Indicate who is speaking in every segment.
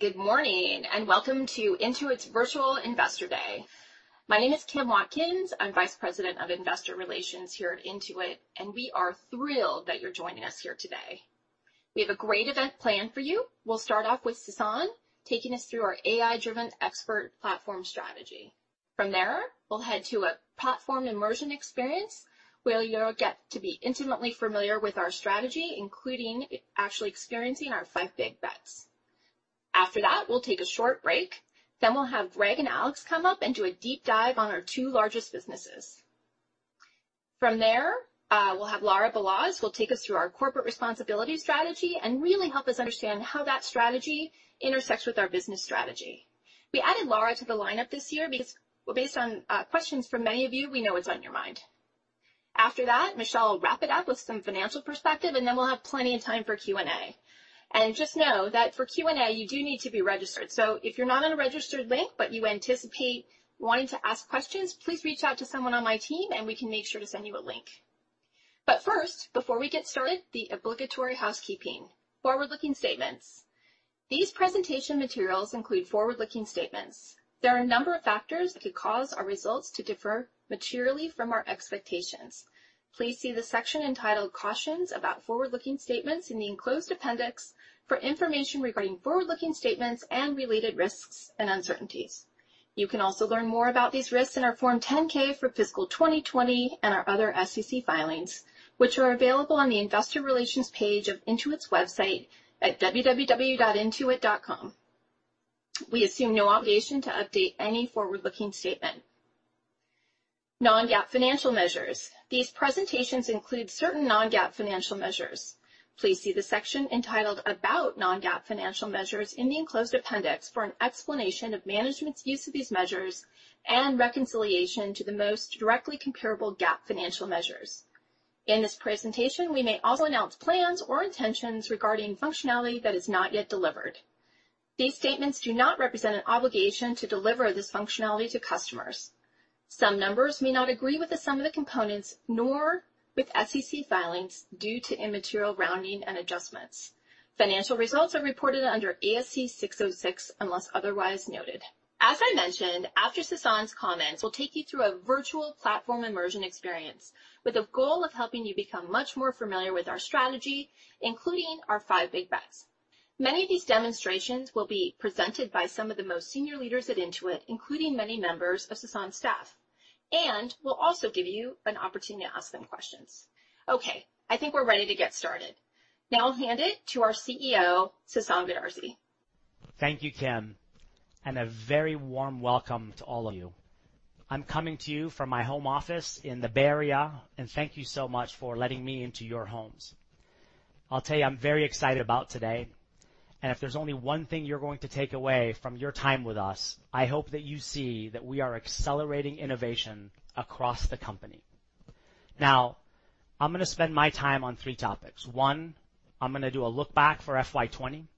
Speaker 1: Go`od morning, and welcome to Intuit's Virtual Investor Day. My name is Kim Watkins. I'm Vice President of Investor Relations here at Intuit, and we are thrilled that you're joining us here today. We have a great event planned for you. We'll start off with Sasan taking us through our AI-driven expert platform strategy. From there, we'll head to a platform immersion experience where you'll get to be intimately familiar with our strategy, including actually experiencing our five big bets. After that, we'll take a short break. Then we'll have Greg and Alex come up and do a deep dive on our two largest businesses. From there, we'll have Lara Balazs, who will take us through our corporate responsibility strategy and really help us understand how that strategy intersects with our business strategy. We added Lara to the lineup this year based on questions from many of you, we know it's on your mind. After that, Michelle will wrap it up with some financial perspective, and then we'll have plenty of time for Q&A. Just know that for Q&A, you do need to be registered. If you're not on a registered link, but you anticipate wanting to ask questions, please reach out to someone on my team, and we can make sure to send you a link. First, before we get started, the obligatory housekeeping. Forward-looking statements. These presentation materials include forward-looking statements. There are a number of factors that could cause our results to differ materially from our expectations. Please see the section entitled Cautions about forward-looking statements in the enclosed appendix for information regarding forward-looking statements and related risks and uncertainties. You can also learn more about these risks in our Form 10-K for fiscal 2020 and our other SEC filings, which are available on the investor relations page of Intuit's website at www.intuit.com. We assume no obligation to update any forward-looking statement. Non-GAAP financial measures. These presentations include certain non-GAAP financial measures. Please see the section entitled About non-GAAP financial measures in the enclosed appendix for an explanation of management's use of these measures and reconciliation to the most directly comparable GAAP financial measures. In this presentation, we may also announce plans or intentions regarding functionality that is not yet delivered. These statements do not represent an obligation to deliver this functionality to customers. Some numbers may not agree with the sum of the components nor with SEC filings due to immaterial rounding and adjustments. Financial results are reported under ASC 606 unless otherwise noted. As I mentioned, after Sasan's comments, we'll take you through a virtual platform immersion experience with the goal of helping you become much more familiar with our strategy, including our five big bets. Many of these demonstrations will be presented by some of the most senior leaders at Intuit, including many members of Sasan's staff. We'll also give you an opportunity to ask them questions. Okay, I think we're ready to get started. Now I'll hand it to our CEO, Sasan Goodarzi.
Speaker 2: Thank you, Kim. A very warm welcome to all of you. I'm coming to you from my home office in the Bay Area and thank you so much for letting me into your homes. I'll tell you, I'm very excited about today, and if there's only one thing you're going to take away from your time with us, I hope that you see that we are accelerating innovation across the company. Now, I'm going to spend my time on three topics. One, I'm going to do a look back for FY 2020.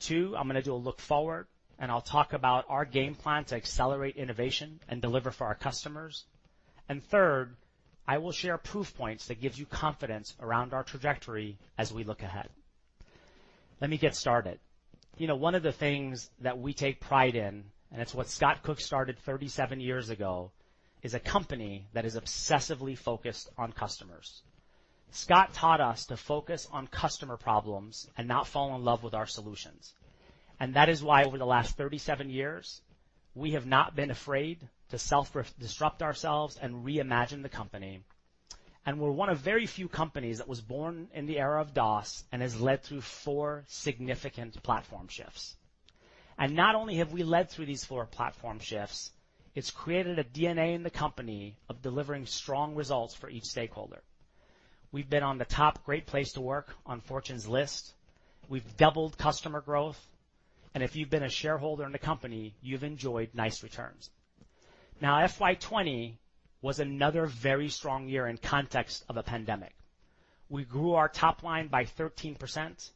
Speaker 2: Two, I'm going to do a look forward, and I'll talk about our game plan to accelerate innovation and deliver for our customers. Third, I will share proof points that gives you confidence around our trajectory as we look ahead. Let me get started. One of the things that we take pride in, it's what Scott Cook started 37 years ago, is a company that is obsessively focused on customers. Scott taught us to focus on customer problems and not fall in love with our solutions. That is why over the last 37 years, we have not been afraid to self-disrupt ourselves and reimagine the company. We're one of very few companies that was born in the era of DOS and has led through four significant platform shifts. Not only have we led through these four platform shifts, it's created a DNA in the company of delivering strong results for each stakeholder. We've been on the top great place to work on Fortune's list. We've doubled customer growth. If you've been a shareholder in the company, you've enjoyed nice returns. FY 2020 was another very strong year in context of a pandemic. We grew our top line by 13%,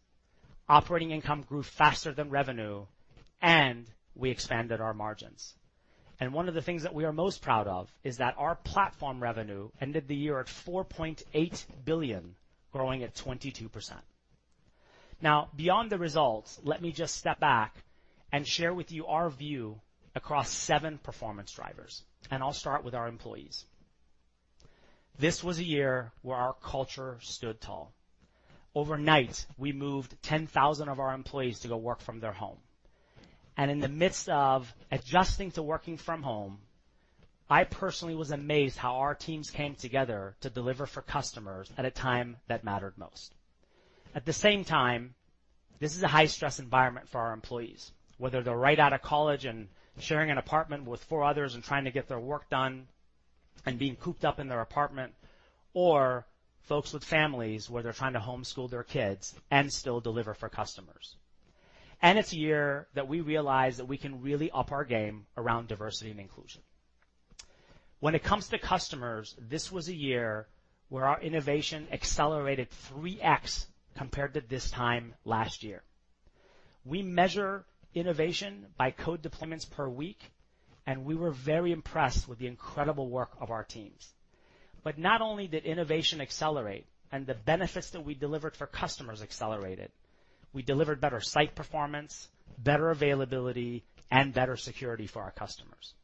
Speaker 2: operating income grew faster than revenue, and we expanded our margins. One of the things that we are most proud of is that our platform revenue ended the year at $4.8 billion, growing at 22%. Beyond the results, let me just step back and share with you our view across seven performance drivers. I'll start with our employees. This was a year where our culture stood tall. Overnight, we moved 10,000 of our employees to go work from their home. In the midst of adjusting to working from home, I personally was amazed how our teams came together to deliver for customers at a time that mattered most. At the same time, this is a high-stress environment for our employees, whether they're right out of college and sharing an apartment with four others and trying to get their work done and being cooped up in their apartment, or folks with families where they're trying to homeschool their kids and still deliver for customers. It's a year that we realized that we can really up our game around diversity and inclusion. When it comes to customers, this was a year where our innovation accelerated 3x compared to this time last year. We measure innovation by code deployments per week, and we were very impressed with the incredible work of our teams. Not only did innovation accelerate and the benefits that we delivered for customers accelerated, we delivered better site performance, better availability, and better security for our customers.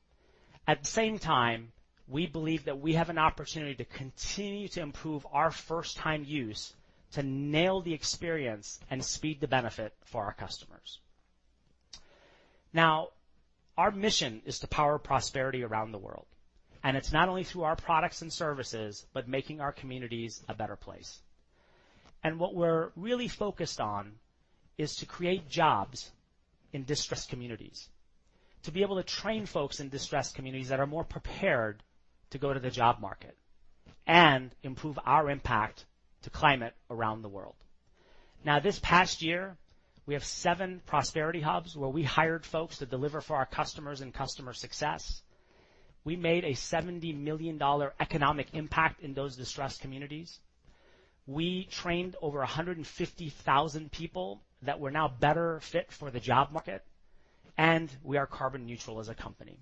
Speaker 2: At the same time, we believe that we have an opportunity to continue to improve our first time use to nail the experience and speed the benefit for our customers. Now, our mission is to power prosperity around the world, and it's not only through our products and services, but making our communities a better place. What we're really focused on is to create jobs in distressed communities, to be able to train folks in distressed communities that are more prepared to go to the job market and improve our impact to climate around the world. Now, this past year, we have seven Prosperity Hubs where we hired folks to deliver for our customers and customer success. We made a $70 million economic impact in those distressed communities. We trained over 150,000 people that were now better fit for the job market. We are carbon neutral as a company.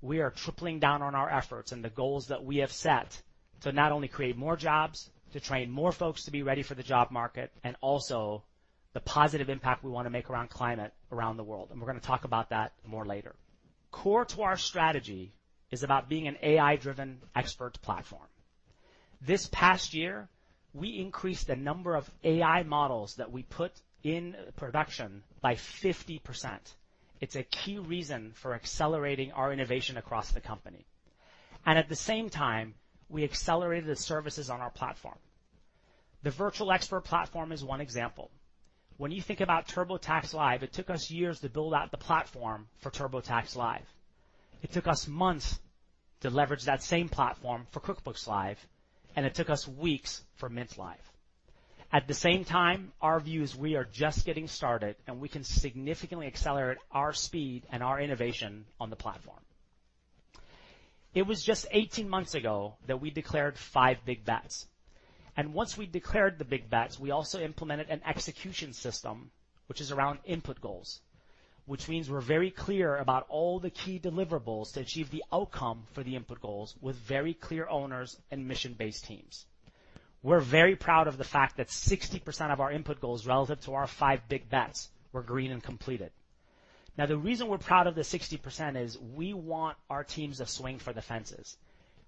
Speaker 2: We are tripling down on our efforts and the goals that we have set to not only create more jobs, to train more folks to be ready for the job market, and also the positive impact we want to make around climate, around the world. We're going to talk about that more later. Core to our strategy is about being an AI-driven expert platform. This past year, we increased the number of AI models that we put in production by 50%. It's a key reason for accelerating our innovation across the company. At the same time, we accelerated the services on our platform. The virtual expert platform is one example. When you think about TurboTax Live, it took us years to build out the platform for TurboTax Live. It took us months to leverage that same platform for QuickBooks Live, and it took us weeks for Mint Live. At the same time, our view is we are just getting started, and we can significantly accelerate our speed and our innovation on the platform. It was just 18 months ago that we declared five big bets, and once we declared the big bets, we also implemented an execution system which is around input goals, which means we're very clear about all the key deliverables to achieve the outcome for the input goals with very clear owners and mission-based teams. We're very proud of the fact that 60% of our input goals relative to our five big bets were green and completed. Now, the reason we're proud of the 60% is we want our teams to swing for the fences.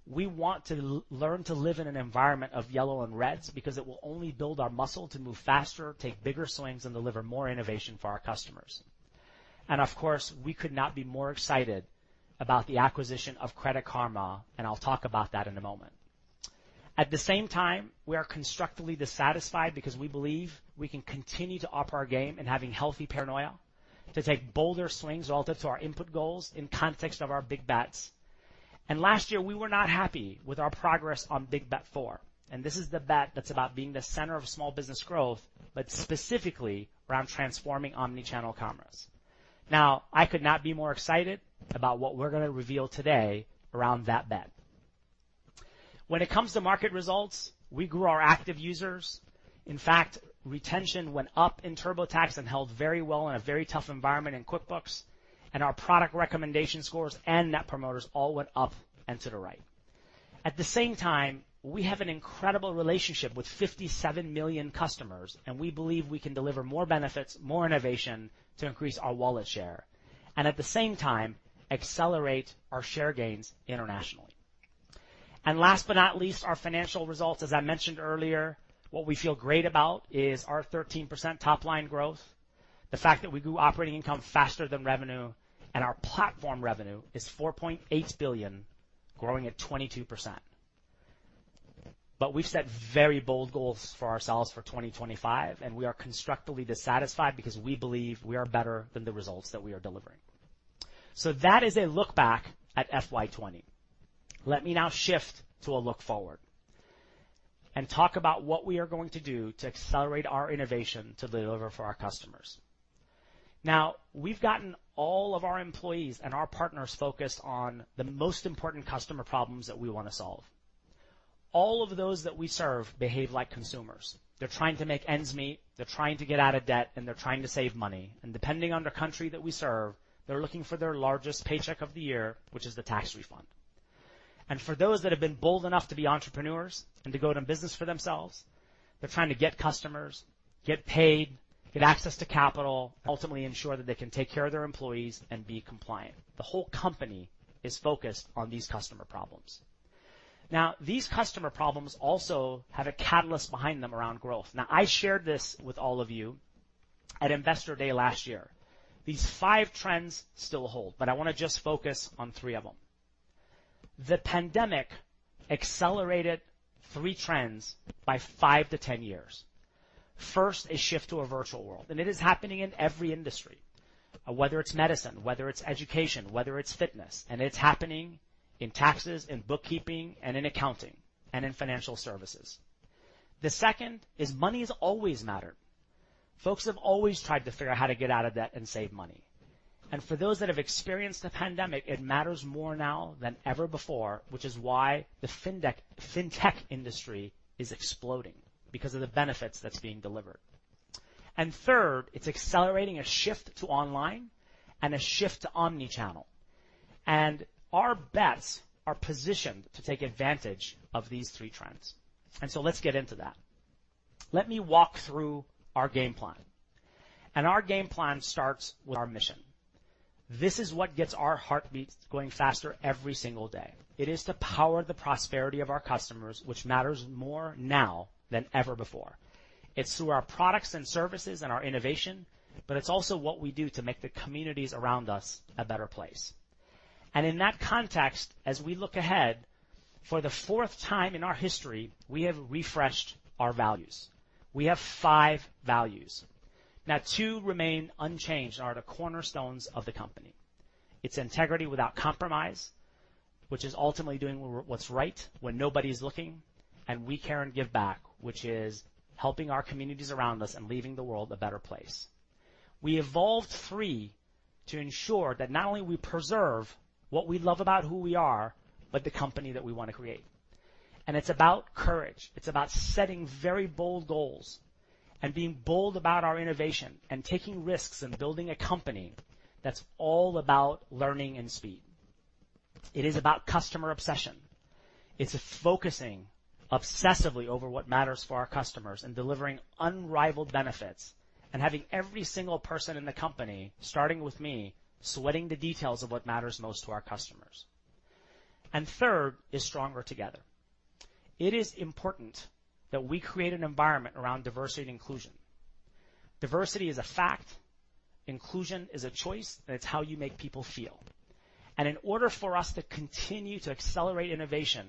Speaker 2: We want to learn to live in an environment of yellow and reds because it will only build our muscle to move faster, take bigger swings, and deliver more innovation for our customers. Of course, we could not be more excited about the acquisition of Credit Karma, and I'll talk about that in a moment. At the same time, we are constructively dissatisfied because we believe we can continue to up our game in having healthy paranoia, to take bolder swings relative to our input goals in context of our big bets. Last year, we were not happy with our progress on big bet four. This is the bet that's about being the center of small business growth, but specifically around transforming omni-channel commerce. I could not be more excited about what we're going to reveal today around that bet. When it comes to market results, we grew our active users. In fact, retention went up in TurboTax and held very well in a very tough environment in QuickBooks. Our product recommendation scores and net promoters all went up and to the right. At the same time, we have an incredible relationship with 57 million customers, and we believe we can deliver more benefits, more innovation to increase our wallet share. At the same time, accelerate our share gains internationally. Last but not least, our financial results. As I mentioned earlier, what we feel great about is our 13% top-line growth, the fact that we grew operating income faster than revenue, and our platform revenue is $4.8 billion, growing at 22%. We've set very bold goals for ourselves for 2025, and we are constructively dissatisfied because we believe we are better than the results that we are delivering. That is a look back at FY 2020. Let me now shift to a look forward and talk about what we are going to do to accelerate our innovation to deliver for our customers. We've gotten all of our employees and our partners focused on the most important customer problems that we want to solve. All of those that we serve behave like consumers. They're trying to make ends meet, they're trying to get out of debt, and they're trying to save money. Depending on the country that we serve, they're looking for their largest paycheck of the year, which is the tax refund. For those that have been bold enough to be entrepreneurs and to go to business for themselves, they're trying to get customers, get paid, get access to capital, ultimately ensure that they can take care of their employees and be compliant. The whole company is focused on these customer problems. These customer problems also have a catalyst behind them around growth. I shared this with all of you at Investor Day last year. These five trends still hold, but I want to just focus on three of them. The pandemic accelerated three trends by 5 to 10 years. First, a shift to a virtual world. It is happening in every industry, whether it's medicine, whether it's education, whether it's fitness, and it's happening in taxes, in bookkeeping, and in accounting, and in financial services. The second is money's always mattered. Folks have always tried to figure out how to get out of debt and save money. For those that have experienced the pandemic, it matters more now than ever before, which is why the fintech industry is exploding because of the benefits that's being delivered. Third, it's accelerating a shift to online and a shift to omni-channel. Our bets are positioned to take advantage of these three trends. Let's get into that. Let me walk through our game plan, and our game plan starts with our mission. This is what gets our heartbeats going faster every single day. It is to power the prosperity of our customers, which matters more now than ever before. It's through our products and services and our innovation, but it's also what we do to make the communities around us a better place. In that context, as we look ahead, for the fourth time in our history, we have refreshed our values. We have five values. Now, two remain unchanged and are the cornerstones of the company. It's integrity without compromise, which is ultimately doing what's right when nobody's looking, and we care and give back, which is helping our communities around us and leaving the world a better place. We evolved three to ensure that not only we preserve what we love about who we are, but the company that we want to create. It's about courage. It's about setting very bold goals and being bold about our innovation and taking risks and building a company that's all about learning and speed. It is about customer obsession. It's focusing obsessively over what matters for our customers and delivering unrivaled benefits and having every single person in the company, starting with me, sweating the details of what matters most to our customers. Third is stronger together. It is important that we create an environment around diversity and inclusion. Diversity is a fact. Inclusion is a choice, and it's how you make people feel. In order for us to continue to accelerate innovation,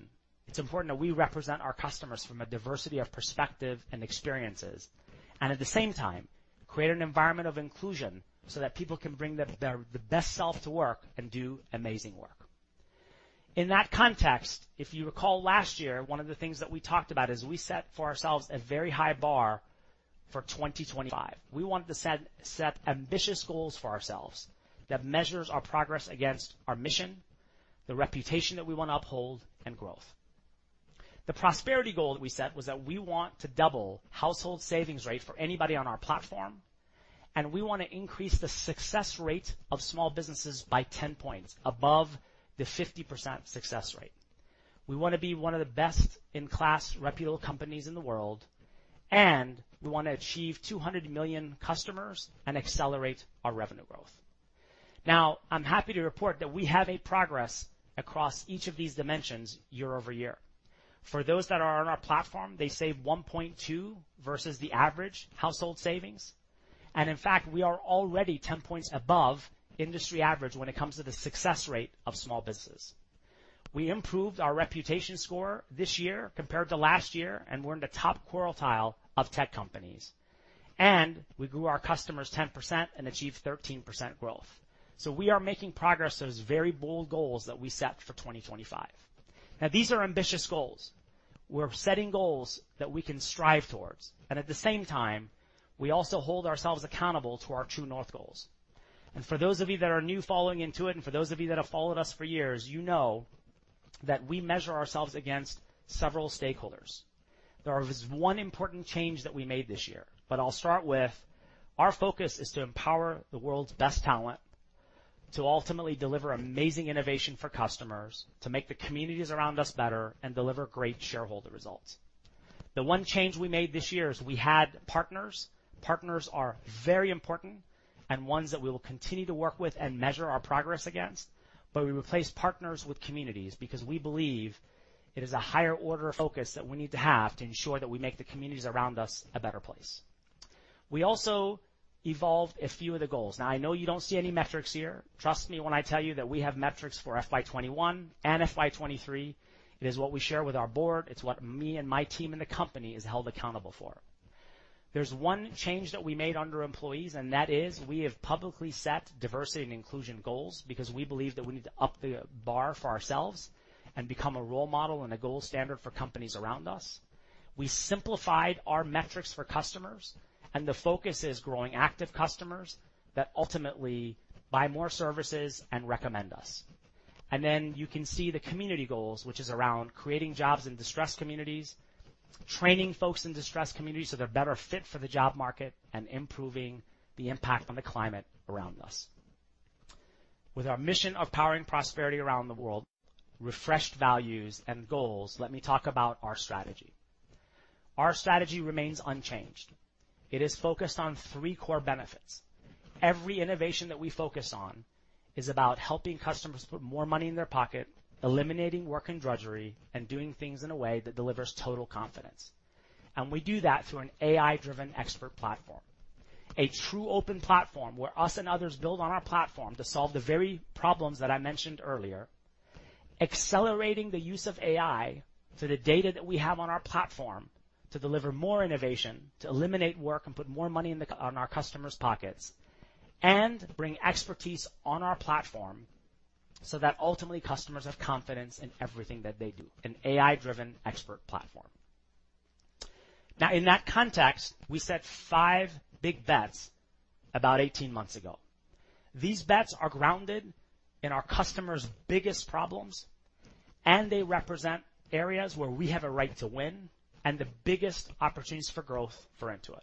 Speaker 2: it's important that we represent our customers from a diversity of perspective and experiences, and at the same time, create an environment of inclusion so that people can bring their best self to work and do amazing work. In that context, if you recall last year, one of the things that we talked about is we set for ourselves a very high bar for 2025. We wanted to set ambitious goals for ourselves that measures our progress against our mission, the reputation that we want to uphold, and growth. The prosperity goal that we set was that we want to double household savings rate for anybody on our platform, and we want to increase the success rate of small businesses by 10 points above the 50% success rate. We want to be one of the best-in-class reputable companies in the world, and we want to achieve 200 million customers and accelerate our revenue growth. Now, I'm happy to report that we have progress across each of these dimensions year over year. For those that are on our platform, they save 1.2 versus the average household savings. And in fact, we are already 10 points above industry average when it comes to the success rate of small business. We improved our reputation score this year compared to last year, and we're in the top quartile of tech companies. We grew our customers 10% and achieved 13% growth. We are making progress to those very bold goals that we set for 2025. Now, these are ambitious goals. We're setting goals that we can strive towards, and at the same time, we also hold ourselves accountable to our true north goals. For those of you that are new following Intuit, and for those of you that have followed us for years, you know that we measure ourselves against several stakeholders. There was one important change that we made this year, but I'll start with our focus is to empower the world's best talent to ultimately deliver amazing innovation for customers, to make the communities around us better, and deliver great shareholder results. The one change we made this year is we had partners. Partners are very important and ones that we will continue to work with and measure our progress against. We replaced partners with communities because we believe it is a higher order of focus that we need to have to ensure that we make the communities around us a better place. We also evolved a few of the goals. Now, I know you don't see any metrics here. Trust me when I tell you that we have metrics for FY 2021 and FY 2023. It is what we share with our board. It's what me and my team and the company is held accountable for. There's one change that we made under employees, and that is we have publicly set diversity and inclusion goals because we believe that we need to up the bar for ourselves and become a role model and a gold standard for companies around us. The focus is growing active customers that ultimately buy more services and recommend us. Then you can see the community goals, which is around creating jobs in distressed communities, training folks in distressed communities so they're better fit for the job market and improving the impact on the climate around us. With our mission of powering prosperity around the world, refreshed values, and goals, let me talk about our strategy. Our strategy remains unchanged. It is focused on three core benefits. Every innovation that we focus on is about helping customers put more money in their pocket, eliminating work and drudgery, and doing things in a way that delivers total confidence. We do that through an AI-driven expert platform, a true open platform where us and others build on our platform to solve the very problems that I mentioned earlier, accelerating the use of AI to the data that we have on our platform to deliver more innovation, to eliminate work, and put more money in our customers' pockets, and bring expertise on our platform so that ultimately customers have confidence in everything that they do. An AI-driven expert platform. Now, in that context, we set five big bets about 18 months ago. These bets are grounded in our customers' biggest problems, and they represent areas where we have a right to win and the biggest opportunities for growth for Intuit.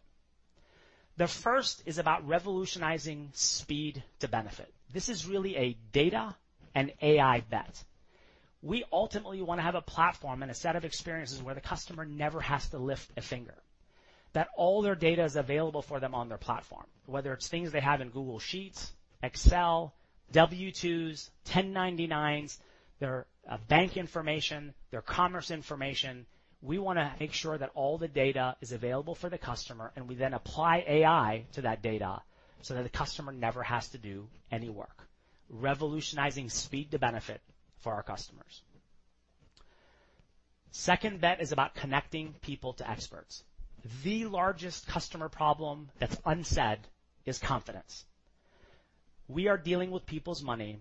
Speaker 2: The first is about revolutionizing speed to benefit. This is really a data and AI bet. We ultimately want to have a platform and a set of experiences where the customer never has to lift a finger, that all their data is available for them on their platform, whether it's things they have in Google Sheets, Excel, W-2s, 1099s, their bank information, their commerce information. We want to make sure that all the data is available for the customer, we then apply AI to that data so that the customer never has to do any work, revolutionizing speed to benefit for our customers. Second bet is about connecting people to experts. The largest customer problem that's unsaid is confidence. We are dealing with people's money.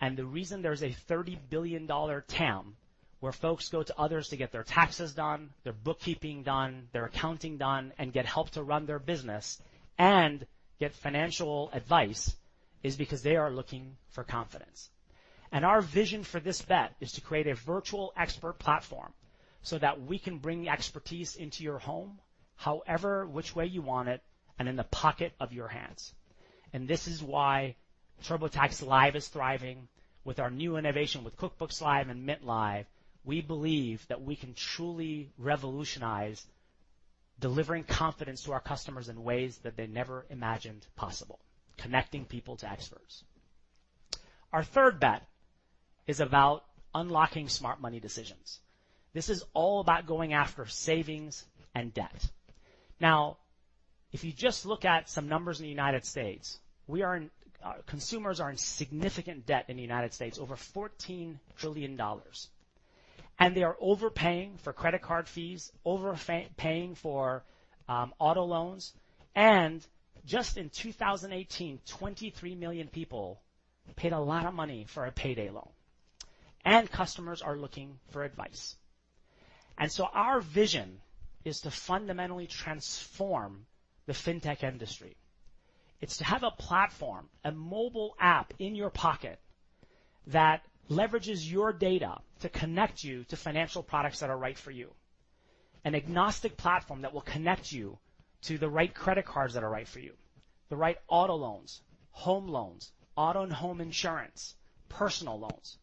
Speaker 2: The reason there's a $30 billion TAM, where folks go to others to get their taxes done, their bookkeeping done, their accounting done, and get help to run their business and get financial advice, is because they are looking for confidence. Our vision for this bet is to create a virtual expert platform so that we can bring expertise into your home however which way you want it, and in the pocket of your hands. This is why TurboTax Live is thriving. With our new innovation with QuickBooks Live and Mint Live, we believe that we can truly revolutionize delivering confidence to our customers in ways that they never imagined possible, connecting people to experts. Our third bet is about unlocking smart money decisions. This is all about going after savings and debt. If you just look at some numbers in the United States, consumers are in significant debt in the United States, over $14 trillion. They are overpaying for credit card fees, overpaying for auto loans, and just in 2018, 23 million people paid a lot of money for a payday loan. Customers are looking for advice. Our vision is to fundamentally transform the fintech industry. It's to have a platform, a mobile app in your pocket that leverages your data to connect you to financial products that are right for you, an agnostic platform that will connect you to the right credit cards that are right for you, the right auto loans, home loans, auto and home insurance, personal loans.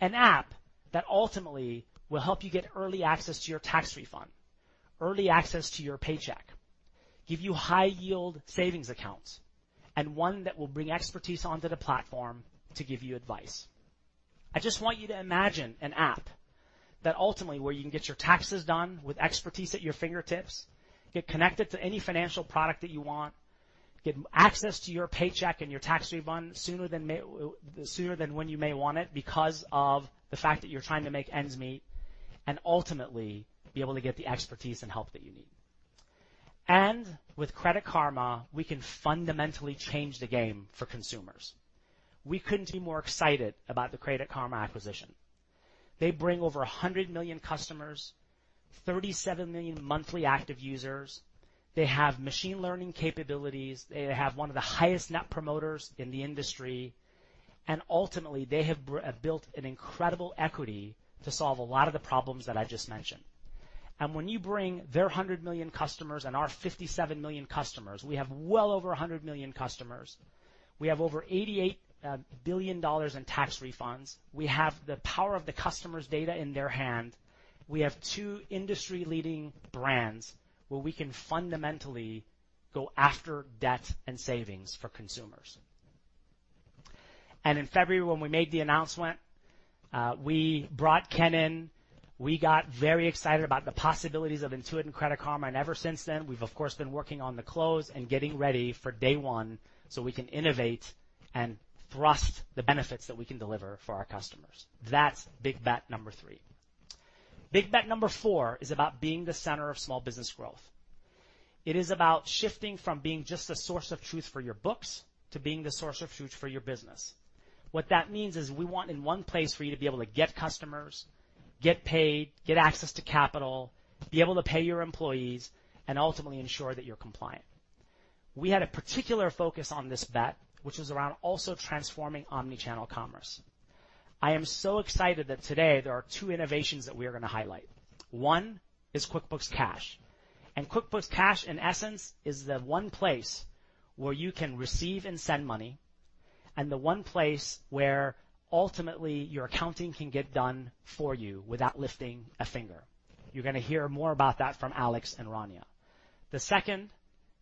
Speaker 2: An app that ultimately will help you get early access to your tax refund, early access to your paycheck, give you high-yield savings accounts, and one that will bring expertise onto the platform to give you advice. I just want you to imagine an app that ultimately where you can get your taxes done with expertise at your fingertips, get connected to any financial product that you want, get access to your paycheck and your tax refund sooner than when you may want it because of the fact that you're trying to make ends meet, and ultimately, be able to get the expertise and help that you need. With Credit Karma, we can fundamentally change the game for consumers. We couldn't be more excited about the Credit Karma acquisition. They bring over 100 million customers, 37 million monthly active users. They have machine learning capabilities. They have one of the highest net promoters in the industry, and ultimately, they have built an incredible equity to solve a lot of the problems that I just mentioned. When you bring their 100 million customers and our 57 million customers, we have well over 100 million customers. We have over $88 billion in tax refunds. We have the power of the customer's data in their hand. We have two industry-leading brands where we can fundamentally go after debt and savings for consumers. In February, when we made the announcement, we brought Ken in. We got very excited about the possibilities of Intuit and Credit Karma, and ever since then, we've of course, been working on the close and getting ready for day one so we can innovate and thrust the benefits that we can deliver for our customers. That's big bet number three. Big bet number four is about being the center of small business growth. It is about shifting from being just the source of truth for your books to being the source of truth for your business. What that means is we want in one place for you to be able to get customers, get paid, get access to capital, be able to pay your employees, and ultimately ensure that you're compliant. We had a particular focus on this bet, which was around also transforming omni-channel commerce. I am so excited that today there are two innovations that we are going to highlight. One is QuickBooks Cash. QuickBooks Cash, in essence, is the one place where you can receive and send money, and the one place where ultimately your accounting can get done for you without lifting a finger. You're going to hear more about that from Alex and Rania. The second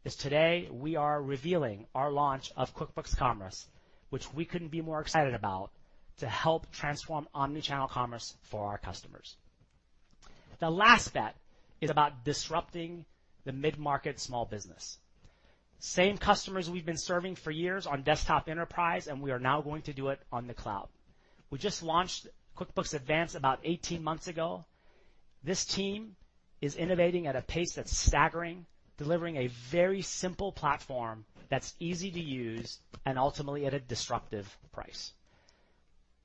Speaker 2: is today we are revealing our launch of QuickBooks Commerce, which we couldn't be more excited about, to help transform omni-channel commerce for our customers. The last bet is about disrupting the mid-market small business. Same customers we've been serving for years on desktop enterprise, and we are now going to do it on the cloud. We just launched QuickBooks Advanced about 18 months ago. This team is innovating at a pace that's staggering, delivering a very simple platform that's easy to use and ultimately at a disruptive price.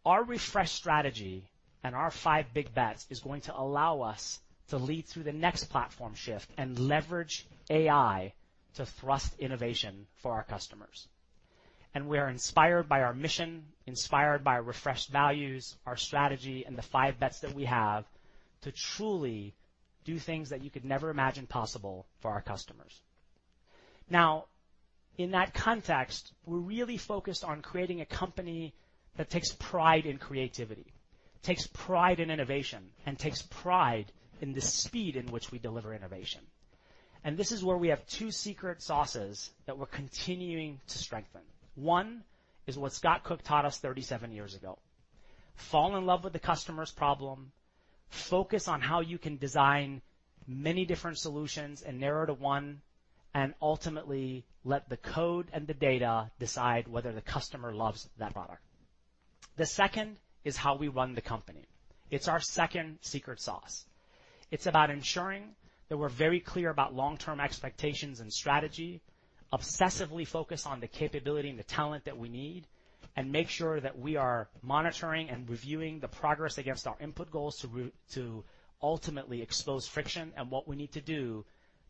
Speaker 2: Our refresh strategy and our five big bets is going to allow us to lead through the next platform shift and leverage AI to thrust innovation for our customers. We are inspired by our mission, inspired by refreshed values, our strategy, and the five bets that we have to truly do things that you could never imagine possible for our customers. In that context, we're really focused on creating a company that takes pride in creativity, takes pride in innovation, and takes pride in the speed in which we deliver innovation. This is where we have two secret sauces that we're continuing to strengthen. One is what Scott Cook taught us 37 years ago. Fall in love with the customer's problem, focus on how you can design many different solutions and narrow to one, and ultimately let the code and the data decide whether the customer loves that product. The second is how we run the company. It's our second secret sauce. It's about ensuring that we're very clear about long-term expectations and strategy, obsessively focus on the capability and the talent that we need, and make sure that we are monitoring and reviewing the progress against our input goals to ultimately expose friction and what we need to do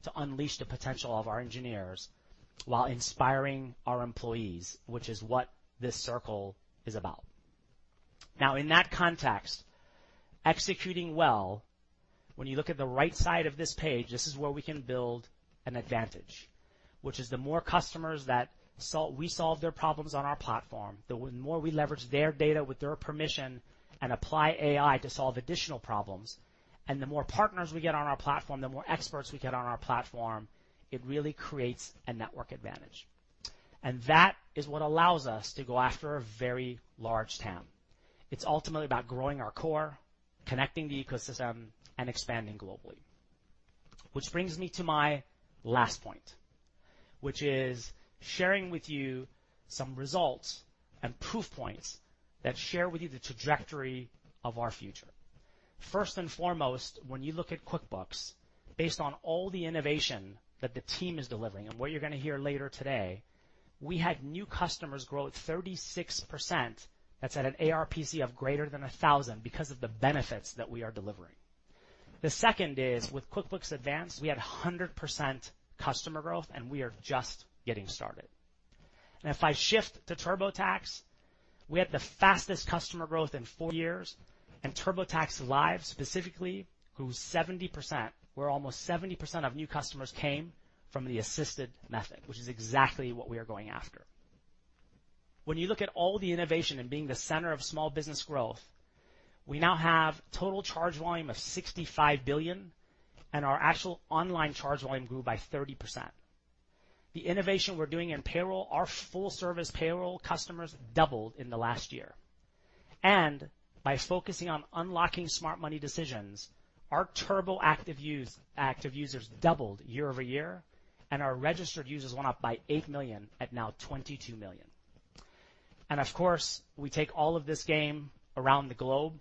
Speaker 2: to unleash the potential of our engineers while inspiring our employees, which is what this circle is about. In that context, executing well, when you look at the right side of this page, this is where we can build an advantage. The more customers that we solve their problems on our platform, the more we leverage their data with their permission and apply AI to solve additional problems, and the more partners we get on our platform, the more experts we get on our platform, it really creates a network advantage. That is what allows us to go after a very large TAM. It is ultimately about growing our core, connecting the ecosystem, and expanding globally. Which brings me to my last point, which is sharing with you some results and proof points that share with you the trajectory of our future. First and foremost, when you look at QuickBooks, based on all the innovation that the team is delivering and what you're going to hear later today, we had new customers grow 36%, that's at an ARPC of greater than $1,000 because of the benefits that we are delivering. The second is with QuickBooks Advanced, we had 100% customer growth, and we are just getting started. If I shift to TurboTax, we had the fastest customer growth in four years, and TurboTax Live specifically grew 70%, where almost 70% of new customers came from the assisted method, which is exactly what we are going after. When you look at all the innovation and being the center of small business growth, we now have total charge volume of $65 billion, and our actual online charge volume grew by 30%. The innovation we're doing in payroll, our full-service payroll customers doubled in the last year. By focusing on unlocking smart money decisions, our Turbo active users doubled year-over-year, and our registered users went up by eight million at now 22 million. Of course, we take all of this game around the globe,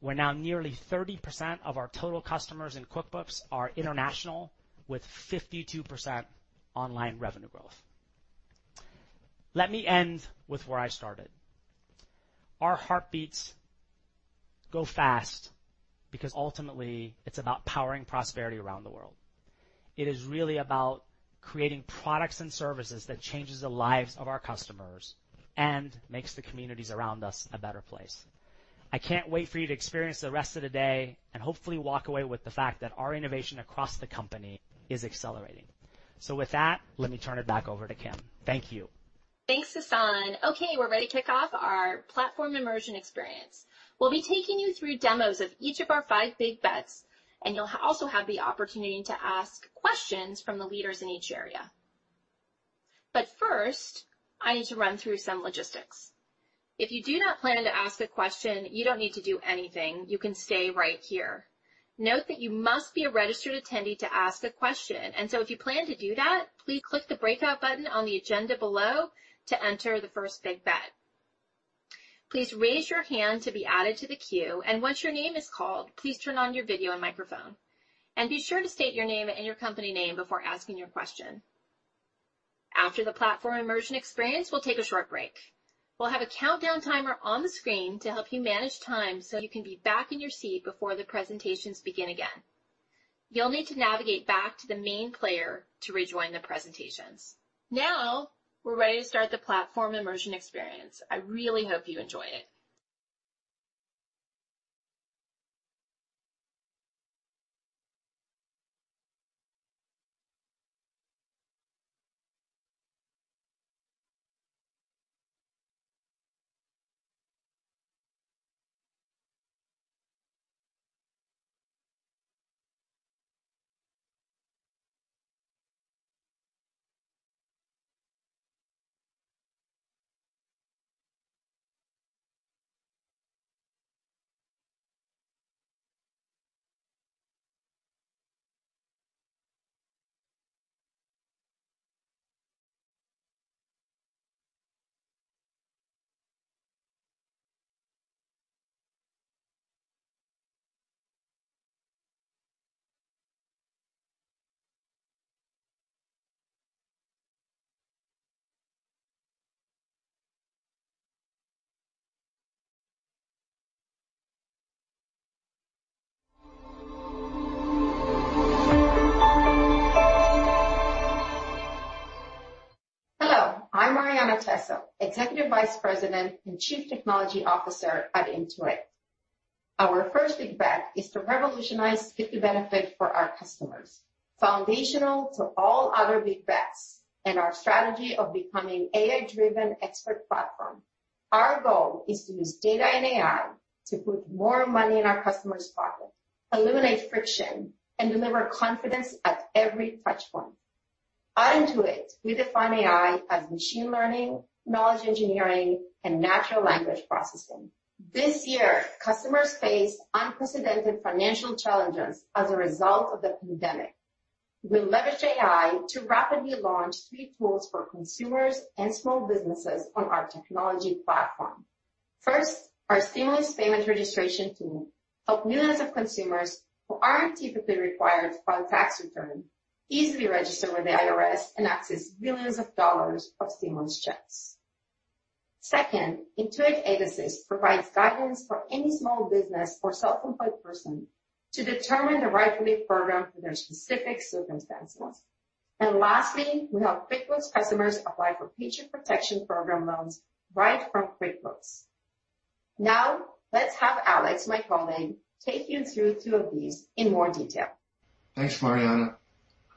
Speaker 2: where now nearly 30% of our total customers in QuickBooks are international, with 52% online revenue growth. Let me end with where I started. Our heartbeats go fast because ultimately it's about powering prosperity around the world. It is really about creating products and services that changes the lives of our customers and makes the communities around us a better place. I can't wait for you to experience the rest of the day and hopefully walk away with the fact that our innovation across the company is accelerating. With that, let me turn it back over to Kim. Thank you.
Speaker 1: Thanks, Sasan. Okay, we're ready to kick off our platform immersion experience. We'll be taking you through demos of each of our five big bets, and you'll also have the opportunity to ask questions from the leaders in each area. First, I need to run through some logistics. If you do not plan to ask a question, you don't need to do anything. You can stay right here. Note that you must be a registered attendee to ask a question. If you plan to do that, please click the breakout button on the agenda below to enter the first big bet. Please raise your hand to be added to the queue, and once your name is called, please turn on your video and microphone. Be sure to state your name and your company name before asking your question. After the platform immersion experience, we'll take a short break. We'll have a countdown timer on the screen to help you manage time so you can be back in your seat before the presentations begin again. You'll need to navigate back to the main player to rejoin the presentations. We're ready to start the platform immersion experience. I really hope you enjoy it.
Speaker 3: Hello, I'm Marianna Tessel, Executive Vice President and Chief Technology Officer at Intuit. Our first big bet is to revolutionize 50 benefits for our customers, foundational to all other big bets and our strategy of becoming AI-driven expert platform. Our goal is to use data and AI to put more money in our customers' pocket, eliminate friction, and deliver confidence at every touch point. At Intuit, we define AI as machine learning, knowledge engineering, and natural language processing. This year, customers faced unprecedented financial challenges as a result of the pandemic. We leveraged AI to rapidly launch three tools for consumers and small businesses on our technology platform. First, our stimulus payment registration tool helped millions of consumers who aren't typically required to file a tax return, easily register with the IRS and access billions of dollars of stimulus checks. Second, Intuit Aid Assist provides guidance for any small business or self-employed person to determine the right relief program for their specific circumstances. Lastly, we help QuickBooks customers apply for Paycheck Protection Program loans right from QuickBooks. Let's have Alex, my colleague, take you through two of these in more detail.
Speaker 4: Thanks, Marianna.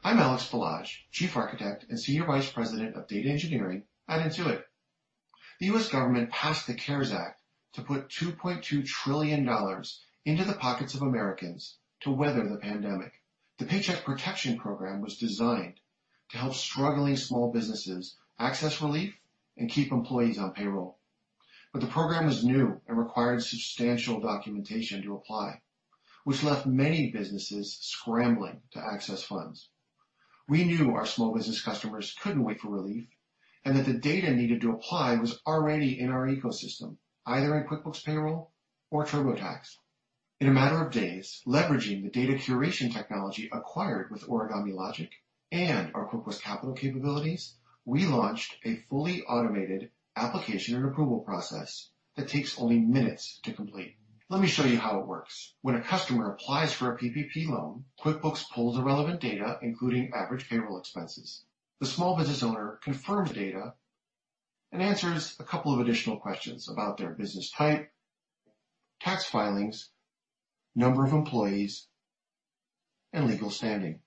Speaker 4: I'm Alex Balazs, Chief Architect and Senior Vice President of Data Engineering at Intuit. The U.S. government passed the CARES Act to put $2.2 trillion into the pockets of Americans to weather the pandemic. The Paycheck Protection Program was designed to help struggling small businesses access relief and keep employees on payroll. The program was new and required substantial documentation to apply, which left many businesses scrambling to access funds. We knew our small business customers couldn't wait for relief, and that the data needed to apply was already in our ecosystem, either in QuickBooks Payroll or TurboTax. In a matter of days, leveraging the data curation technology acquired with Origami Logic and our QuickBooks Capital capabilities, we launched a fully automated application and approval process that takes only minutes to complete. Let me show you how it works. When a customer applies for a PPP loan, QuickBooks pulls the relevant data, including average payroll expenses. The small business owner confirms data and answers a couple of additional questions about their business type, tax filings, number of employees, and legal standing.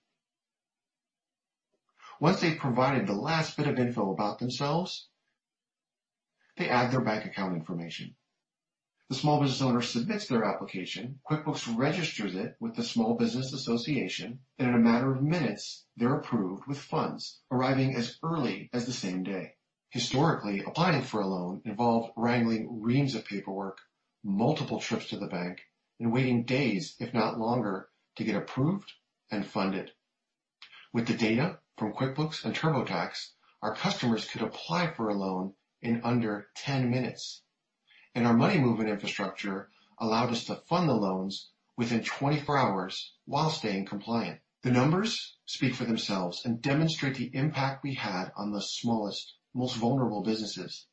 Speaker 4: Once they've provided the last bit of info about themselves, they add their bank account information. The small business owner submits their application, QuickBooks registers it with the Small Business Administration, and in a matter of minutes, they're approved with funds arriving as early as the same day. Historically, applying for a loan involved wrangling reams of paperwork, multiple trips to the bank, and waiting days, if not longer, to get approved and funded. With the data from QuickBooks and TurboTax, our customers could apply for a loan in under 10 minutes. Our money movement infrastructure allowed us to fund the loans within 24 hours while staying compliant. The numbers speak for themselves and demonstrate the impact we had on the smallest, most vulnerable businesses.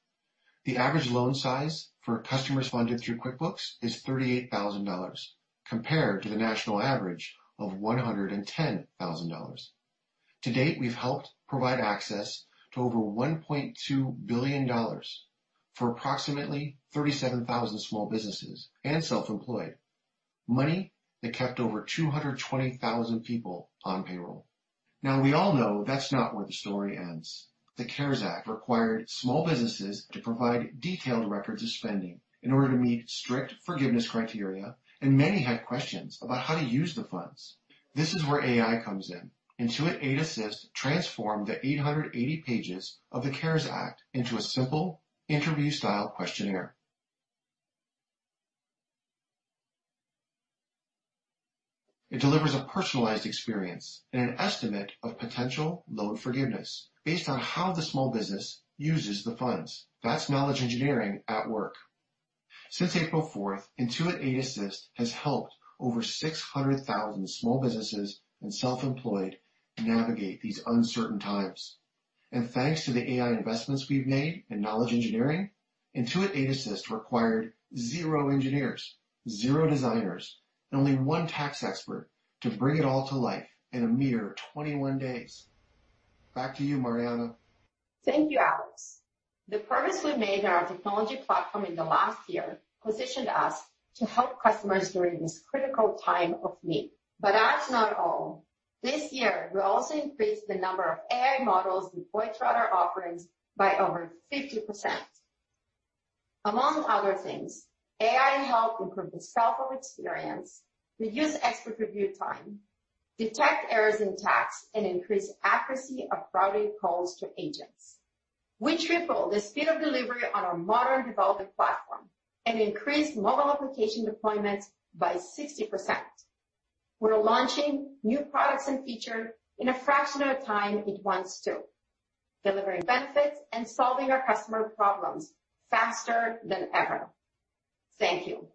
Speaker 4: The average loan size for customers funded through QuickBooks is $38,000, compared to the national average of $110,000. To date, we've helped provide access to over $1.2 billion for approximately 37,000 small businesses and self-employed. Money that kept over 220,000 people on payroll. We all know that's not where the story ends. The CARES Act required small businesses to provide detailed records of spending in order to meet strict forgiveness criteria, and many had questions about how to use the funds. This is where AI comes in. Intuit Aid Assist transformed the 880 pages of the CARES Act into a simple interview style questionnaire. It delivers a personalized experience and an estimate of potential loan forgiveness based on how the small business uses the funds. That's knowledge engineering at work. Since April fourth, Intuit Aid Assist has helped over 600,000 small businesses and self-employed navigate these uncertain times. Thanks to the AI investments we've made in knowledge engineering, Intuit Aid Assist required zero engineers, zero designers, and only one tax expert to bring it all to life in a mere 21 days. Back to you, Marianna.
Speaker 3: Thank you, Alex. The progress we made in our technology platform in the last year positioned us to help customers during this critical time of need. That's not all. This year, we also increased the number of AI models deployed throughout our offerings by over 50%. Among other things, AI helped improve the self-serve experience, reduce expert review time, detect errors in tax, and increase accuracy of routing calls to agents, which tripled the speed of delivery on our modern development platform and increased mobile application deployments by 60%. We're launching new products and feature in a fraction of the time it once took, delivering benefits and solving our customer problems faster than ever. Thank you.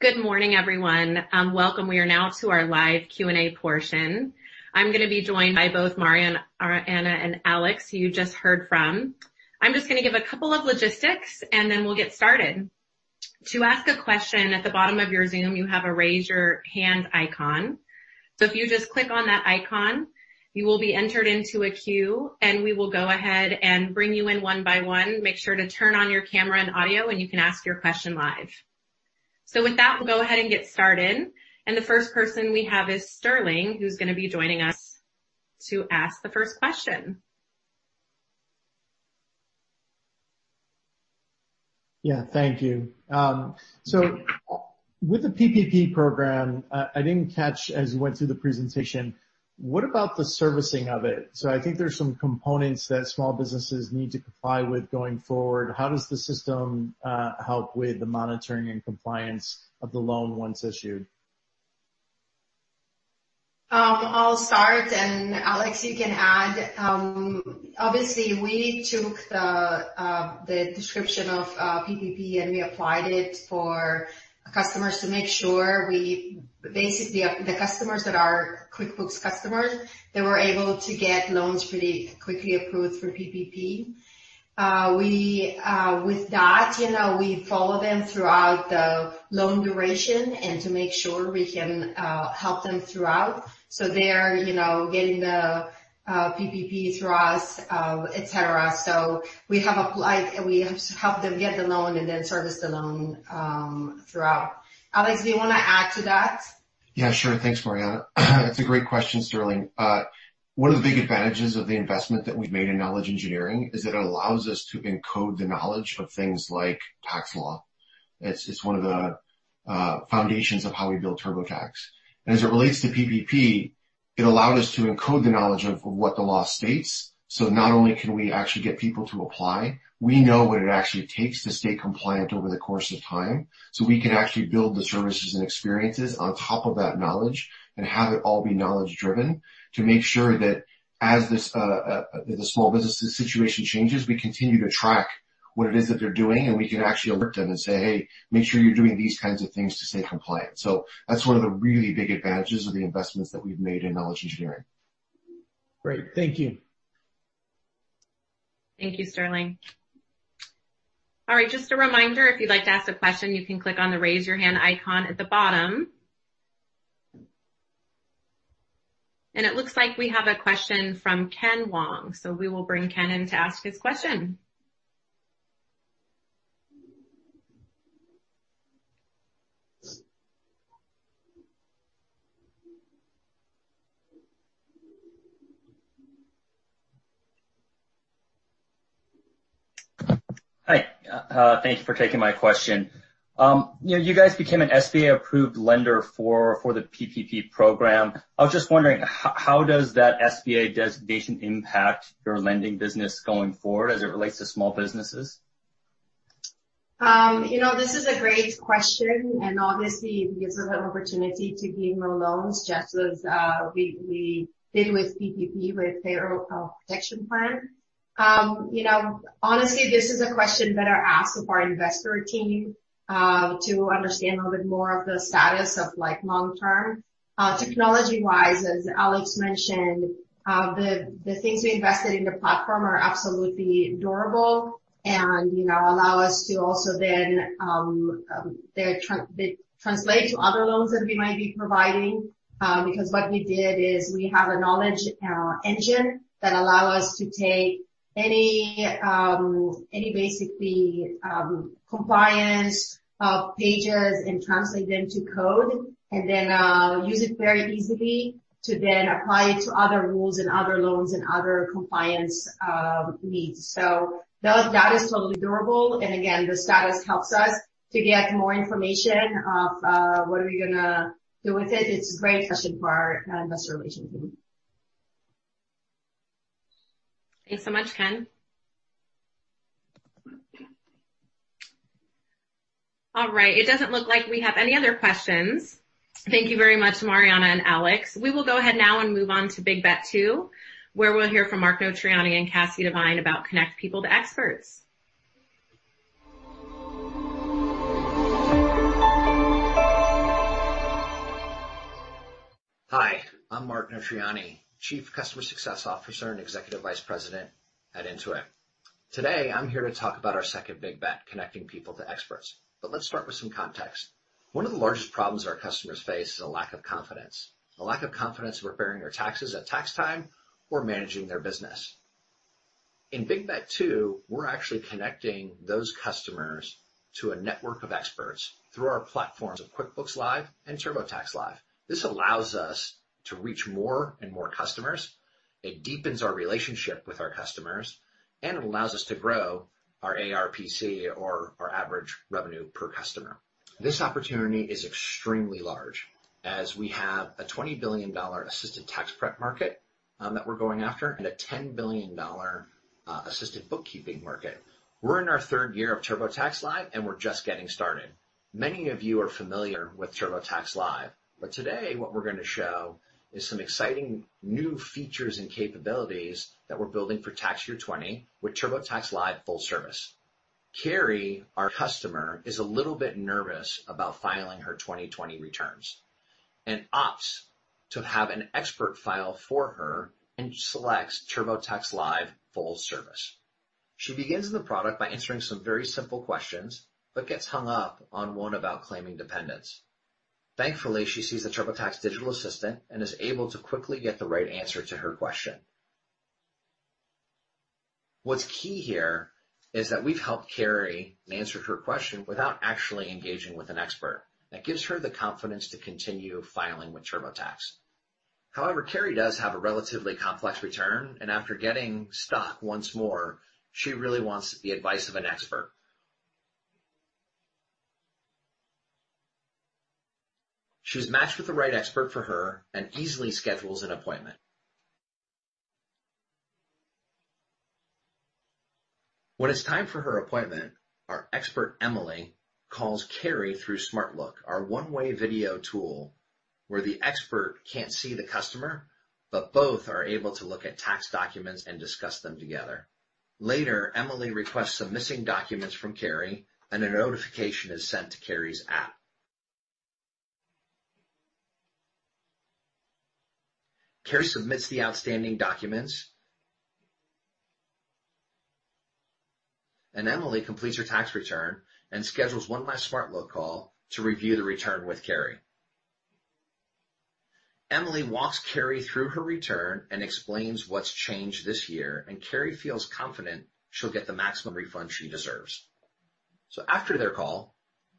Speaker 5: Good morning, everyone. Welcome. We are now to our live Q&A portion. I'm going to be joined by both Marianna and Alex, who you just heard from. I'm just going to give a couple of logistics and then we'll get started. To ask a question, at the bottom of your Zoom, you have a raise your hand icon. If you just click on that icon, you will be entered into a queue, and we will go ahead and bring you in one by one. Make sure to turn on your camera and audio, and you can ask your question live. With that, we'll go ahead and get started. The first person we have is Sterling, who's going to be joining us to ask the first question.
Speaker 6: Yeah, thank you. With the PPP program, I didn't catch as you went through the presentation, what about the servicing of it? I think there's some components that small businesses need to comply with going forward. How does the system help with the monitoring and compliance of the loan once issued?
Speaker 3: I'll start. Alex, you can add. Obviously, we took the description of PPP, and we applied it for customers to make sure. Basically, the customers that are QuickBooks customers, they were able to get loans pretty quickly approved through PPP. With that, we follow them throughout the loan duration and to make sure we can help them throughout. They're getting the PPP through us, et cetera. We have applied, and we help them get the loan and then service the loan throughout. Alex, do you want to add to that?
Speaker 4: Yeah, sure. Thanks, Marianna. That's a great question, Sterling. One of the big advantages of the investment that we've made in knowledge engineering is that it allows us to encode the knowledge of things like tax law. It's one of the foundations of how we build TurboTax. As it relates to PPP, it allowed us to encode the knowledge of what the law states. Not only can we actually get people to apply, but we also know what it actually takes to stay compliant over the course of time. We can actually build the services and experiences on top of that knowledge and have it all be knowledge-driven to make sure that as the small business situation changes, we continue to track what it is that they're doing, and we can actually alert them and say, "Hey, make sure you're doing these kinds of things to stay compliant." That's one of the really big advantages of the investments that we've made in knowledge engineering.
Speaker 6: Great. Thank you.
Speaker 5: Thank you, Sterling. All right. Just a reminder, if you'd like to ask a question, you can click on the raise your hand icon at the bottom. It looks like we have a question from Ken Wong, so we will bring Ken in to ask his question.
Speaker 7: Hi. Thank you for taking my question. You guys became an SBA-approved lender for the PPP program. I was just wondering, how does that SBA designation impact your lending business going forward as it relates to small businesses?
Speaker 3: This is a great question, and obviously it gives us an opportunity to give more loans just as we did with PPP, with Paycheck Protection Program. Honestly, this is a question better asked of our investor team, to understand a little bit more of the status of long-term. Technology-wise, as Alex mentioned, the things we invested in the platform are absolutely durable and allow us to also then translate to other loans that we might be providing, because what we did is we have a knowledge engine that allow us to take any basically compliance pages and translate them to code and then use it very easily to then apply it to other rules and other loans and other compliance needs. That is totally durable, and again, the status helps us to get more information of what we are going to do with it. It's a great question for our investor relations team.
Speaker 5: Thanks so much, Ken. All right. It doesn't look like we have any other questions. Thank you very much, Marianna and Alex. We will go ahead now and move on to big bet 2, where we'll hear from Mark Notarainni and Cassie about Connect People to Experts.
Speaker 8: Hi, I'm Mark Notarainni, Chief Customer Success Officer and Executive Vice President at Intuit. Today, I'm here to talk about our second big bet, connecting people to experts. Let's start with some context. One of the largest problems our customers face is a lack of confidence, a lack of confidence preparing their taxes at tax time or managing their business. In big bet two, we're actually connecting those customers to a network of experts through our platforms of QuickBooks Live and TurboTax Live. This allows us to reach more and more customers, it deepens our relationship with our customers, and it allows us to grow our ARPC or our average revenue per customer. This opportunity is extremely large, as we have a $20 billion assisted tax prep market that we're going after and a $10 billion assisted bookkeeping market. We're in our third year of TurboTax Live, and we're just getting started. Many of you are familiar with TurboTax Live, but today what we're going to show is some exciting new features and capabilities that we're building for tax year 2020 with TurboTax Live full service. Carrie, our customer, is a little bit nervous about filing her 2020 returns and opts to have an expert file for her and selects TurboTax Live full service. She begins the product by answering some very simple questions but gets hung up on one about claiming dependents. Thankfully, she sees the TurboTax digital assistant and is able to quickly get the right answer to her question. What's key here is that we've helped Carrie answer her question without actually engaging with an expert. That gives her the confidence to continue filing with TurboTax. Carrie does have a relatively complex return, and after getting stuck once more, she really wants the advice of an expert. She was matched with the right expert for her and easily schedules an appointment. When it's time for her appointment, our expert, Emily, calls Carrie through SmartLook, our one-way video tool where the expert can't see the customer, but both are able to look at tax documents and discuss them together. Later, Emily requests some missing documents from Carrie, and a notification is sent to Carrie's app. Carrie submits the outstanding documents, and Emily completes her tax return and schedules one last SmartLook call to review the return with Carrie. Emily walks Carrie through her return and explains what's changed this year, and Carrie feels confident she'll get the maximum refund she deserves. After their call,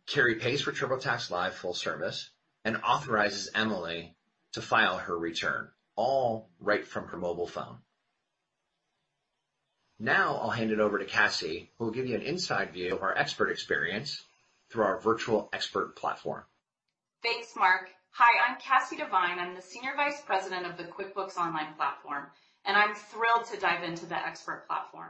Speaker 8: Carrie pays for TurboTax Live full service and authorizes Emily to file her return, all right from her mobile phone. I'll hand it over to Cassie, who will give you an inside view of our expert experience through our virtual expert platform.
Speaker 9: Thanks, Mark. Hi, I'm Cassie Divine. I'm the senior vice president of the QuickBooks Online platform. I'm thrilled to dive into the expert platform.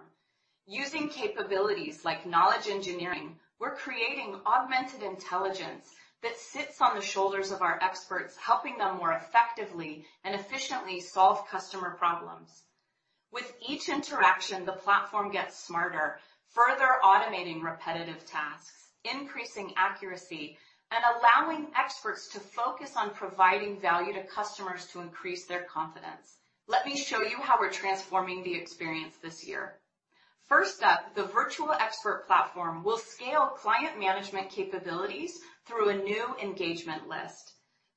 Speaker 9: Using capabilities like knowledge engineering, we're creating augmented intelligence that sits on the shoulders of our experts, helping them more effectively and efficiently solve customer problems. With each interaction, the platform gets smarter, further automating repetitive tasks, increasing accuracy, and allowing experts to focus on providing value to customers to increase their confidence. Let me show you how we're transforming the experience this year. First up, the virtual expert platform will scale client management capabilities through a new engagement list.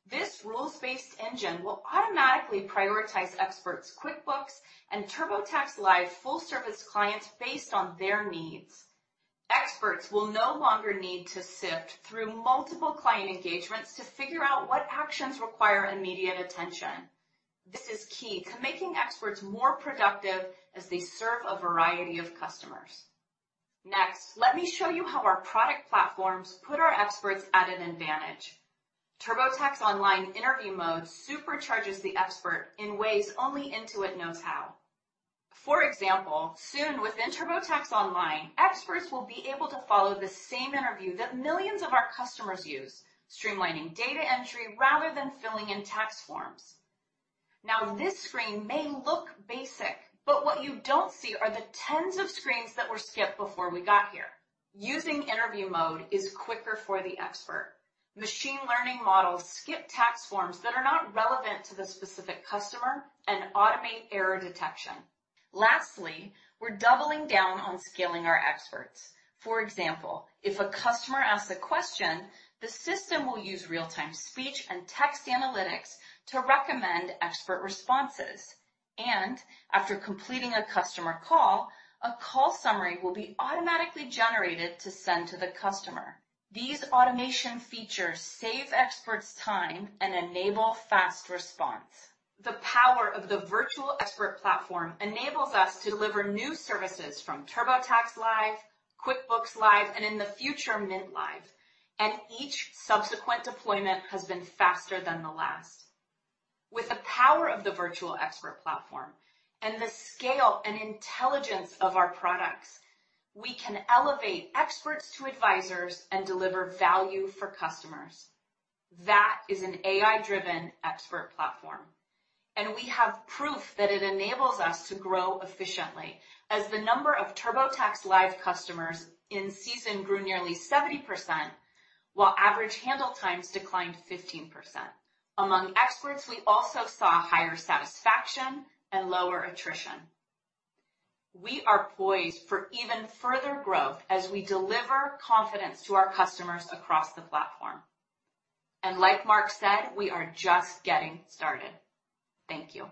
Speaker 9: This rules-based engine will automatically prioritize experts' QuickBooks and TurboTax Live full-service clients based on their needs. Experts will no longer need to sift through multiple client engagements to figure out what actions require immediate attention. This is key to making experts more productive as they serve a variety of customers. Next, let me show you how our product platforms put our experts at an advantage. TurboTax Online Interview Mode supercharges the expert in ways only Intuit knows how. For example, soon within TurboTax Online, experts will be able to follow the same interview that millions of our customers use, streamlining data entry rather than filling in tax forms. Now, this screen may look basic, but what you don't see are the tens of screens that were skipped before we got here. Using interview mode is quicker for the expert. Machine learning models skip tax forms that are not relevant to the specific customer and automate error detection. Lastly, we're doubling down on scaling our experts. For example, if a customer asks a question, the system will use real-time speech and text analytics to recommend expert responses. After completing a customer call, a call summary will be automatically generated to send to the customer. These automation features save experts time and enable fast response. The power of the virtual expert platform enables us to deliver new services from TurboTax Live, QuickBooks Live, and in the future, Mint Live. Each subsequent deployment has been faster than the last. With the power of the virtual expert platform and the scale and intelligence of our products, we can elevate experts to advisors and deliver value for customers. That is an AI-driven expert platform. We have proof that it enables us to grow efficiently, as the number of TurboTax Live customers in season grew nearly 70%, while average handle times declined 15%. Among experts, we also saw higher satisfaction and lower attrition. We are poised for even further growth as we deliver confidence to our customers across the platform. Like Mark said, we are just getting started. Thank you.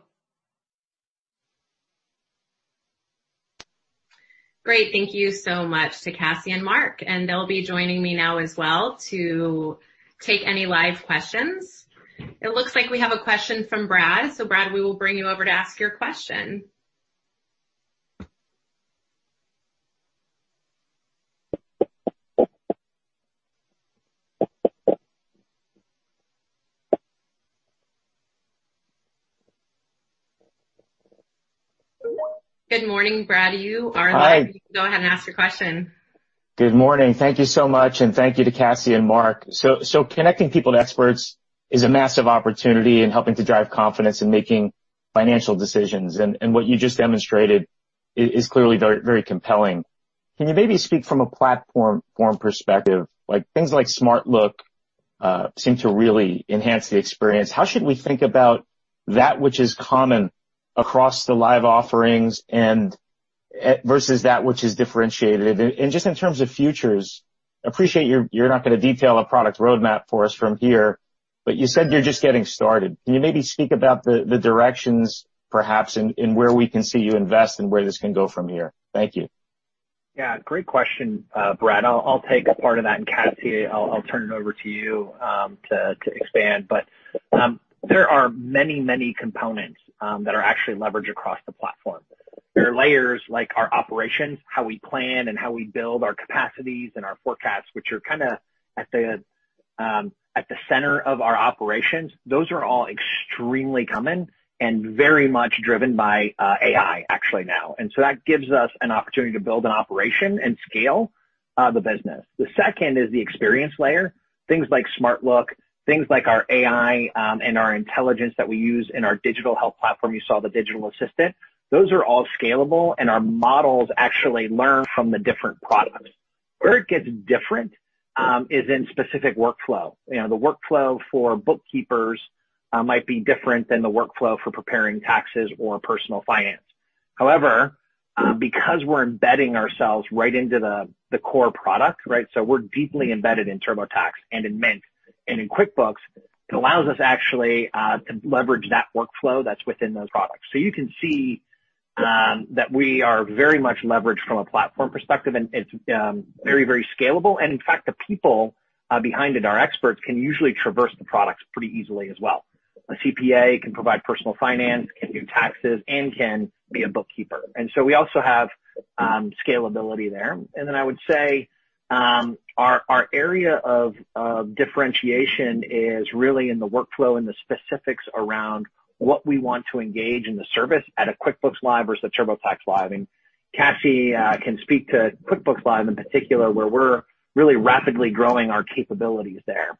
Speaker 5: Great. Thank you so much to Cassie and Mark, and they'll be joining me now as well to take any live questions. It looks like we have a question from Brad. Brad, we will bring you over to ask your question. Good morning, Brad Zelnick, R.R.
Speaker 10: Hi.
Speaker 5: You can go ahead and ask your question.
Speaker 10: Good morning. Thank you so much and thank you to Cassie and Mark. Connecting people to experts is a massive opportunity in helping to drive confidence in making financial decisions. What you just demonstrated is clearly very compelling. Can you maybe speak from a platform perspective, things like SmartLook, seem to really enhance the experience? How should we think about that which is common across the Live offerings and versus that which is differentiated? Just in terms of futures, appreciate you're not going to detail a product roadmap for us from here, but you said you're just getting started. Can you maybe speak about the directions, perhaps, and where we can see you invest and where this can go from here? Thank you.
Speaker 8: Yeah, great question, Brad. I'll take a part of that, and Cassie, I'll turn it over to you to expand. There are many components that are actually leveraged across the platform. There are layers like our operations, how we plan, and how we build our capacities and our forecasts, which are kind of at the center of our operations. Those are all extremely common and very much driven by AI actually now. That gives us an opportunity to build an operation and scale the business. The second is the experience layer, things like SmartLook, things like our AI, and our intelligence that we use in our digital health platform. You saw the digital assistant. Those are all scalable, and our models actually learn from the different products. Where it gets different, is in specific workflow. The workflow for bookkeepers might be different than the workflow for preparing taxes or personal finance. Because we're embedding ourselves right into the core product, we're deeply embedded in TurboTax, and in Mint, and in QuickBooks, it allows us actually to leverage that workflow that's within those products. You can see that we are very much leveraged from a platform perspective, and it's very scalable. In fact, the people behind it, our experts, can usually traverse the products pretty easily as well. A CPA can provide personal finance, can do taxes, and can be a bookkeeper. We also have scalability there. I would say our area of differentiation is really in the workflow and the specifics around what we want to engage in the service at a QuickBooks Live versus a TurboTax Live. Cassie can speak to QuickBooks Live in particular, where we're really rapidly growing our capabilities there.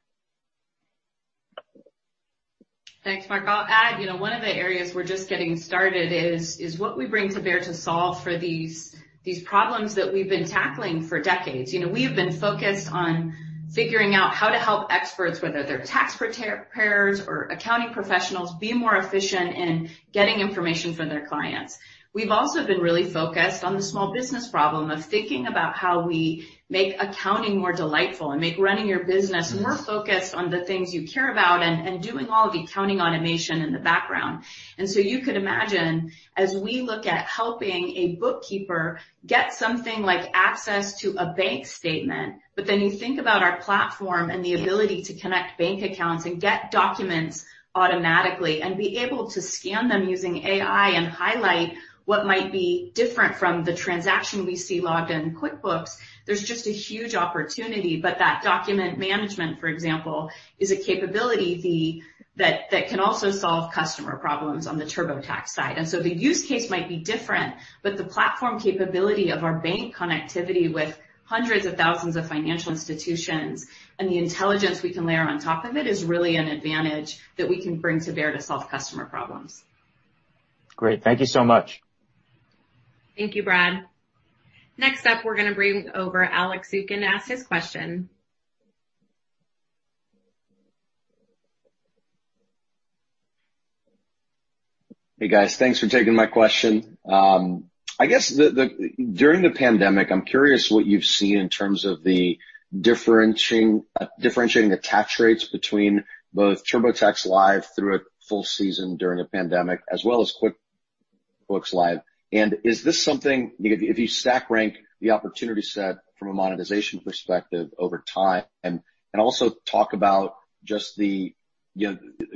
Speaker 9: Thanks, Mark. I'll add, one of the areas we're just getting started is what we bring to bear to solve for these problems that we've been tackling for decades. We have been focused on figuring out how to help experts, whether they're tax preparers or accounting professionals, be more efficient in getting information from their clients. We've also been really focused on the small business problem of thinking about how we make accounting more delightful and make running your business more focused on the things you care about and doing all the accounting automation in the background. You could imagine, as we look at helping a bookkeeper get something like access to a bank statement, then you think about our platform and the ability to connect bank accounts and get documents automatically and be able to scan them using AI and highlight what might be different from the transaction we see logged in QuickBooks, there is just a huge opportunity. That document management, for example, is a capability that can also solve customer problems on the TurboTax side. The use case might be different, but the platform capability of our bank connectivity with hundreds of thousands of financial institutions and the intelligence we can layer on top of it is really an advantage that we can bring to bear to solve customer problems.
Speaker 10: Great. Thank you so much.
Speaker 5: Thank you, Brad. Next up, we're going to bring over Alex Zukin to ask his question.
Speaker 11: Hey, guys. Thanks for taking my question. I guess during the pandemic, I'm curious what you've seen in terms of the differentiating the tax rates between both TurboTax Live through a full season during a pandemic as well as QuickBooks Live. Is this something, if you stack rank the opportunity set from a monetization perspective over time, and also talk about just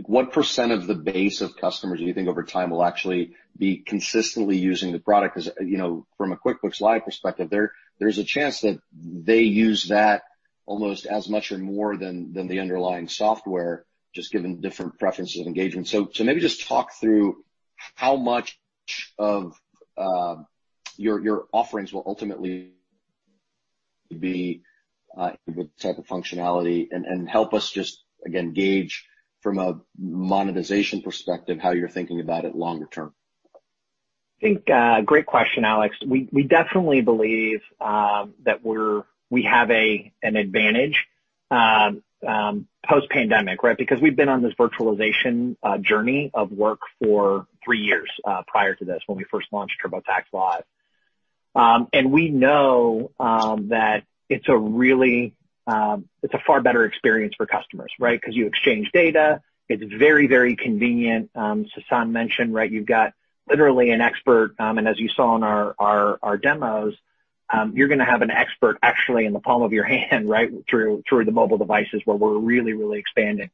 Speaker 11: what percent of the base of customers do you think over time will actually be consistently using the product? From a QuickBooks Live perspective, there's a chance that they use that almost as much or more than the underlying software, just given different preferences of engagement. Maybe just talk through how much of your offerings will ultimately be the type of functionality, and help us just, again, gauge from a monetization perspective how you're thinking about it longer term.
Speaker 8: I think great question, Alex. We definitely believe that we have an advantage post-pandemic, right? We've been on this virtualization journey of work for three years, prior to this when we first launched TurboTax Live. We know that it's a far better experience for customers, right? You exchange data. It's very convenient. Sasan mentioned, right, you've got literally an expert, and as you saw in our demos, you're going to have an expert actually in the palm of your hand, right? Through the mobile devices where we're really expanding.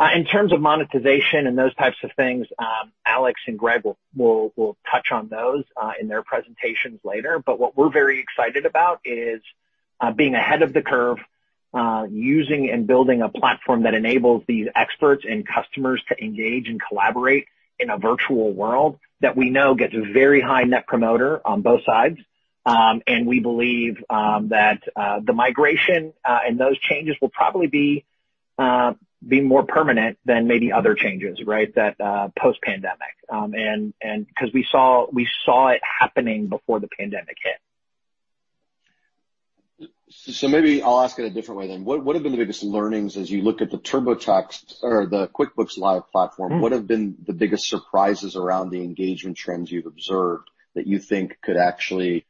Speaker 8: In terms of monetization and those types of things, Alex and Greg will touch on those in their presentations later. What we're very excited about is being ahead of the curve, using and building a platform that enables these experts and customers to engage and collaborate in a virtual world that we know gets very high Net Promoter on both sides. We believe that the migration and those changes will probably be more permanent than maybe other changes, right? Post-pandemic, because we saw it happening before the pandemic hit.
Speaker 11: Maybe I'll ask it a different way then. What have been the biggest learnings as you look at the TurboTax or the QuickBooks Live platform? What have been the biggest surprises around the engagement trends you've observed that you think could actually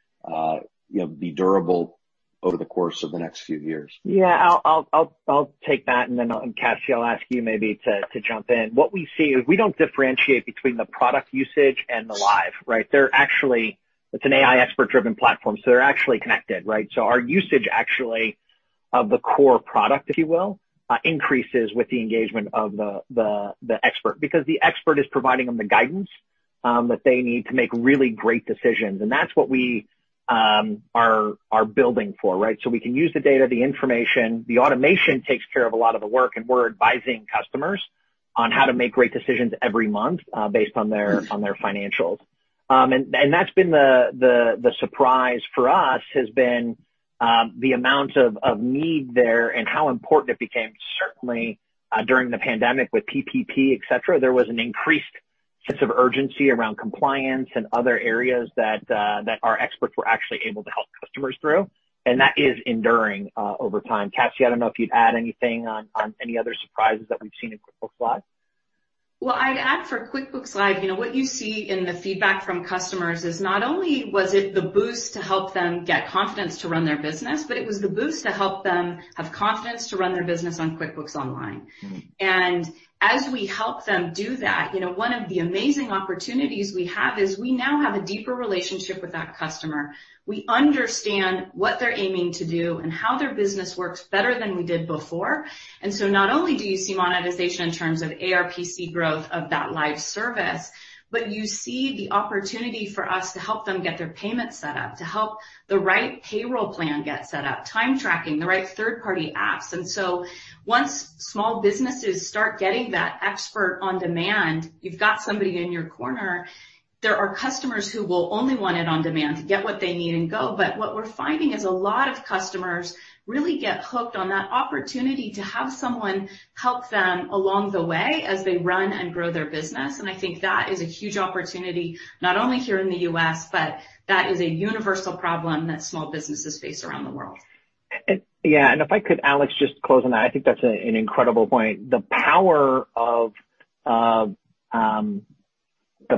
Speaker 11: be durable over the course of the next few years?
Speaker 8: Yeah, I'll take that, and then, Cassie, I'll ask you maybe to jump in. What we see is we don't differentiate between the product usage and the Live, right? It's an AI expert-driven platform. They're actually connected, right? Our usage actually of the core product, if you will, increases with the engagement of the expert because the expert is providing them the guidance that they need to make really great decisions. That's what we are building for, right? We can use the data, the information, the automation takes care of a lot of the work, and we're advising customers on how to make great decisions every month based on their financials. That's been the surprise for us, has been the amount of need there and how important it became, certainly during the pandemic with PPP, et cetera. There was an increased sense of urgency around compliance and other areas that our experts were actually able to help customers through, and that is enduring over time. Cassie, I don't know if you'd add anything on any other surprises that we've seen in QuickBooks Live.
Speaker 9: Well, I'd add for QuickBooks Live, what you see in the feedback from customers is not only was it the boost to help them get confidence to run their business, but it was the boost to help them have confidence to run their business on QuickBooks Online. As we help them do that, one of the amazing opportunities we have is we now have a deeper relationship with that customer. We understand what they're aiming to do and how their business works better than we did before. Not only do you see monetization in terms of ARPC growth of that Live service, but you see the opportunity for us to help them get their payment set up, to help the right payroll plan get set up, time tracking, the right third-party apps. Once small businesses start getting that expert on demand, you've got somebody in your corner. There are customers who will only want it on demand to get what they need and go. What we're finding is a lot of customers really get hooked on that opportunity to have someone help them along the way as they run and grow their business. I think that is a huge opportunity, not only here in the U.S., but that is a universal problem that small businesses face around the world.
Speaker 8: Yeah. If I could, Alex, just close on that. I think that's an incredible point. The power of the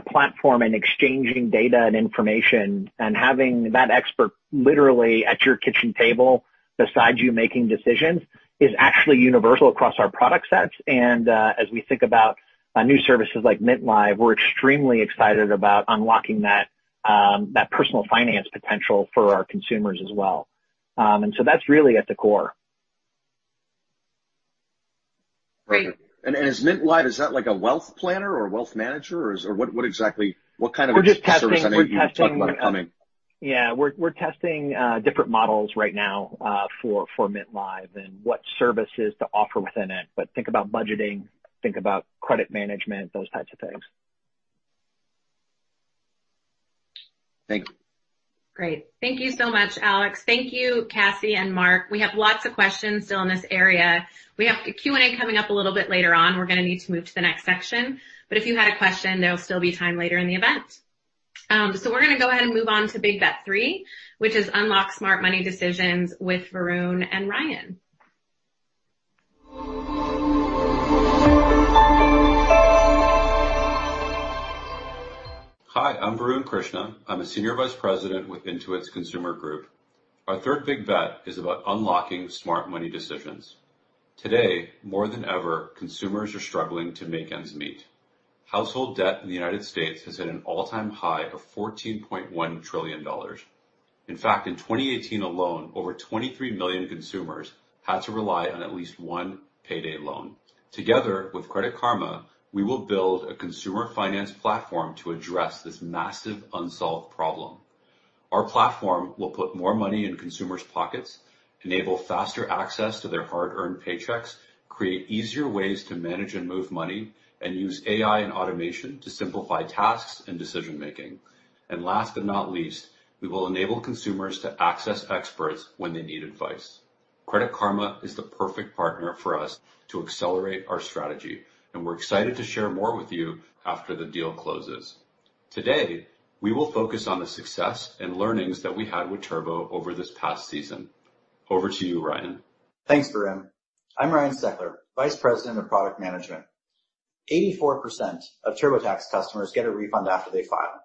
Speaker 8: platform and exchanging data and information, and having that expert literally at your kitchen table beside you making decisions is actually universal across our product sets. As we think about new services like Mint Live, we're extremely excited about unlocking that personal finance potential for our consumers as well. That's really at the core.
Speaker 11: Great. Is Mint Live, is that like a wealth planner or wealth manager? What exactly, what kind of service?
Speaker 8: We're just testing.
Speaker 11: I know you were talking about it coming.
Speaker 8: Yeah. We're testing different models right now for Mint Live and what services to offer within it. Think about budgeting, think about credit management, those types of things.
Speaker 11: Thank you.
Speaker 5: Great. Thank you so much, Alex. Thank you, Cassie and Mark. We have lots of questions still in this area. We have a Q&A coming up a little bit later on. We're going to need to move to the next section, but if you had a question, there'll still be time later in the event. We're going to go ahead and move on to Big Bet Three, which is unlock smart money decisions with Varun and Ryan.
Speaker 12: Hi, I'm Varun Krishna. I'm a Senior Vice President with Intuit's Consumer Group. Our third big bet is about unlocking smart money decisions. Today, more than ever, consumers are struggling to make ends meet. Household debt in the U.S. is at an all-time high of $14.1 trillion. In fact, in 2018 alone, over 23 million consumers had to rely on at least one payday loan. Together with Credit Karma, we will build a consumer finance platform to address this massive unsolved problem. Our platform will put more money in consumers' pockets, enable faster access to their hard-earned paychecks, create easier ways to manage and move money, and use AI and automation to simplify tasks and decision-making. Last but not least, we will enable consumers to access experts when they need advice. Credit Karma is the perfect partner for us to accelerate our strategy, and we're excited to share more with you after the deal closes. Today, we will focus on the success and learnings that we had with TurboTax over this past season. Over to you, Ryan.
Speaker 13: Thanks, Varun. I'm Ryan Steckler, Vice President of Product Management. 84% of TurboTax customers get a refund after they file.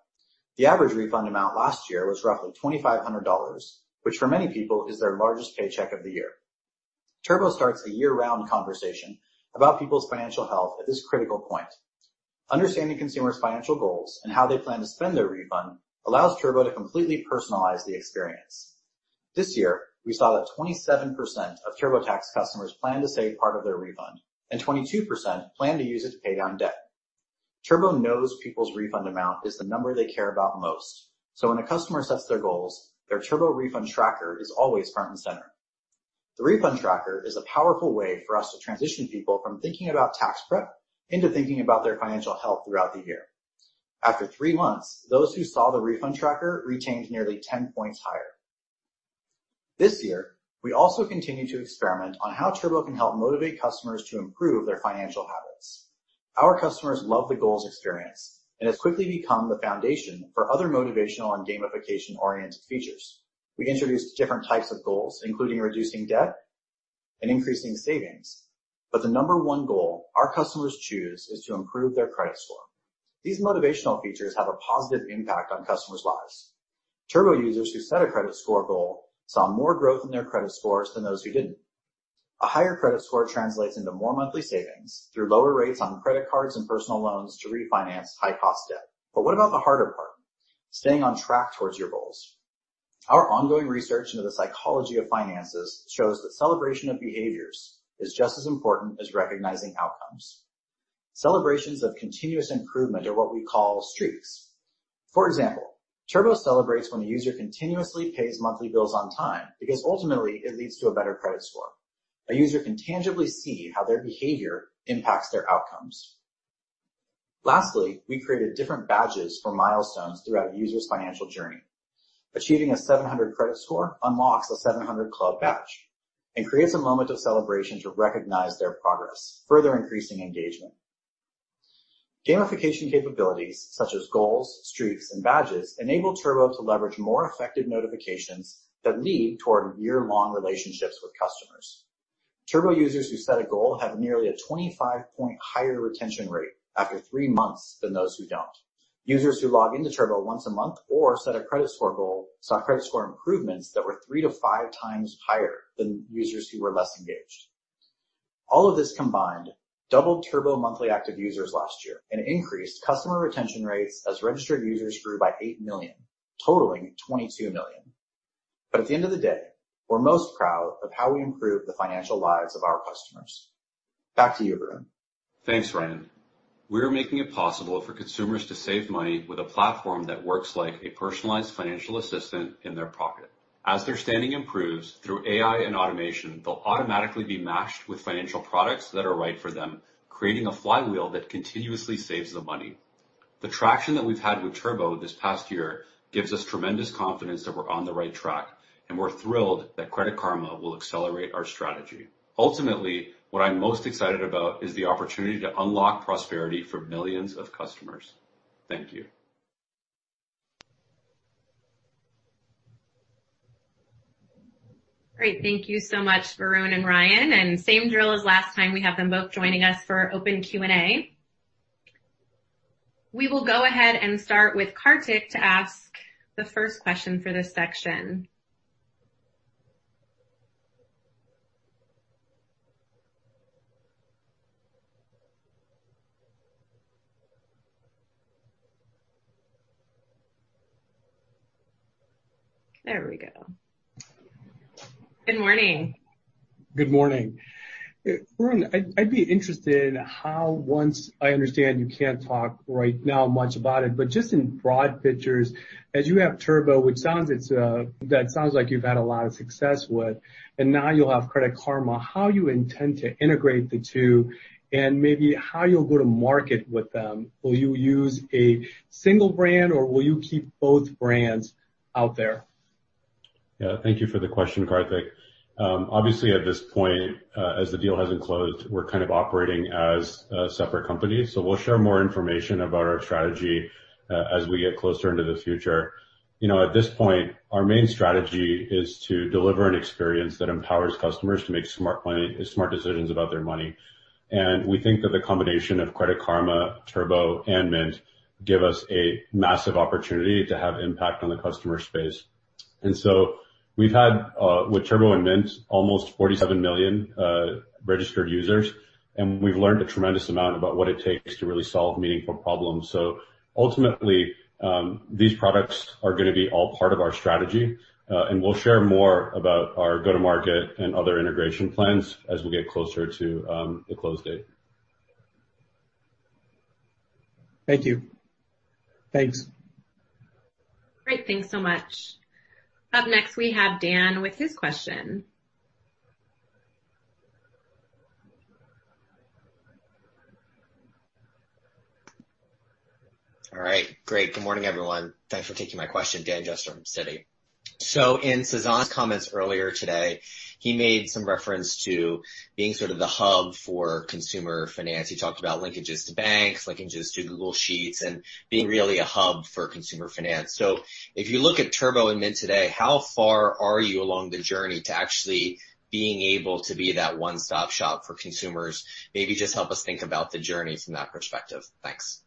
Speaker 13: The average refund amount last year was roughly $2,500, which for many people is their largest paycheck of the year. TurboTax starts a year-round conversation about people's financial health at this critical point. Understanding consumers' financial goals and how they plan to spend their refund allows TurboTax to completely personalize the experience. This year, we saw that 27% of TurboTax customers plan to save part of their refund, and 22% plan to use it to pay down debt. TurboTax knows people's refund amount is the number they care about most. When a customer sets their goals, their TurboTax Refund Tracker is always front and center. The Refund Tracker is a powerful way for us to transition people from thinking about tax prep into thinking about their financial health throughout the year. After three months, those who saw the Refund Tracker retained nearly 10 points higher. This year, we also continue to experiment on how TurboTax can help motivate customers to improve their financial habits. Our customers love the Goals experience, and it's quickly become the foundation for other motivational and gamification-oriented features. We introduced different types of goals, including reducing debt and increasing savings. The number one goal our customers choose is to improve their credit score. These motivational features have a positive impact on customers' lives. TurboTax users who set a credit score goal saw more growth in their credit scores than those who didn't. A higher credit score translates into more monthly savings through lower rates on credit cards and personal loans to refinance high-cost debt. What about the harder part, staying on track towards your goals? Our ongoing research into the psychology of finances shows that celebration of behaviors is just as important as recognizing outcomes. Celebrations of continuous improvement are what we call streaks. For example, TurboTax celebrates when a user continuously pays monthly bills on time because ultimately it leads to a better credit score. A user can tangibly see how their behavior impacts their outcomes. Lastly, we created different badges for milestones throughout a user's financial journey. Achieving a 700 credit score unlocks a 700 Club badge and creates a moment of celebration to recognize their progress, further increasing engagement. Gamification capabilities such as goals, streaks, and badges enable TurboTax to leverage more effective notifications that lead toward year-long relationships with customers. TurboTax users who set a goal have nearly a 25-point higher retention rate after three months than those who don't. Users who log into TurboTax once a month or set a credit score goal saw credit score improvements that were three to five times higher than users who were less engaged. All of this combined doubled TurboTax monthly active users last year and increased customer retention rates as registered users grew by eight million, totaling 22 million. At the end of the day, we're most proud of how we improved the financial lives of our customers. Back to you, Varun.
Speaker 12: Thanks, Ryan. We're making it possible for consumers to save money with a platform that works like a personalized financial assistant in their pocket. As their standing improves through AI and automation, they'll automatically be matched with financial products that are right for them, creating a flywheel that continuously saves them money. The traction that we've had with TurboTax this past year gives us tremendous confidence that we're on the right track, and we're thrilled that Credit Karma will accelerate our strategy. Ultimately, what I'm most excited about is the opportunity to unlock prosperity for millions of customers. Thank you.
Speaker 5: Great. Thank you so much, Varun and Ryan. Same drill as last time, we have them both joining us for open Q&A. We will go ahead and start with Kartik to ask the first question for this section. There we go. Good morning.
Speaker 14: Good morning. Varun, I'd be interested in how once I understand you can't talk right now much about it, but just in broad pictures, as you have TurboTax, that sounds like you've had a lot of success with, and now you'll have Credit Karma, how you intend to integrate the two and maybe how you'll go to market with them. Will you use a single brand, or will you keep both brands out there?
Speaker 12: Yeah. Thank you for the question, Kartik. Obviously, at this point, as the deal hasn't closed, we're kind of operating as separate companies. We'll share more information about our strategy as we get closer into the future. At this point, our main strategy is to deliver an experience that empowers customers to make smart decisions about their money. We think that the combination of Credit Karma, Turbo, and Mint give us a massive opportunity to have impact on the customer space. We've had, with Turbo and Mint, almost 47 million registered users, and we've learned a tremendous amount about what it takes to really solve meaningful problems. Ultimately, these products are going to be all part of our strategy, and we'll share more about our go-to-market and other integration plans as we get closer to the close date.
Speaker 14: Thank you. Thanks.
Speaker 5: Great. Thanks so much. Up next, we have Dan with his question.
Speaker 15: All right. Great. Good morning, everyone. Thanks for taking my question. Dan Dolev from Citi. In Sasan's comments earlier today, he made some reference to being sort of the hub for consumer finance. He talked about linkages to banks, linkages to Google Sheets, and being really a hub for consumer finance. If you look at Turbo and Mint today, how far are you along the journey to actually being able to be that one-stop shop for consumers? Maybe just help us think about the journey from that perspective. Thanks.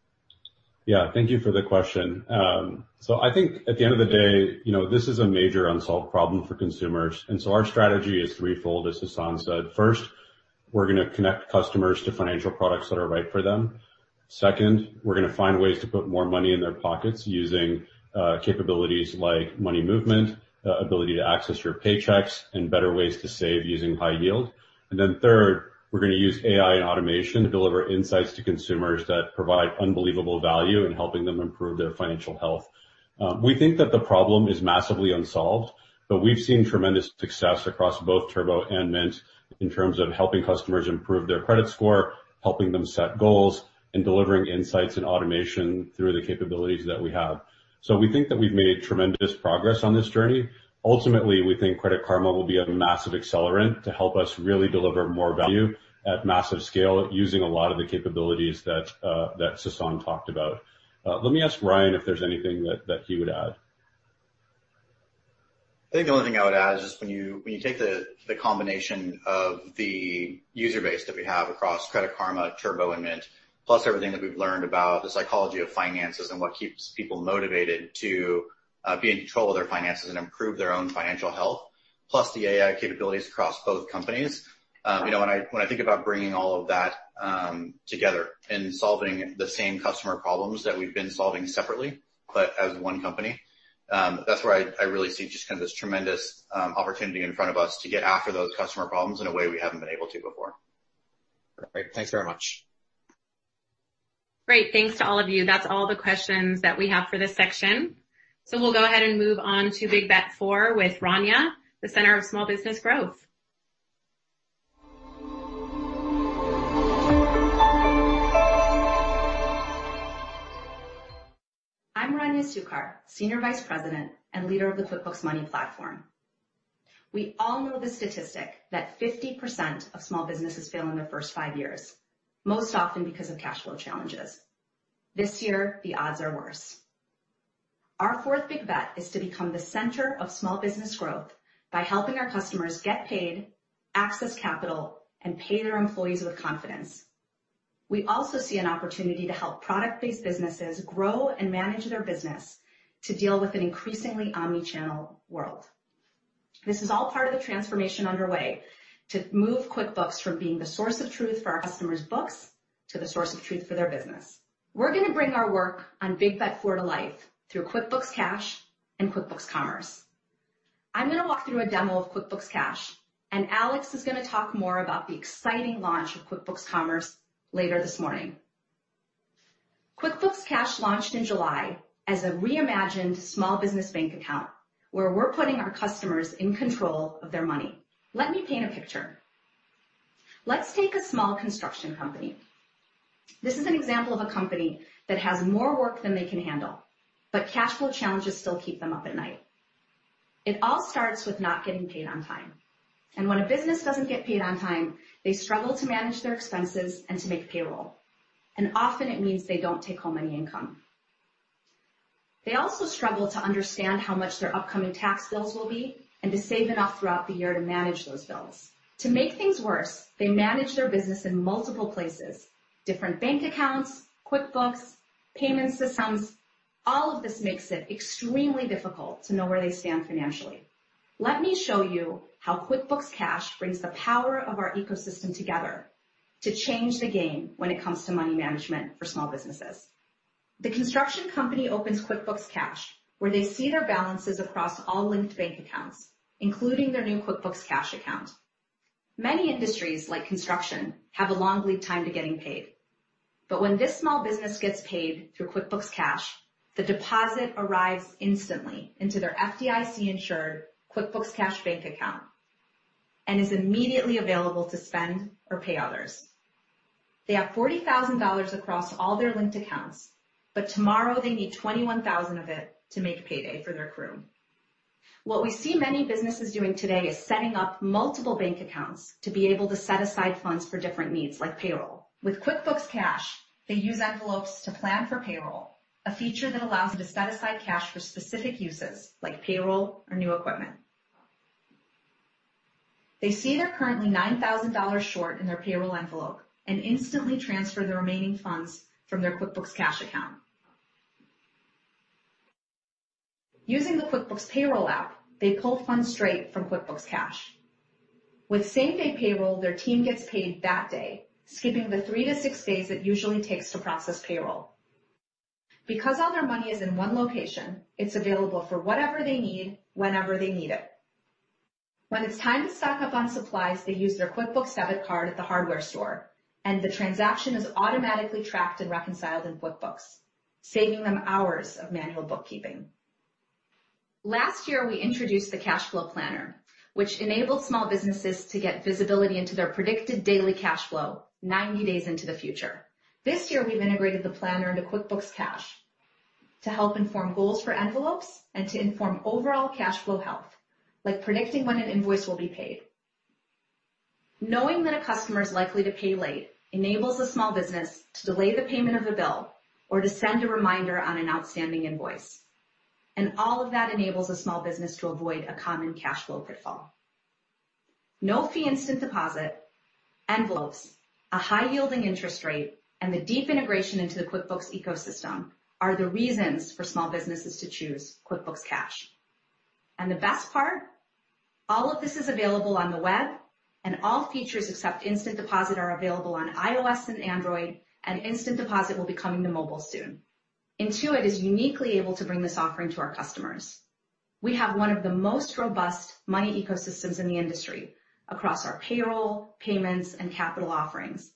Speaker 12: Yeah. Thank you for the question. I think at the end of the day, this is a major unsolved problem for consumers, our strategy is threefold, as Sasan said. First, we're going to connect customers to financial products that are right for them. Second, we're going to find ways to put more money in their pockets using capabilities like money movement, ability to access your paychecks, and better ways to save using high yield. Third, we're going to use AI and automation to deliver insights to consumers that provide unbelievable value in helping them improve their financial health. We think that the problem is massively unsolved, but we've seen tremendous success across both Turbo and Mint in terms of helping customers improve their credit score, helping them set goals, and delivering insights and automation through the capabilities that we have. We think that we've made tremendous progress on this journey. Ultimately, we think Credit Karma will be a massive accelerant to help us really deliver more value at massive scale using a lot of the capabilities that Sasan talked about. Let me ask Ryan if there's anything that he would add.
Speaker 13: I think the only thing I would add is when you take the combination of the user base that we have across Credit Karma, TurboTax, and Mint, plus everything that we've learned about the psychology of finances and what keeps people motivated to be in control of their finances and improve their own financial health, plus the AI capabilities across both companies. When I think about bringing all of that together and solving the same customer problems that we've been solving separately but as one company, that's where I really see just this tremendous opportunity in front of us to get after those customer problems in a way we haven't been able to before.
Speaker 12: Great. Thanks very much.
Speaker 5: Great. Thanks to all of you. That's all the questions that we have for this section. We'll go ahead and move on to Big Bet Four with Rania, the center of small business growth.
Speaker 16: I'm Rania Succar, senior vice president and leader of the QuickBooks Money platform. We all know the statistic that 50% of small businesses fail in their first five years, most often because of cash flow challenges. This year, the odds are worse. Our fourth big bet is to become the center of small business growth by helping our customers get paid, access capital, and pay their employees with confidence. We also see an opportunity to help product-based businesses grow and manage their business to deal with an increasingly omni-channel world. This is all part of the transformation underway to move QuickBooks from being the source of truth for our customers' books to the source of truth for their business. We're going to bring our work on big bet four to life through QuickBooks Cash and QuickBooks Commerce. I'm going to walk through a demo of QuickBooks Cash. Alex is going to talk more about the exciting launch of QuickBooks Commerce later this morning. QuickBooks Cash launched in July as a reimagined small business bank account where we're putting our customers in control of their money. Let me paint a picture. Let's take a small construction company. This is an example of a company that has more work than they can handle. Cash flow challenges still keep them up at night. It all starts with not getting paid on time. When a business doesn't get paid on time, they struggle to manage their expenses and to make payroll. Often it means they don't take home any income. They also struggle to understand how much their upcoming tax bills will be and to save enough throughout the year to manage those bills. To make things worse, they manage their business in multiple places, different bank accounts, QuickBooks, payment systems. All of this makes it extremely difficult to know where they stand financially. Let me show you how QuickBooks Cash brings the power of our ecosystem together to change the game when it comes to money management for small businesses. The construction company opens QuickBooks Cash, where they see their balances across all linked bank accounts, including their new QuickBooks Cash account. Many industries, like construction, have a long lead time to getting paid. When this small business gets paid through QuickBooks Cash, the deposit arrives instantly at their FDIC-insured QuickBooks Cash bank account and is immediately available to spend or pay others. They have $40,000 across all their linked accounts, tomorrow they need 21,000 of it to make payday for their crew. What we see many businesses doing today is setting up multiple bank accounts to be able to set aside funds for different needs, like payroll. With QuickBooks Cash, they use envelopes to plan for payroll, a feature that allows them to set aside cash for specific uses, like payroll or new equipment. They see they're currently $9,000 short in their payroll envelope and instantly transfer the remaining funds from their QuickBooks Cash account. Using the QuickBooks payroll app, they pull funds straight from QuickBooks Cash. With same-day payroll, their team gets paid that day, skipping the three to six days it usually takes to process payroll. Because all their money is in one location, it's available for whatever they need, whenever they need it. When it's time to stock up on supplies, they use their QuickBooks debit card at the hardware store, and the transaction is automatically tracked and reconciled in QuickBooks, saving them hours of manual bookkeeping. Last year, we introduced the cash flow planner, which enabled small businesses to get visibility into their predicted daily cash flow 90 days into the future. This year, we've integrated the planner into QuickBooks Cash to help inform goals for envelopes and to inform overall cash flow health, like predicting when an invoice will be paid. Knowing that a customer is likely to pay late enables a small business to delay the payment of a bill or to send a reminder on an outstanding invoice. All of that enables a small business to avoid a common cash flow pitfall. No-fee instant deposit, envelopes, a high-yielding interest rate, and the deep integration into the QuickBooks ecosystem are the reasons for small businesses to choose QuickBooks Cash. The best part, all of this is available on the web, and all features except instant deposit are available on iOS and Android, and instant deposit will be coming to mobile soon. Intuit is uniquely able to bring this offering to our customers. We have one of the most robust money ecosystems in the industry across our payroll, payments, and capital offerings.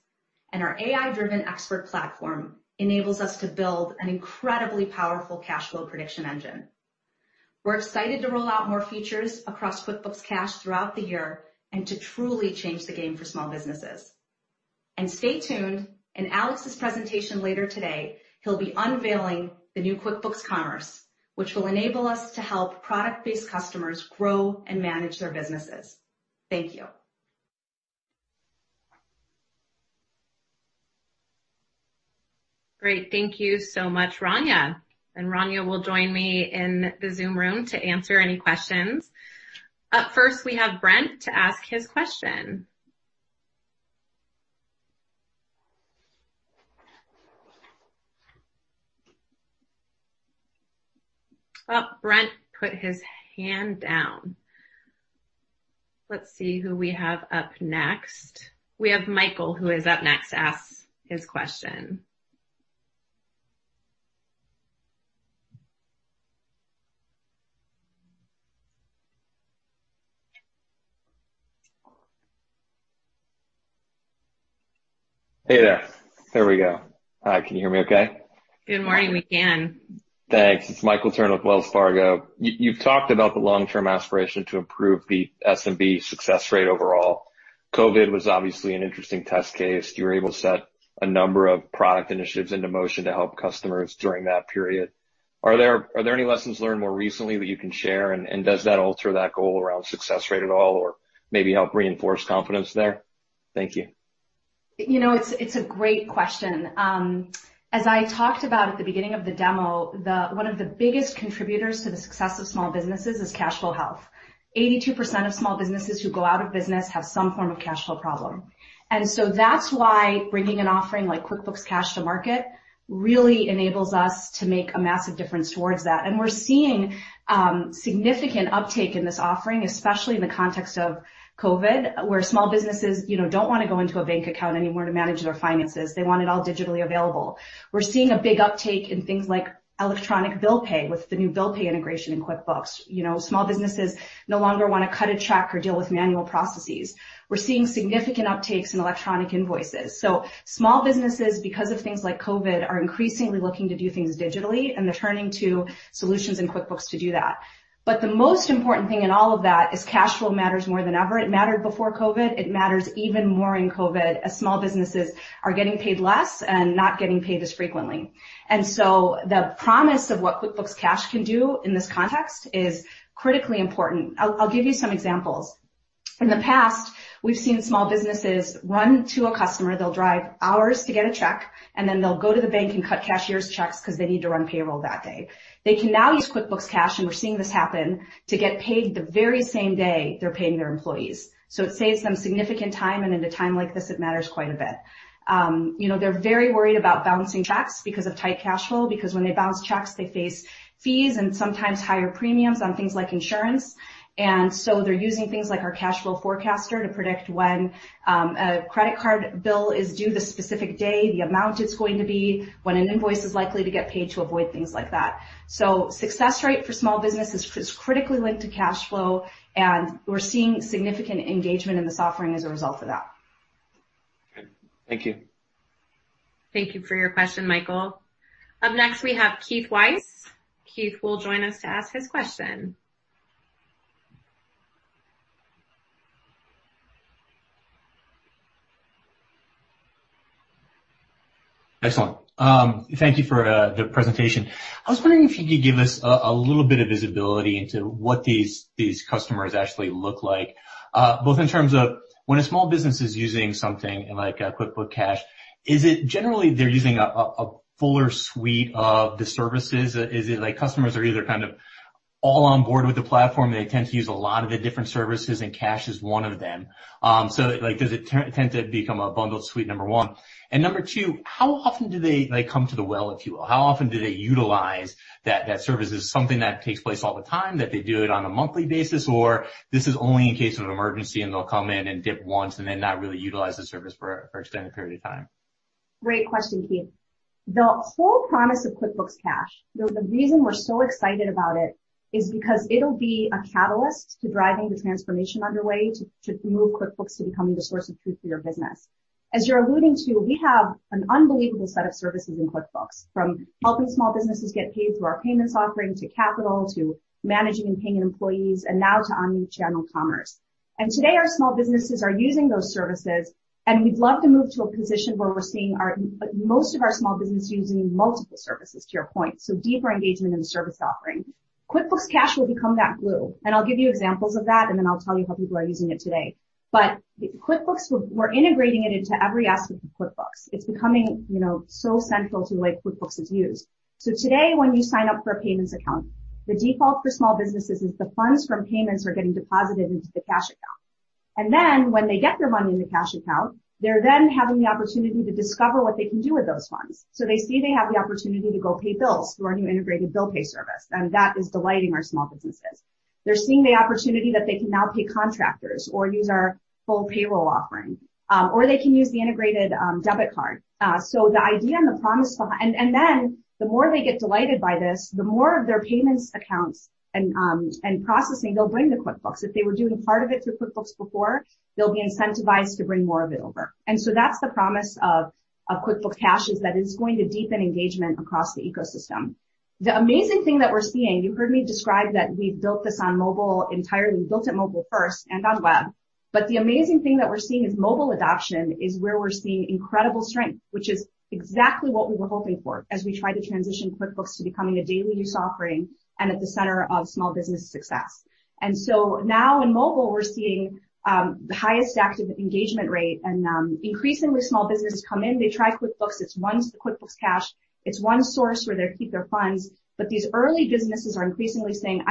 Speaker 16: Our AI-driven expert platform enables us to build an incredibly powerful cash flow prediction engine. We're excited to roll out more features across QuickBooks Cash throughout the year and to truly change the game for small businesses. Stay tuned, in Alex's presentation later today, he'll be unveiling the new QuickBooks Commerce, which will enable us to help product-based customers grow and manage their businesses. Thank you.
Speaker 5: Great. Thank you so much, Rania. Rania will join me in the Zoom Rooms to answer any questions. Up first, we have Brent to ask his question. Oh, Brent put his hand down. Let's see who we have up next. We have Michael, who is up next to ask his question.
Speaker 17: Hey there. There we go. Hi, can you hear me, okay?
Speaker 5: Good morning. We can.
Speaker 17: Thanks. It's Michael Turrin with Wells Fargo. You've talked about the long-term aspiration to improve the SMB success rate overall. COVID was obviously an interesting test case. You were able to set a number of product initiatives into motion to help customers during that period. Are there any lessons learned more recently that you can share? Does that alter that goal around success rate at all or maybe help reinforce confidence there? Thank you.
Speaker 16: It's a great question. As I talked about at the beginning of the demo, one of the biggest contributors to the success of small businesses is cash flow health. 82% of small businesses who go out of business have some form of cash flow problem. That's why bringing an offering like QuickBooks Cash to market really enables us to make a massive difference towards that. We're seeing significant uptake in this offering, especially in the context of COVID, where small businesses don't want to go into a bank account anymore to manage their finances. They want it all digitally available. We're seeing a big uptake in things like electronic bill pay with the new bill pay integration in QuickBooks. Small businesses no longer want to cut a check or deal with manual processes. We're seeing significant uptakes in electronic invoices. Small businesses, because of things like COVID, are increasingly looking to do things digitally, and they're turning to solutions in QuickBooks to do that. The most important thing in all of that is cash flow matters more than ever. It mattered before COVID. It matters even more in COVID as small businesses are getting paid less and not getting paid as frequently. The promise of what QuickBooks Cash can do in this context is critically important. I'll give you some examples. In the past, we've seen small businesses run to a customer, they'll drive hours to get a check, and then they'll go to the bank and cut cashier's checks because they need to run payroll that day. They can now use QuickBooks Cash, and we're seeing this happen; to get paid the very same day they're paying their employees. It saves them significant time, and in a time like this, it matters quite a bit. They're very worried about bouncing checks because of tight cash flow, because when they bounce checks, they face fees and sometimes higher premiums on things like insurance. They're using things like our cash flow forecaster to predict when a credit card bill is due the specific day, the amount it's going to be, when an invoice is likely to get paid to avoid things like that. Success rate for small business is critically linked to cash flow, and we're seeing significant engagement in this offering as a result of that.
Speaker 17: Okay. Thank you.
Speaker 5: Thank you for your question, Michael. Up next, we have Keith Weiss. Keith will join us to ask his question.
Speaker 18: Excellent. Thank you for the presentation. I was wondering if you could give us a little bit of visibility into what these customers actually look like, both in terms of when a small business is using something like a QuickBooks Cash, is it generally they're using a fuller suite of the services? Is it like customers are either kind of all on board with the platform, they tend to use a lot of the different services and Cash is one of them? Like, does it tend to become a bundled suite, number one? Number two, how often do they come to the well, if you will? How often do they utilize that service? Is it something that takes place all the time, that they do it on a monthly basis, or this is only in case of an emergency, and they'll come in and dip once and then not really utilize the service for an extended period of time?
Speaker 16: Great question, Keith. The whole promise of QuickBooks Cash, the reason we're so excited about it is because it'll be a catalyst to driving the transformation underway to move QuickBooks to becoming the source of truth for your business. As you're alluding to, we have an unbelievable set of services in QuickBooks, from helping small businesses get paid through our payments offering, to capital, to managing and paying employees, and now to our new channel, commerce. Today, our small businesses are using those services, and we'd love to move to a position where we're seeing most of our small business using multiple services, to your point, so deeper engagement in the service offering. QuickBooks Cash will become that glue. I'll give you examples of that, and then I'll tell you how people are using it today. QuickBooks, we're integrating it into every aspect of QuickBooks. It's becoming so central to the way QuickBooks is used. Today, when you sign up for a payments account, the default for small businesses is the funds from payments are getting deposited into the cash account. When they get their money in the cash account, they're then having the opportunity to discover what they can do with those funds. They see they have the opportunity to go pay bills through our new integrated bill pay service, and that is delighting our small businesses. They're seeing the opportunity that they can now pay contractors or use our full payroll offering. They can use the integrated debit card. The more they get delighted by this, the more of their payments accounts and processing they'll bring to QuickBooks. If they were doing part of it through QuickBooks before, they'll be incentivized to bring more of it over. That's the promise of QuickBooks Cash, is that it's going to deepen engagement across the ecosystem. The amazing thing that we're seeing, you heard me describe that we've built this on mobile entirely, built it mobile first and on web, but the amazing thing that we're seeing is mobile adoption is where we're seeing incredible strength, which is exactly what we were hoping for as we try to transition QuickBooks to becoming a daily use offering and at the center of small business success. Now in mobile, we're seeing the highest active engagement rate, and increasingly small businesses come in, they try QuickBooks, it's once QuickBooks Cash, it's one source where they keep their funds. These early businesses are increasingly saying,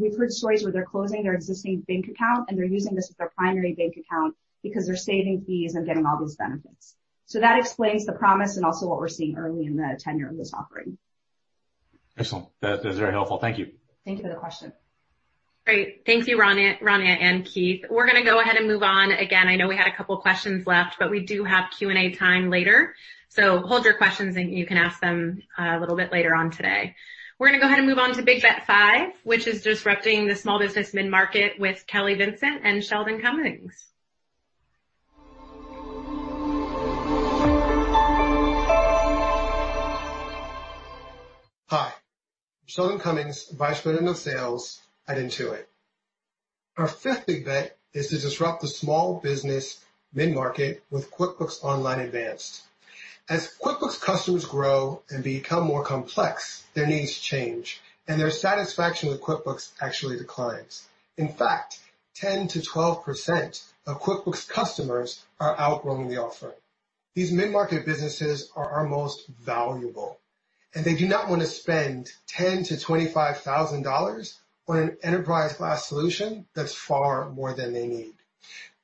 Speaker 16: we've heard stories where they're closing their existing bank account and they're using this as their primary bank account because they're saving fees and getting all these benefits. That explains the promise and also what we're seeing early in the tenure of this offering.
Speaker 18: Excellent. That's very helpful. Thank you.
Speaker 16: Thank you for the question.
Speaker 5: Great. Thank you, Rania and Keith. We're going to go ahead and move on. Again, I know we had a couple of questions left, but we do have Q&A time later. Hold your questions and you can ask them a little bit later on today. We're going to go ahead and move on to Big Bet Five, which is disrupting the small business mid-market with Kelly Vincent and Sheldon Cummings.
Speaker 19: Hi, Sheldon Cummings, Vice President of Sales at Intuit. Our fifth big bet is to disrupt the small business mid-market with QuickBooks Online Advanced. As QuickBooks customers grow and become more complex, their needs change, and their satisfaction with QuickBooks actually declines. In fact, 10%-12% of QuickBooks customers are outgrowing the offering. These mid-market businesses are our most valuable, and they do not want to spend $10,000-$25,000 on an enterprise-class solution that's far more than they need.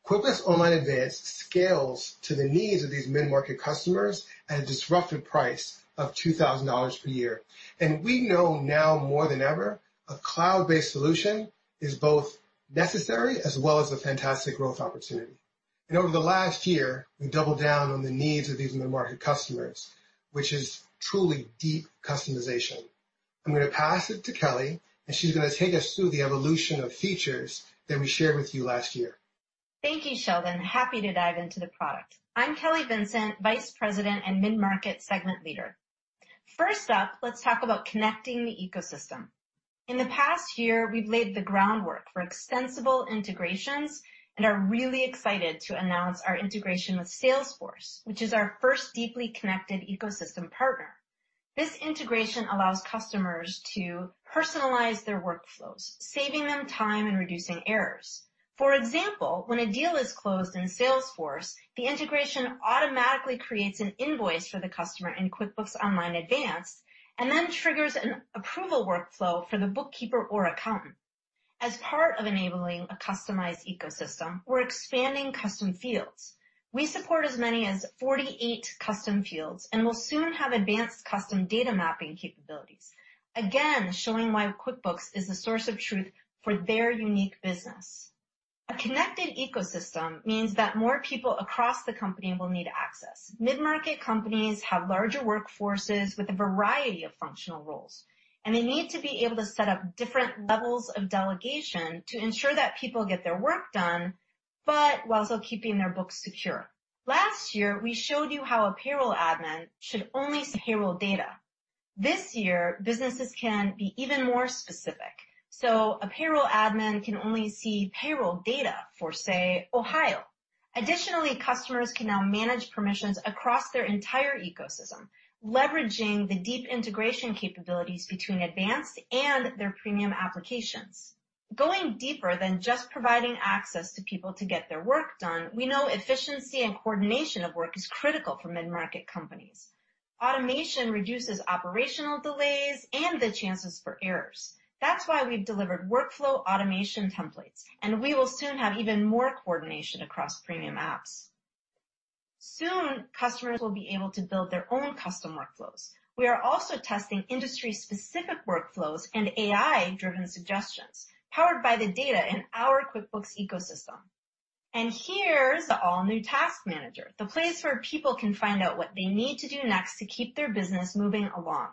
Speaker 19: QuickBooks Online Advanced scales to the needs of these mid-market customers at a disruptive price of $2,000 per year. We know now more than ever, a cloud-based solution is both necessary as well as a fantastic growth opportunity. Over the last year, we've doubled down on the needs of these mid-market customers, which is truly deep customization. I'm going to pass it to Kelly, and she's going to take us through the evolution of features that we shared with you last year.
Speaker 20: Thank you, Sheldon. Happy to dive into the product. I'm Kelly Vincent, Vice President and mid-market segment leader. First up, let's talk about connecting the ecosystem. In the past year, we've laid the groundwork for extensible integrations and are really excited to announce our integration with Salesforce, which is our first deeply connected ecosystem partner. This integration allows customers to personalize their workflows, saving them time and reducing errors. For example, when a deal is closed in Salesforce, the integration automatically creates an invoice for the customer in QuickBooks Online Advanced and then triggers an approval workflow for the bookkeeper or accountant. As part of enabling a customized ecosystem, we're expanding custom fields. We support as many as 48 custom fields and will soon have advanced custom data mapping capabilities, again, showing why QuickBooks is the source of truth for their unique business. A connected ecosystem means that more people across the company will need access. Mid-market companies have larger workforces with a variety of functional roles, and they need to be able to set up different levels of delegation to ensure that people get their work done, but while still keeping their books secure. Last year, we showed you how a payroll admin should only see payroll data. This year, businesses can be even more specific. A payroll admin can only see payroll data for, say, Ohio. Additionally, customers can now manage permissions across their entire ecosystem, leveraging the deep integration capabilities between Advanced and their premium applications. Going deeper than just providing access to people to get their work done, we know efficiency and coordination of work is critical for mid-market companies. Automation reduces operational delays and the chances for errors. That's why we've delivered workflow automation templates, and we will soon have even more coordination across premium apps. Soon, customers will be able to build their own custom workflows. We are also testing industry-specific workflows and AI-driven suggestions powered by the data in our QuickBooks ecosystem. Here's the all-new Task Manager, the place where people can find out what they need to do next to keep their business moving along.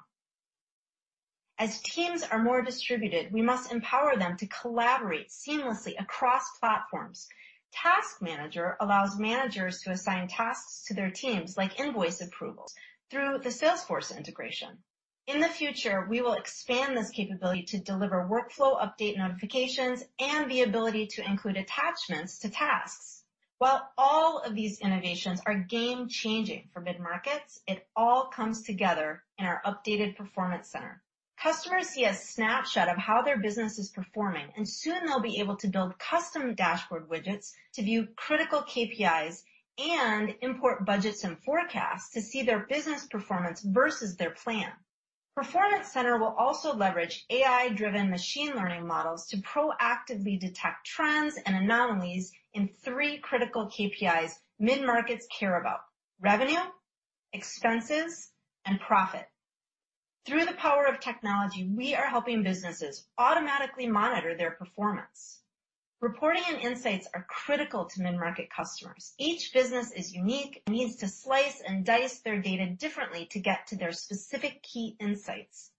Speaker 20: As teams are more distributed, we must empower them to collaborate seamlessly across platforms. Task Manager allows managers to assign tasks to their teams, like invoice approvals, through the Salesforce integration. In the future, we will expand this capability to deliver workflow update notifications and the ability to include attachments to tasks. While all of these innovations are game-changing for mid-markets, it all comes together in our updated Performance Center. Customers see a snapshot of how their business is performing, and soon they'll be able to build custom dashboard widgets to view critical KPIs and import budgets and forecasts to see their business performance versus their plan. Performance Center will also leverage AI-driven machine learning models to proactively detect trends and anomalies in three critical KPIs mid-markets care about: revenue, expenses, and profit. Through the power of technology, we are helping businesses automatically monitor their performance. Reporting and insights are critical to mid-market customers. Each business is unique and needs to slice and dice their data differently to get to their specific key insights.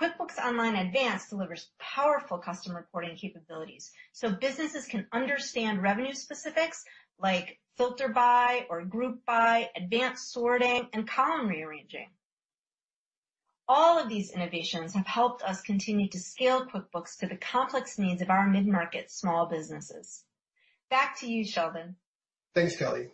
Speaker 20: QuickBooks Online Advanced delivers powerful custom reporting capabilities so businesses can understand revenue specifics like filter by or group by, advanced sorting, and column rearranging. All of these innovations have helped us continue to scale QuickBooks to the complex needs of our mid-market small businesses. Back to you, Sheldon.
Speaker 19: Thanks, Kelly.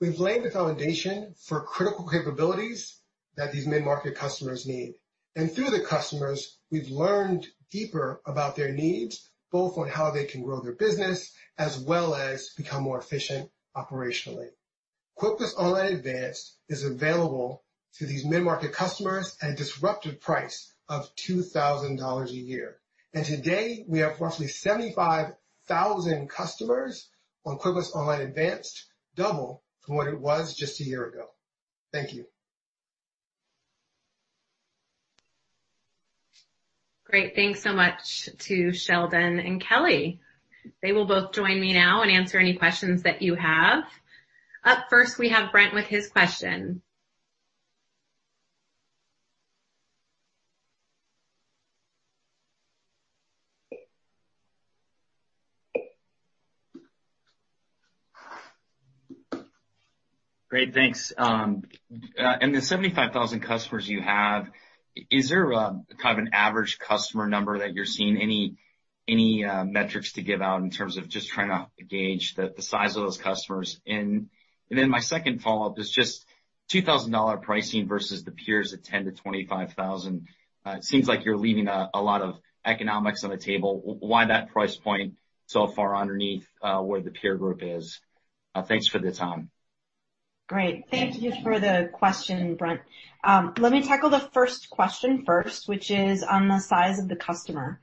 Speaker 19: We've laid the foundation for critical capabilities that these mid-market customers need. Through the customers, we've learned deeper about their needs, both on how they can grow their business as well as become more efficient operationally. QuickBooks Online Advanced is available to these mid-market customers at the disruptive price of $2,000 a year. Today, we have roughly 75,000 customers on QuickBooks Online Advanced, double from what it was just a year ago. Thank you.
Speaker 5: Great. Thanks so much to Sheldon and Kelly. They will both join me now and answer any questions that you have. Up first, we have Brent with his question.
Speaker 21: Great, thanks. In the 75,000 customers you have, is there an average customer number that you're seeing? Any metrics to give out in terms of just trying to gauge the size of those customers? My second follow-up is just $2,000 pricing versus the peers at $10,000-$25,000. It seems like you're leaving a lot of economics on the table. Why that price point so far underneath where the peer group is? Thanks for the time.
Speaker 20: Great. Thank you for the question, Brent. Let me tackle the first question first, which is on the size of the customer.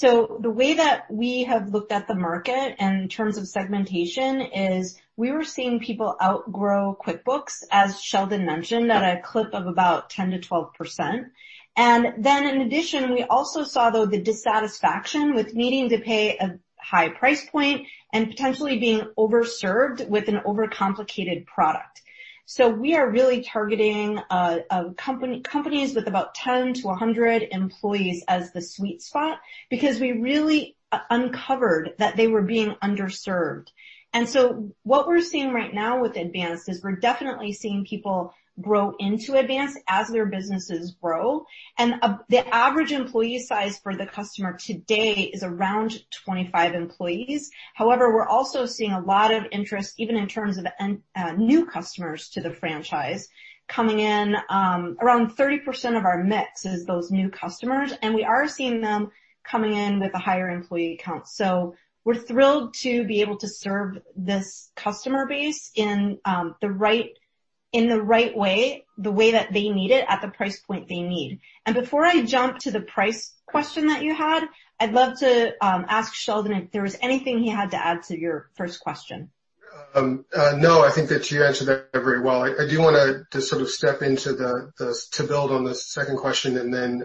Speaker 20: The way that we have looked at the market in terms of segmentation is we were seeing people outgrow QuickBooks, as Sheldon mentioned, at a clip of about 10%-12%. In addition, we also saw, though, the dissatisfaction with needing to pay a high price point and potentially being over-served with an overcomplicated product. We are really targeting companies with about 10-100 employees as the sweet spot because we really uncovered that they were being underserved. What we're seeing right now with Advanced is we're definitely seeing people grow into Advanced as their businesses grow. The average employee size for the customer today is around 25 employees. However, we're also seeing a lot of interest, even in terms of new customers to the franchise coming in. Around 30% of our mix is those new customers, and we are seeing them coming in with a higher employee count. We're thrilled to be able to serve this customer base in the right way, the way that they need it, at the price point they need. Before I jump to the price question that you had, I'd love to ask Sheldon if there was anything he had to add to your first question.
Speaker 19: No, I think that you answered that very well. I do want to sort of step in to build on the second question and then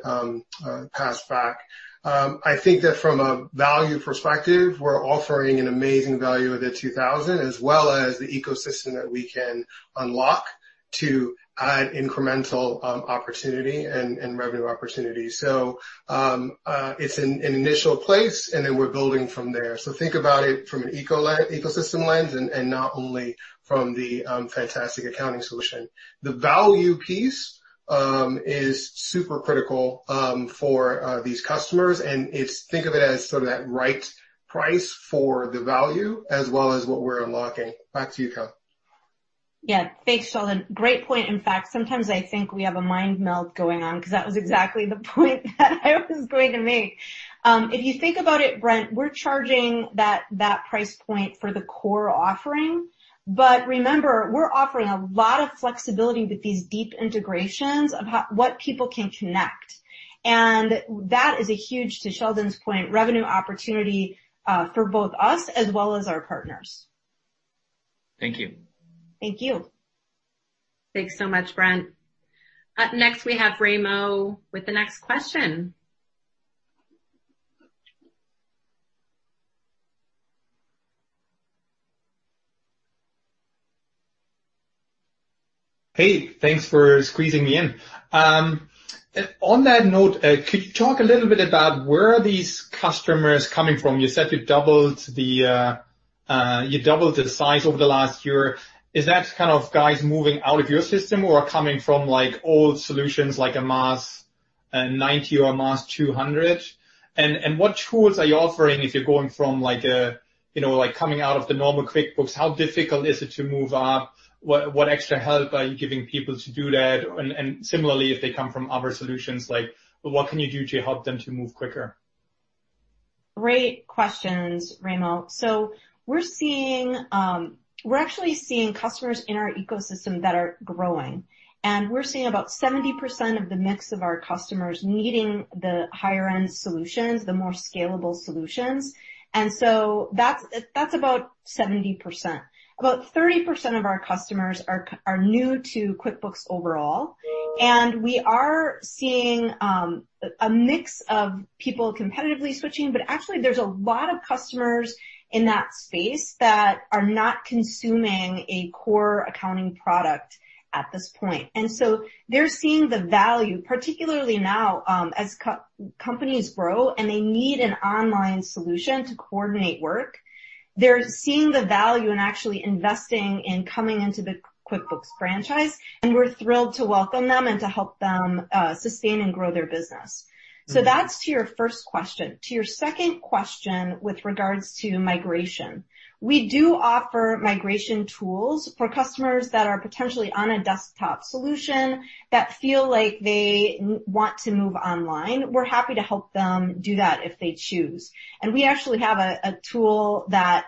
Speaker 19: pass back. I think that from a value perspective, we're offering an amazing value at the 2,000, as well as the ecosystem that we can unlock to add incremental opportunity and revenue opportunity. It's an initial place, and then we're building from there. Think about it from an ecosystem lens and not only from the fantastic accounting solution. The value piece is super critical for these customers, and think of it as sort of that right price for the value as well as what we're unlocking. Back to you, Kelly.
Speaker 20: Yeah. Thanks, Sheldon. Great point. In fact, sometimes I think we have a mind meld going on because that was exactly the point that I was going to make. If you think about it, Brent, we're charging that price point for the core offering. Remember, we're offering a lot of flexibility with these deep integrations of what people can connect. That is a huge, to Sheldon's point, revenue opportunity for both of us as well as our partners.
Speaker 21: Thank you.
Speaker 20: Thank you.
Speaker 5: Thanks so much, Brent. Up next, we have Raimo with the next question.
Speaker 22: Hey, thanks for squeezing me in. Could you talk a little bit about where these customers are coming from? You said you doubled the size over the last year. Is that kind of guys moving out of your system or coming from old solutions like a MAS 90 or MAS 200? What tools are you offering if you're going from coming out of the normal QuickBooks? How difficult is it to move up? What extra help are you giving people to do that? Similarly, if they come from other solutions, what can you do to help them to move quicker?
Speaker 20: Great questions, Raimo. We're actually seeing customers in our ecosystem that are growing, and we're seeing about 70% of the mix of our customers needing the higher-end solutions, the more scalable solutions. That's about 70%. About 30% of our customers are new to QuickBooks overall, and we are seeing a mix of people competitively switching, but actually there's a lot of customers in that space that are not consuming a core accounting product at this point. They're seeing the value, particularly now as companies grow and they need an online solution to coordinate work. They're seeing the value in actually investing in coming into the QuickBooks franchise, and we're thrilled to welcome them and to help them sustain and grow their business. That's to your first question. To your second question with regards to migration, we do offer migration tools for customers that are potentially on a desktop solution that feel like they want to move online. We're happy to help them do that if they choose. We actually have a tool that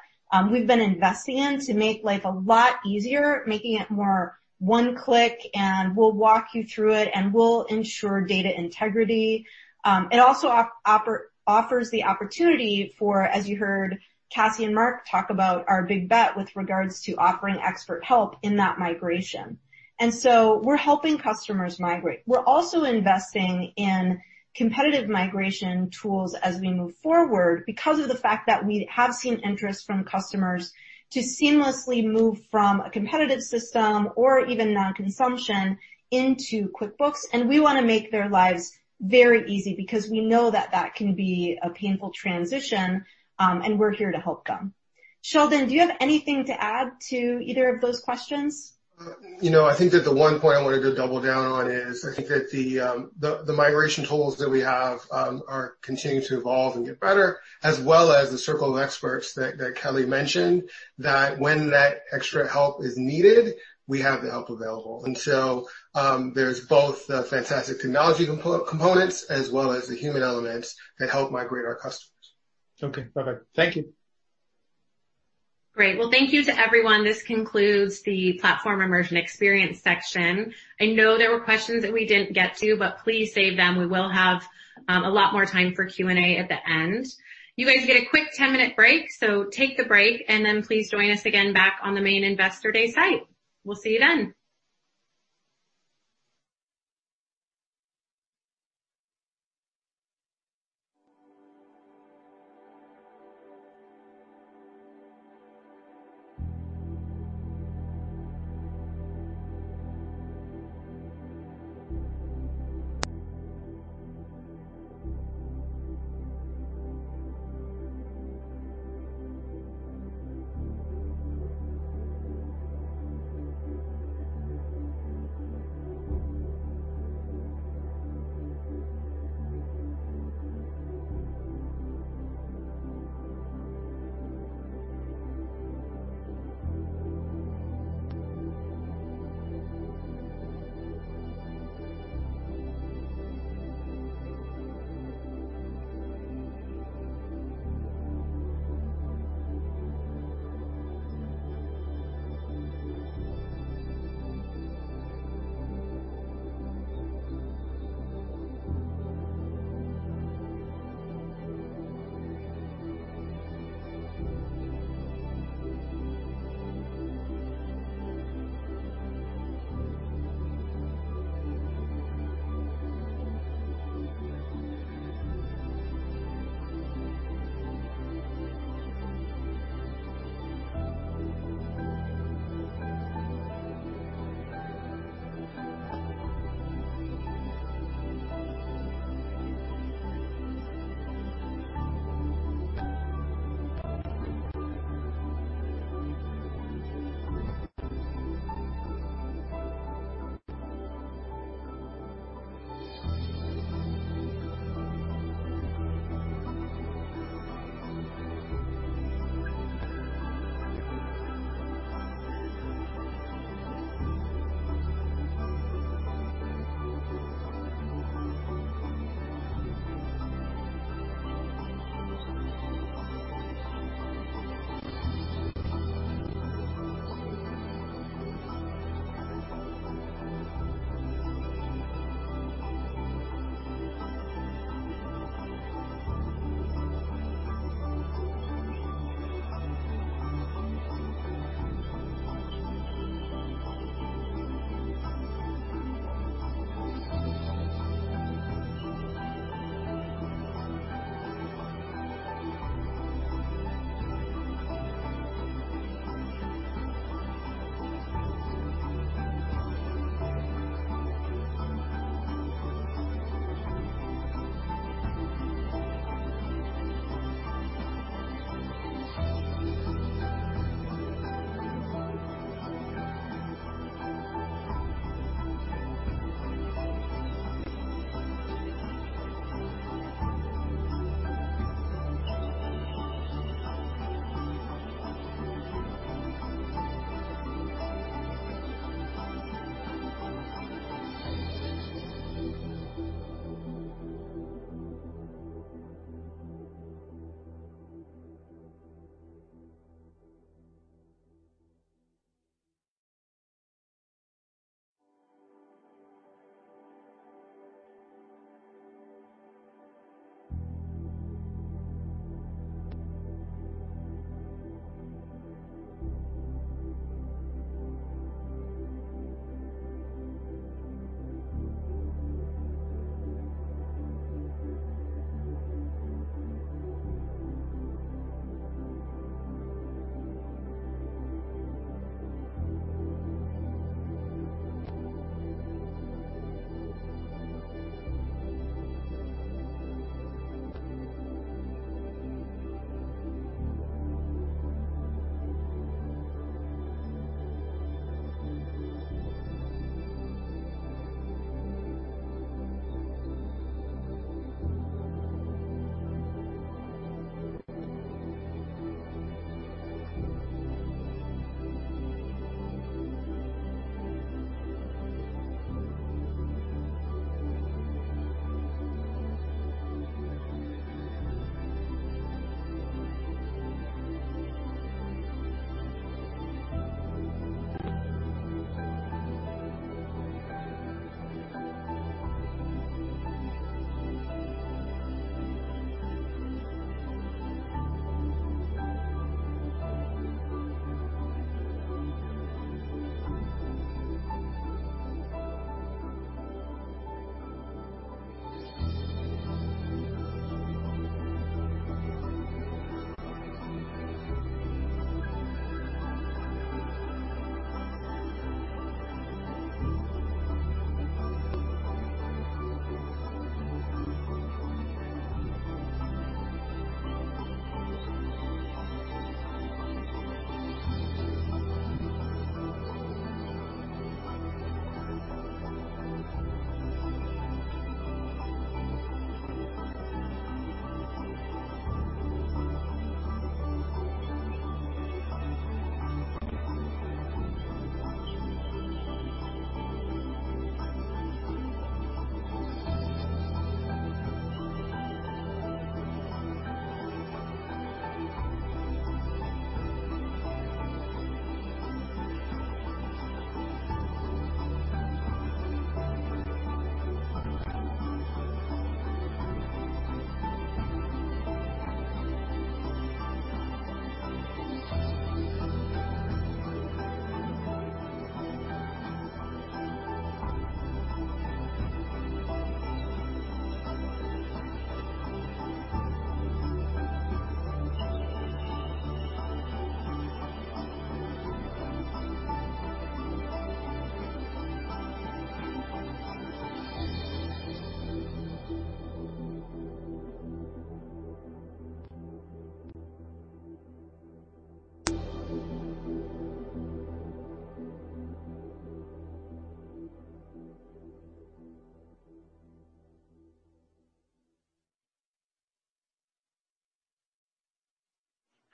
Speaker 20: we've been investing in to make life a lot easier, making it more one click, and we'll walk you through it, and we'll ensure data integrity. It also offers the opportunity for, as you heard Cassie and Mark talk about our big bet with regards to offering expert help in that migration. We're helping customers migrate. We're also investing in competitive migration tools as we move forward because of the fact that we have seen interest from customers to seamlessly move from a competitive system or even non-consumption into QuickBooks, and we want to make their lives very easy because we know that that can be a painful transition, and we're here to help them. Sheldon, do you have anything to add to either of those questions?
Speaker 19: I think that the one point I wanted to double down on is I think that the migration tools that we have are continuing to evolve and get better, as well as the circle of experts that Kelly mentioned, that when that extra help is needed, we have the help available. There's both the fantastic technology components as well as the human elements that help migrate our customers.
Speaker 22: Okay. Bye-bye. Thank you.
Speaker 5: Great. Well, thank you to everyone. This concludes the platform immersion experience section. I know there were questions that we didn't get to. Please save them. We will have a lot more time for Q&A at the end. You guys get a quick 10-minute break. Take the break. Please join us again back on the main Investor Day site. We'll see you then.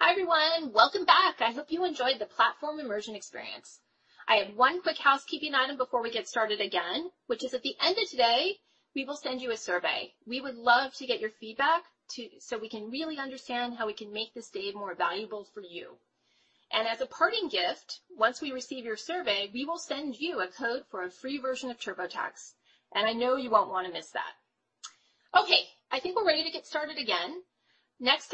Speaker 1: Hi, everyone. Welcome back. I hope you enjoyed the platform immersion experience. I have one quick housekeeping item before we get started again, which is at the end of today, we will send you a survey. We would love to get your feedback. We can really understand how we can make this day more valuable for you. As a parting gift, once we receive your survey, we will send you a code for a free version of TurboTax. I know you won't want to miss that. Okay, I think we're ready to get started again. Next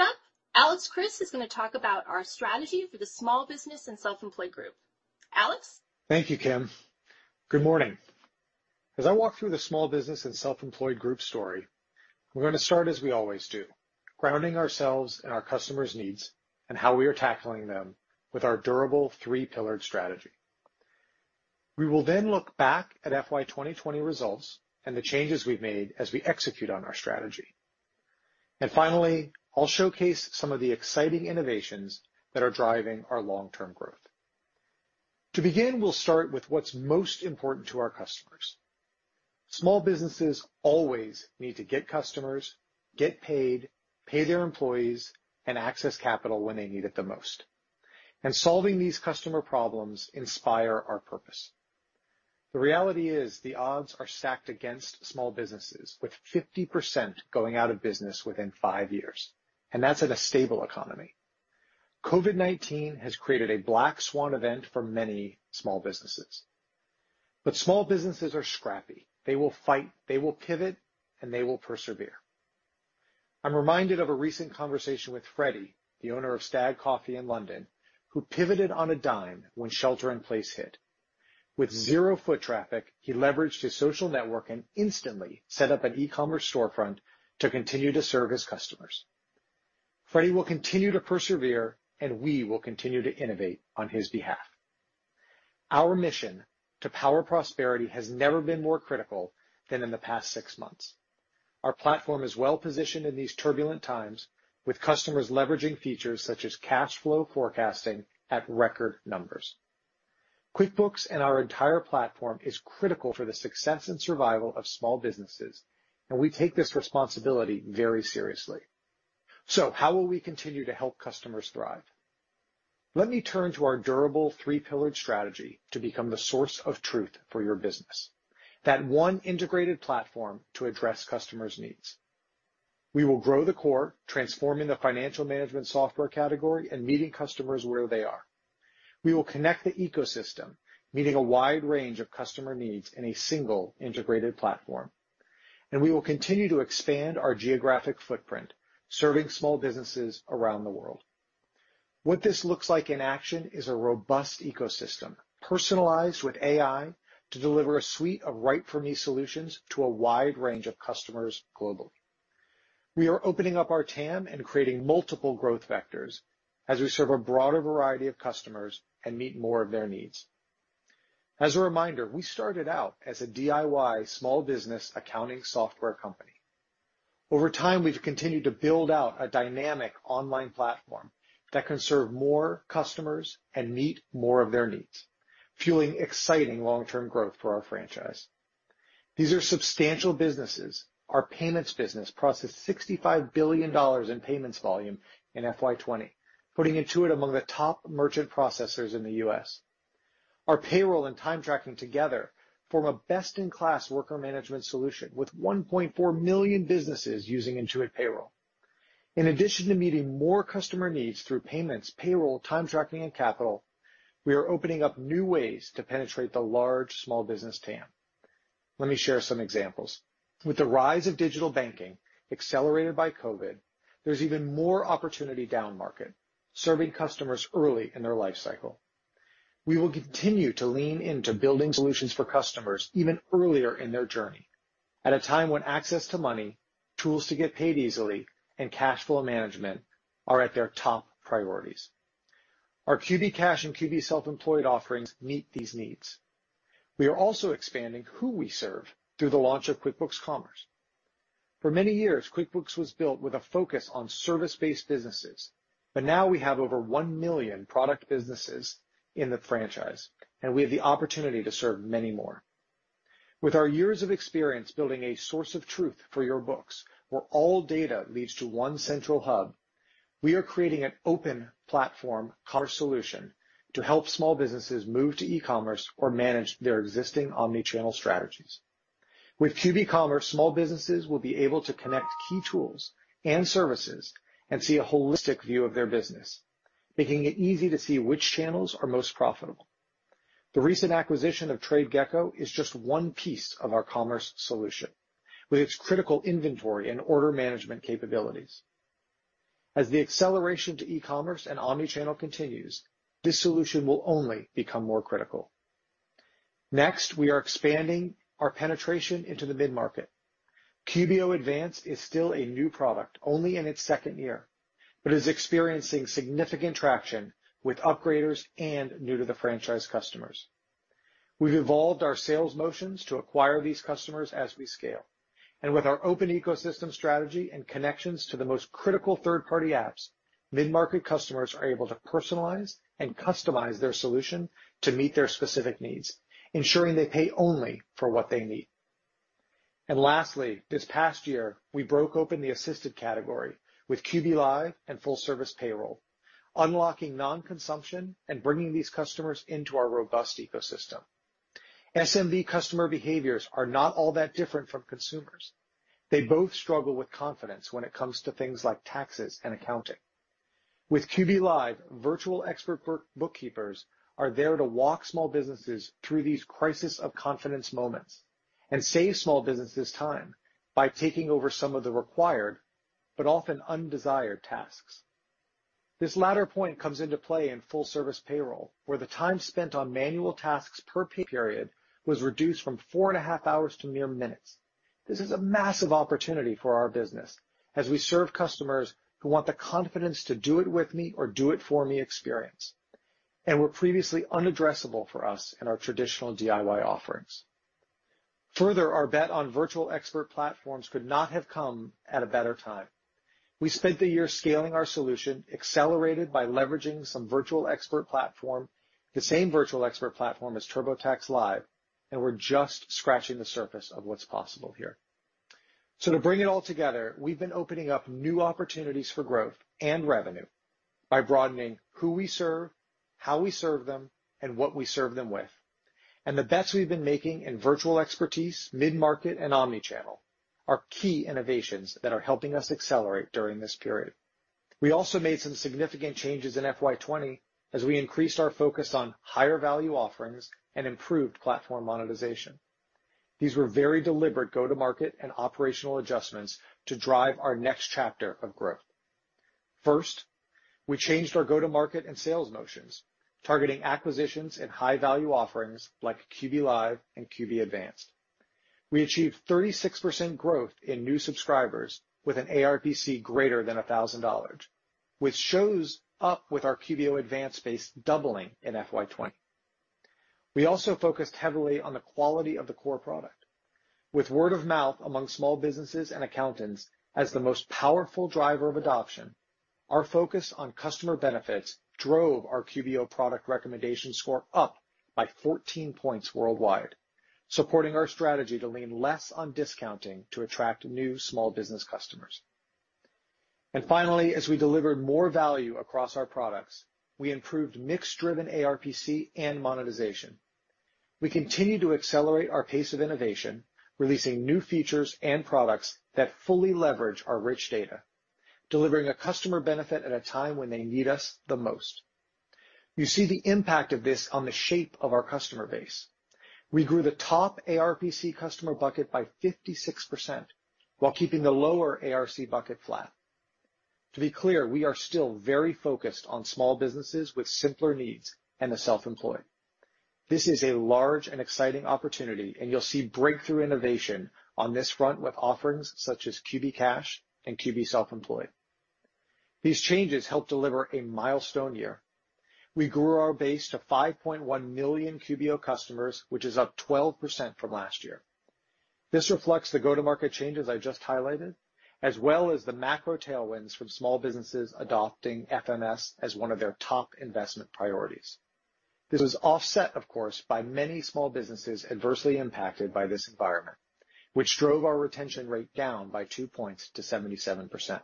Speaker 1: up, Alex Chriss is going to talk about our strategy for the Small Business and Self-Employed Group. Alex?
Speaker 23: Thank you, Kim. Good morning. As I walk through the Small Business and Self-Employed Group story, we're going to start as we always do, grounding ourselves in our customers' needs and how we are tackling them with our durable three-pillared strategy. We will then look back at FY 2020 results and the changes we've made as we execute on our strategy. Finally, I'll showcase some of the exciting innovations that are driving our long-term growth. To begin, we'll start with what's most important to our customers. Small businesses always need to get customers, get paid, pay their employees, and access capital when they need it the most. Solving these customer problems inspire our purpose. The reality is, the odds are stacked against small businesses, with 50% going out of business within five years, and that's in a stable economy. COVID-19 has created a black swan event for many small businesses. Small businesses are scrappy. They will fight, they will pivot, and they will persevere. I'm reminded of a recent conversation with Freddy, the owner of Stag Coffee in London, who pivoted on a dime when shelter in place hit. With zero foot traffic, he leveraged his social network and instantly set up an e-commerce storefront to continue to serve his customers. Freddy will continue to persevere, and we will continue to innovate on his behalf. Our mission to power prosperity has never been more critical than in the past six months. Our platform is well-positioned in these turbulent times, with customers leveraging features such as cash flow forecasting at record numbers. QuickBooks and our entire platform is critical for the success and survival of small businesses, and we take this responsibility very seriously. How will we continue to help customers thrive? Let me turn to our durable three-pillared strategy to become the source of truth for your business. That one integrated platform to address customers' needs. We will grow the core, transforming the financial management software category and meeting customers where they are. We will connect the ecosystem, meeting a wide range of customer needs in a single integrated platform. We will continue to expand our geographic footprint, serving small businesses around the world. What this looks like in action is a robust ecosystem, personalized with AI to deliver a suite of right-for-me solutions to a wide range of customers globally. We are opening up our TAM and creating multiple growth vectors as we serve a broader variety of customers and meet more of their needs. As a reminder, we started out as a DIY small business accounting software company. Over time, we've continued to build out a dynamic online platform that can serve more customers and meet more of their needs, fueling exciting long-term growth for our franchise. These are substantial businesses. Our payments business processed $65 billion in payments volume in FY 2020, putting Intuit among the top merchant processors in the U.S. Our payroll and time tracking together form a best-in-class worker management solution, with 1.4 million businesses using Intuit Payroll. In addition to meeting more customer needs through payments, payroll, time tracking, and capital, we are opening up new ways to penetrate the large small business TAM. Let me share some examples. With the rise of digital banking accelerated by COVID, there's even more opportunity down-market, serving customers early in their life cycle. We will continue to lean into building solutions for customers even earlier in their journey, at a time when access to money, tools to get paid easily, and cash flow management are at their top priorities. Our QuickBooks Cash and QuickBooks Self-Employed offerings meet these needs. We are also expanding who we serve through the launch of QuickBooks Commerce. For many years, QuickBooks was built with a focus on service-based businesses, but now we have over 1 million product businesses in the franchise, and we have the opportunity to serve many more. With our years of experience building a source of truth for your books, where all data leads to one central hub, we are creating an open platform commerce solution to help small businesses move to e-commerce or manage their existing omni-channel strategies. With QuickBooks Commerce, small businesses will be able to connect key tools and services and see a holistic view of their business, making it easy to see which channels are most profitable. The recent acquisition of TradeGecko is just one piece of our commerce solution, with its critical inventory and order management capabilities. As the acceleration to e-commerce and omni-channel continues, this solution will only become more critical. Next, we are expanding our penetration into the mid-market. QuickBooks Online Advanced is still a new product, only in its second year, but is experiencing significant traction with upgraders and new-to-the-franchise customers. We've evolved our sales motions to acquire these customers as we scale. With our open ecosystem strategy and connections to the most critical third-party apps, mid-market customers are able to personalize and customize their solution to meet their specific needs, ensuring they pay only for what they need. Lastly, this past year, we broke open the assisted category with QB Live and full-service payroll, unlocking non-consumption and bringing these customers into our robust ecosystem. SMB customer behaviors are not all that different from consumers. They both struggle with confidence when it comes to things like taxes and accounting. With QB Live, virtual expert bookkeepers are there to walk small businesses through these crisis of confidence moments and save small businesses time by taking over some of the required but often undesired tasks. This latter point comes into play in full service payroll, where the time spent on manual tasks per pay period was reduced from four and a half hours to mere minutes. This is a massive opportunity for our business as we serve customers who want the confidence to do it with me or do it for me experience, and were previously un-addressable for us in our traditional DIY offerings. Further, our bet on virtual expert platforms could not have come at a better time. We spent the year scaling our solution, accelerated by leveraging some virtual expert platform, the same virtual expert platform as TurboTax Live, we're just scratching the surface of what's possible here. To bring it all together, we've been opening up new opportunities for growth and revenue by broadening who we serve, how we serve them, and what we serve them with. The bets we've been making in virtual expertise, mid-market, and omni-channel are key innovations that are helping us accelerate during this period/ We also made some significant changes in FY 2020 as we increased our focus on higher value offerings and improved platform monetization. These were very deliberate go-to-market and operational adjustments to drive our next chapter of growth. First, we changed our go-to-market and sales motions, targeting acquisitions in high-value offerings like QB Live and QB Advanced. We achieved 36% growth in new subscribers with an ARPC greater than $1,000, which shows up with our QBO Advanced space doubling in FY 2020. We also focused heavily on the quality of the core product. With word of mouth among small businesses and accountants as the most powerful driver of adoption, our focus on customer benefits drove our QBO product recommendation score up by 14 points worldwide. Supporting our strategy to lean less on discounting to attract new small business customers. Finally, as we deliver more value across our products, we improved mix-driven ARPC and monetization. We continue to accelerate our pace of innovation, releasing new features and products that fully leverage our rich data, delivering a customer benefit at a time when they need us the most. You see the impact of this on the shape of our customer base. We grew the top ARPC customer bucket by 56%, while keeping the lower ARPC bucket flat. To be clear, we are still very focused on small businesses with simpler needs and the self-employed. This is a large and exciting opportunity, and you'll see breakthrough innovation on this front with offerings such as QB Cash and QB Self-Employed. These changes helped deliver a milestone year. We grew our base to 5.1 million QBO customers, which is up 12% from last year. This reflects the go-to-market changes I just highlighted, as well as the macro tailwinds from small businesses adopting FMS as one of their top investment priorities. This was offset, of course, by many small businesses adversely impacted by this environment, which drove our retention rate down by two points to 77%.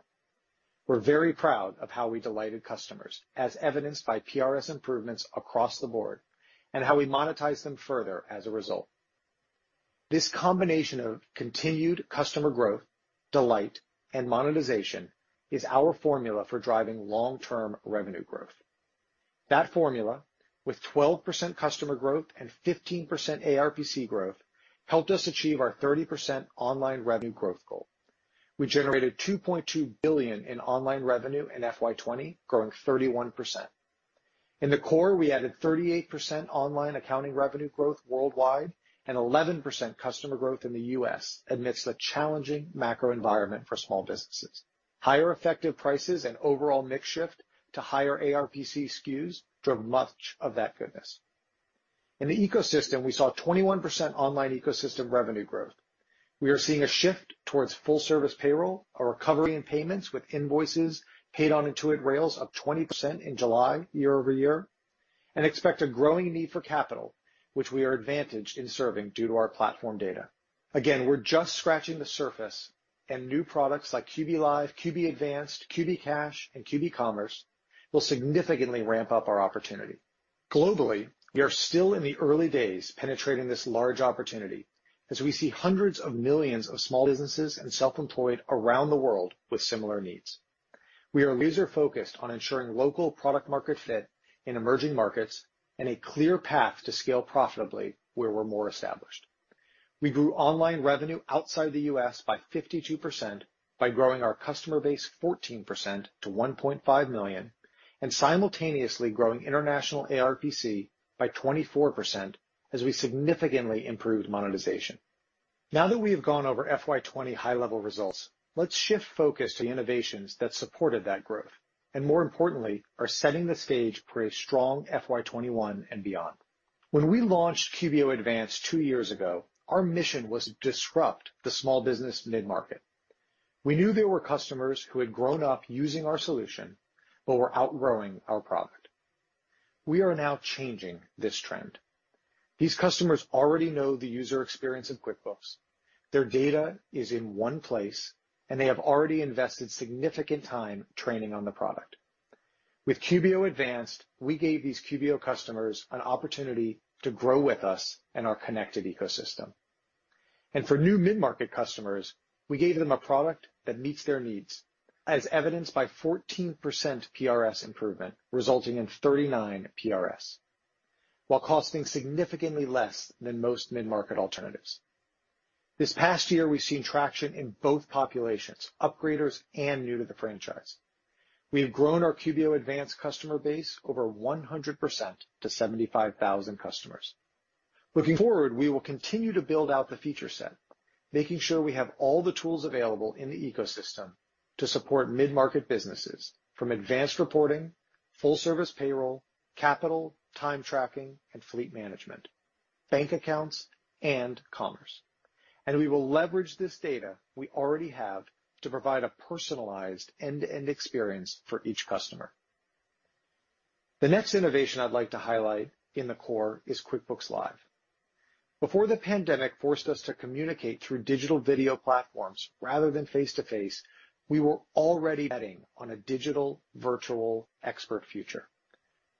Speaker 23: We're very proud of how we delighted customers, as evidenced by PRS improvements across the board, and how we monetize them further as a result. This combination of continued customer growth, delight, and monetization is our formula for driving long-term revenue growth. That formula, with 12% customer growth and 15% ARPC growth, helped us achieve our 30% online revenue growth goal. We generated $2.2 billion in online revenue in FY 2020, growing 31%. In the core, we added 38% online accounting revenue growth worldwide and 11% customer growth in the U.S. amidst a challenging macro environment for small businesses. Higher effective prices and overall mix shift to higher ARPC SKUs drove much of that goodness. In the ecosystem, we saw 21% online ecosystem revenue growth. We are seeing a shift towards full service payroll, a recovery in payments with invoices paid on Intuit rails up 20% in July year-over-year, and expect a growing need for capital, which we are advantaged in serving due to our platform data. Again, we're just scratching the surface and new products like QB Live, QB Advanced, QB Cash, and QB Commerce will significantly ramp up our opportunity. Globally, we are still in the early days penetrating this large opportunity as we see hundreds of millions of small businesses and self-employed around the world with similar needs. We are laser focused on ensuring local product market fit in emerging markets and a clear path to scale profitably where we're more established. We grew online revenue outside of the U.S. by 52% by growing our customer base 14% to 1.5 million and simultaneously growing international ARPC by 24% as we significantly improved monetization. Now that we have gone over FY 2020 high-level results, let's shift focus to the innovations that supported that growth, and more importantly, are setting the stage for a strong FY 2021 and beyond. When we launched QBO Advanced two years ago, our mission was to disrupt the small business mid-market. We knew there were customers who had grown up using our solution but were outgrowing our product. We are now changing this trend. These customers already know the user experience in QuickBooks. Their data is in one place, and they have already invested significant time training on the product. With QBO Advanced, we gave these QBO customers an opportunity to grow with us and our connected ecosystem. For new mid-market customers, we gave them a product that meets their needs, as evidenced by 14% PRS improvement, resulting in 39 PRS, while costing significantly less than most mid-market alternatives. This past year, we've seen traction in both populations, upgraders and new to the franchise. We have grown our QBO Advanced customer base over 100% to 75,000 customers. Looking forward, we will continue to build out the feature set, making sure we have all the tools available in the ecosystem to support mid-market businesses, from advanced reporting, full service payroll, QuickBooks Capital, time tracking, and fleet management, QuickBooks Cash, and QuickBooks Commerce. We will leverage this data we already have to provide a personalized end-to-end experience for each customer. The next innovation I'd like to highlight in the core is QuickBooks Live. Before the pandemic forced us to communicate through digital video platforms rather than face-to-face, we were already betting on a digital virtual expert future.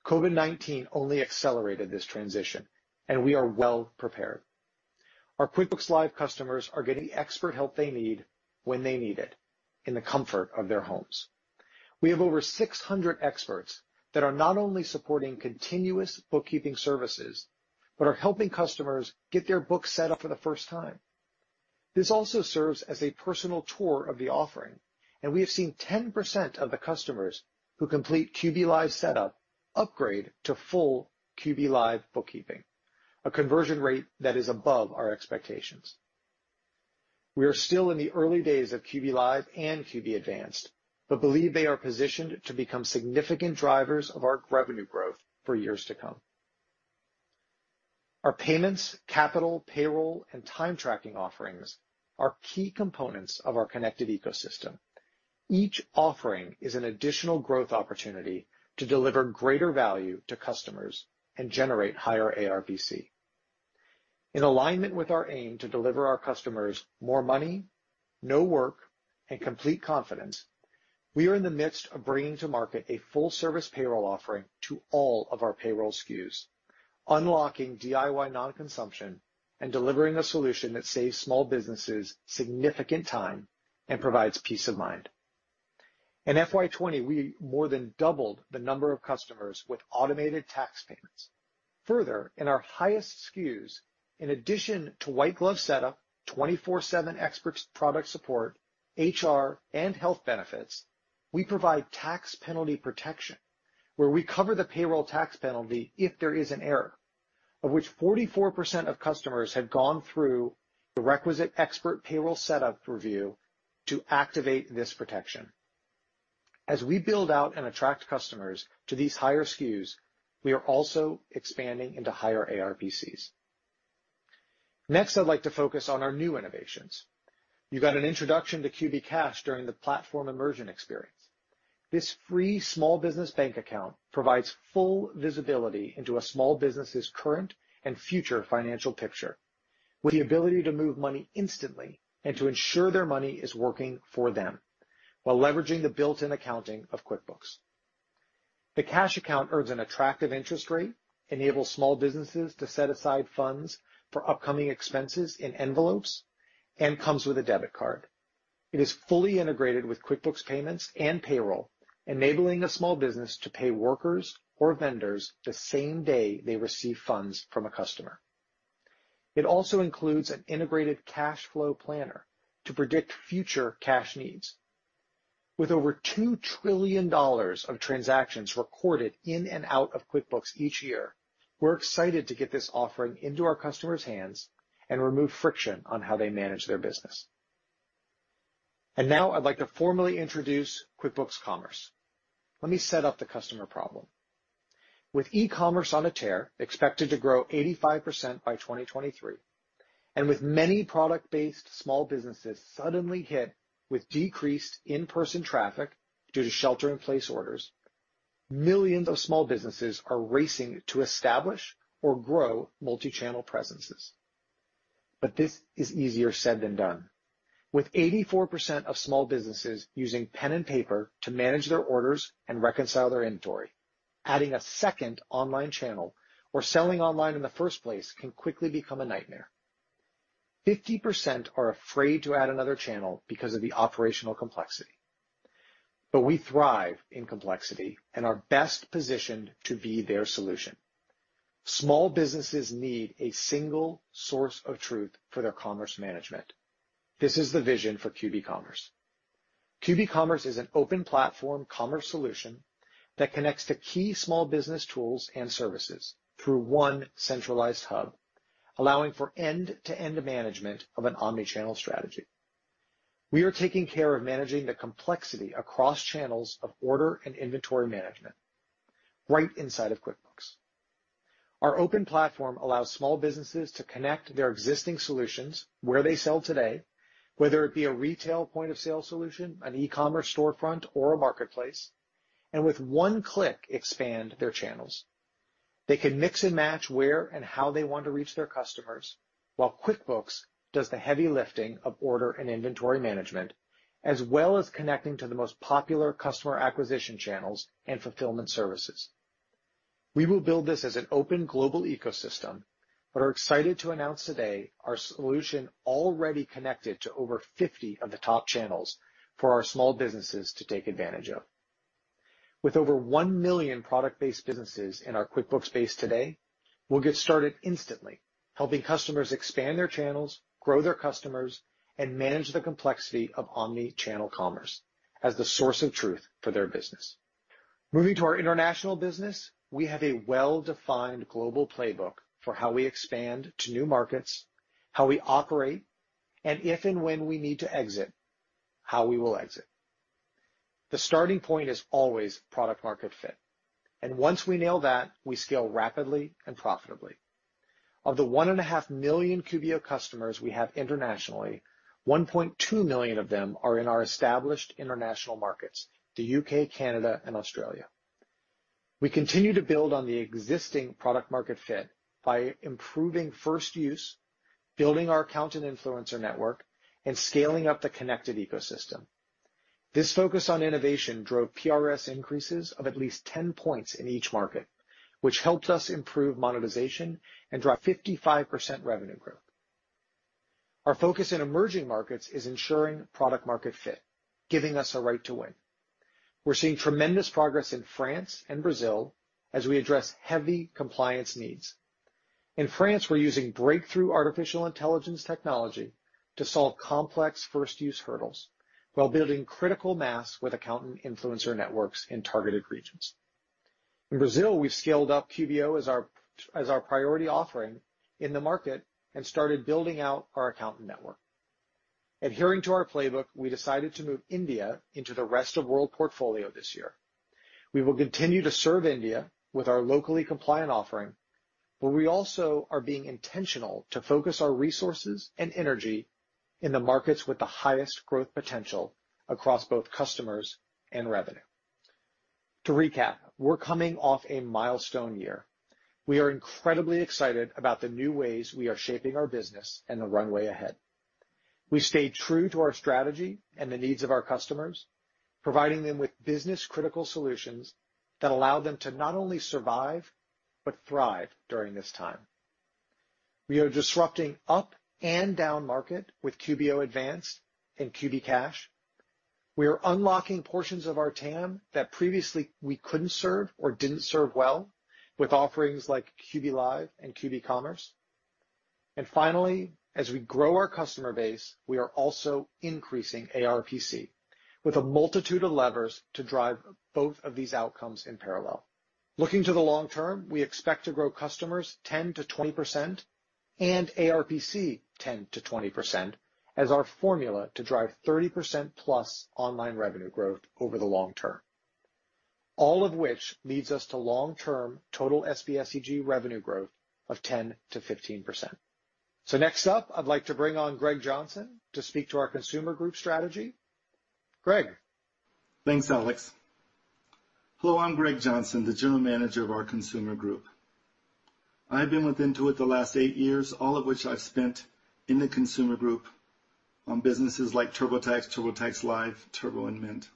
Speaker 23: COVID-19 only accelerated this transition, and we are well prepared. Our QuickBooks Live customers are getting expert help they need when they need it in the comfort of their homes. We have over 600 experts that are not only supporting continuous bookkeeping services, but are helping customers get their books set up for the first time. This also serves as a personal tour of the offering, and we have seen 10% of the customers who complete QB Live setup upgrade to full QB Live bookkeeping, a conversion rate that is above our expectations. We are still in the early days of QB Live and QB Advanced, but believe they are positioned to become significant drivers of our revenue growth for years to come. Our payments, capital, payroll, and time tracking offerings are key components of our connected ecosystem. Each offering is an additional growth opportunity to deliver greater value to customers and generate higher ARPC. In alignment with our aim to deliver our customers more money, no work, and complete confidence, we are in the midst of bringing to market a full-service payroll offering to all of our payroll SKUs, unlocking DIY non-consumption and delivering a solution that saves small businesses significant time and provides peace of mind. In FY 2020, we more than doubled the number of customers with automated tax payments. Further, in our highest SKUs, in addition to white glove setup, 24 seven expert product support, HR and health benefits, we provide tax penalty protection, where we cover the payroll tax penalty if there is an error, of which 44% of customers have gone through the requisite expert payroll setup review to activate this protection. As we build out and attract customers to these higher SKUs, we are also expanding into higher ARPCs. Next, I'd like to focus on our new innovations. You got an introduction to QB Cash during the platform immersion experience. This free small business bank account provides full visibility into a small business's current and future financial picture, with the ability to move money instantly and to ensure their money is working for them while leveraging the built-in accounting of QuickBooks. The cash account earns an attractive interest rate, enables small businesses to set aside funds for upcoming expenses in envelopes, and comes with a debit card. It is fully integrated with QuickBooks Payments and Payroll, enabling a small business to pay workers or vendors the same day they receive funds from a customer. It also includes an integrated cash flow planner to predict future cash needs. With over $2 trillion of transactions recorded in and out of QuickBooks each year, we're excited to get this offering into our customers' hands and remove friction on how they manage their business. Now I'd like to formally introduce QuickBooks Commerce. Let me set up the customer problem. With e-commerce on a tear, expected to grow 85% by 2023, and with many product-based small businesses suddenly hit with decreased in-person traffic due to shelter in place orders, millions of small businesses are racing to establish or grow multi-channel presences. This is easier said than done. With 84% of small businesses using pen and paper to manage their orders and reconcile their inventory, adding a second online channel or selling online in the first place can quickly become a nightmare. 50% are afraid to add another channel because of the operational complexity. We thrive in complexity and are best positioned to be their solution. Small businesses need a single source of truth for their commerce management. This is the vision for QuickBooks Commerce. QB Commerce is an open platform commerce solution that connects to key small business tools and services through one centralized hub, allowing for end-to-end management of an omni-channel strategy. We are taking care of managing the complexity across channels of order and inventory management right inside of QuickBooks. Our open platform allows small businesses to connect their existing solutions where they sell today, whether it be a retail point-of-sale solution, an e-commerce storefront, or a marketplace, and with one click, expand their channels. They can mix and match where and how they want to reach their customers, while QuickBooks does the heavy lifting of order and inventory management, as well as connecting to the most popular customer acquisition channels and fulfillment services. We will build this as an open global ecosystem but are excited to announce today our solution already connected to over 50 of the top channels for our small businesses to take advantage of. With over 1 million product-based businesses in our QuickBooks base today, we'll get started instantly helping customers expand their channels, grow their customers, and manage the complexity of omni-channel commerce as the source of truth for their business. Moving to our international business, we have a well-defined global playbook for how we expand to new markets, how we operate, and if and when we need to exit, how we will exit. The starting point is always product market fit, and once we nail that, we scale rapidly and profitably. Of the one and a half million QBO customers we have internationally, 1.2 million of them are in our established international markets, the U.K., Canada, and Australia. We continue to build on the existing product market fit by improving first use, building our accountant influencer network, and scaling up the connected ecosystem. This focus on innovation drove PRS increases of at least 10 points in each market, which helped us improve monetization and drive 55% revenue growth. Our focus in emerging markets is ensuring product market fit, giving us a right to win. We are seeing tremendous progress in France and Brazil as we address heavy compliance needs. In France, we are using breakthrough artificial intelligence technology to solve complex first-use hurdles while building critical mass with accountant influencer networks in targeted regions. In Brazil, we have scaled up QBO as our priority offering in the market and started building out our accountant network. Adhering to our playbook, we decided to move India into the rest of world portfolio this year. We will continue to serve India with our locally compliant offering, but we also are being intentional to focus our resources and energy in the markets with the highest growth potential across both customers and revenue. To recap, we're coming off a milestone year. We are incredibly excited about the new ways we are shaping our business and the runway ahead. We stayed true to our strategy and the needs of our customers, providing them with business critical solutions that allow them to not only survive but thrive during this time. We are disrupting up and down market with QBO Advanced and QB Cash. We are unlocking portions of our TAM that previously we couldn't serve or didn't serve well with offerings like QB Live and QB Commerce. Finally, as we grow our customer base, we are also increasing ARPC with a multitude of levers to drive both of these outcomes in parallel. Looking to the long term, we expect to grow customers 10%-20% and ARPC 10%-20% as our formula to drive 30%+ online revenue growth over the long term. All of which leads us to long-term total SBSE revenue growth of 10%-15%. Next up, I'd like to bring on Greg Johnson to speak to our Consumer Group strategy. Greg?
Speaker 24: Thanks, Alex. Hello, I'm Greg Johnson, the General Manager of our consumer group. I've been with Intuit the last eight years, all of which I've spent in the consumer group on businesses like TurboTax Live, Turbo and Mint.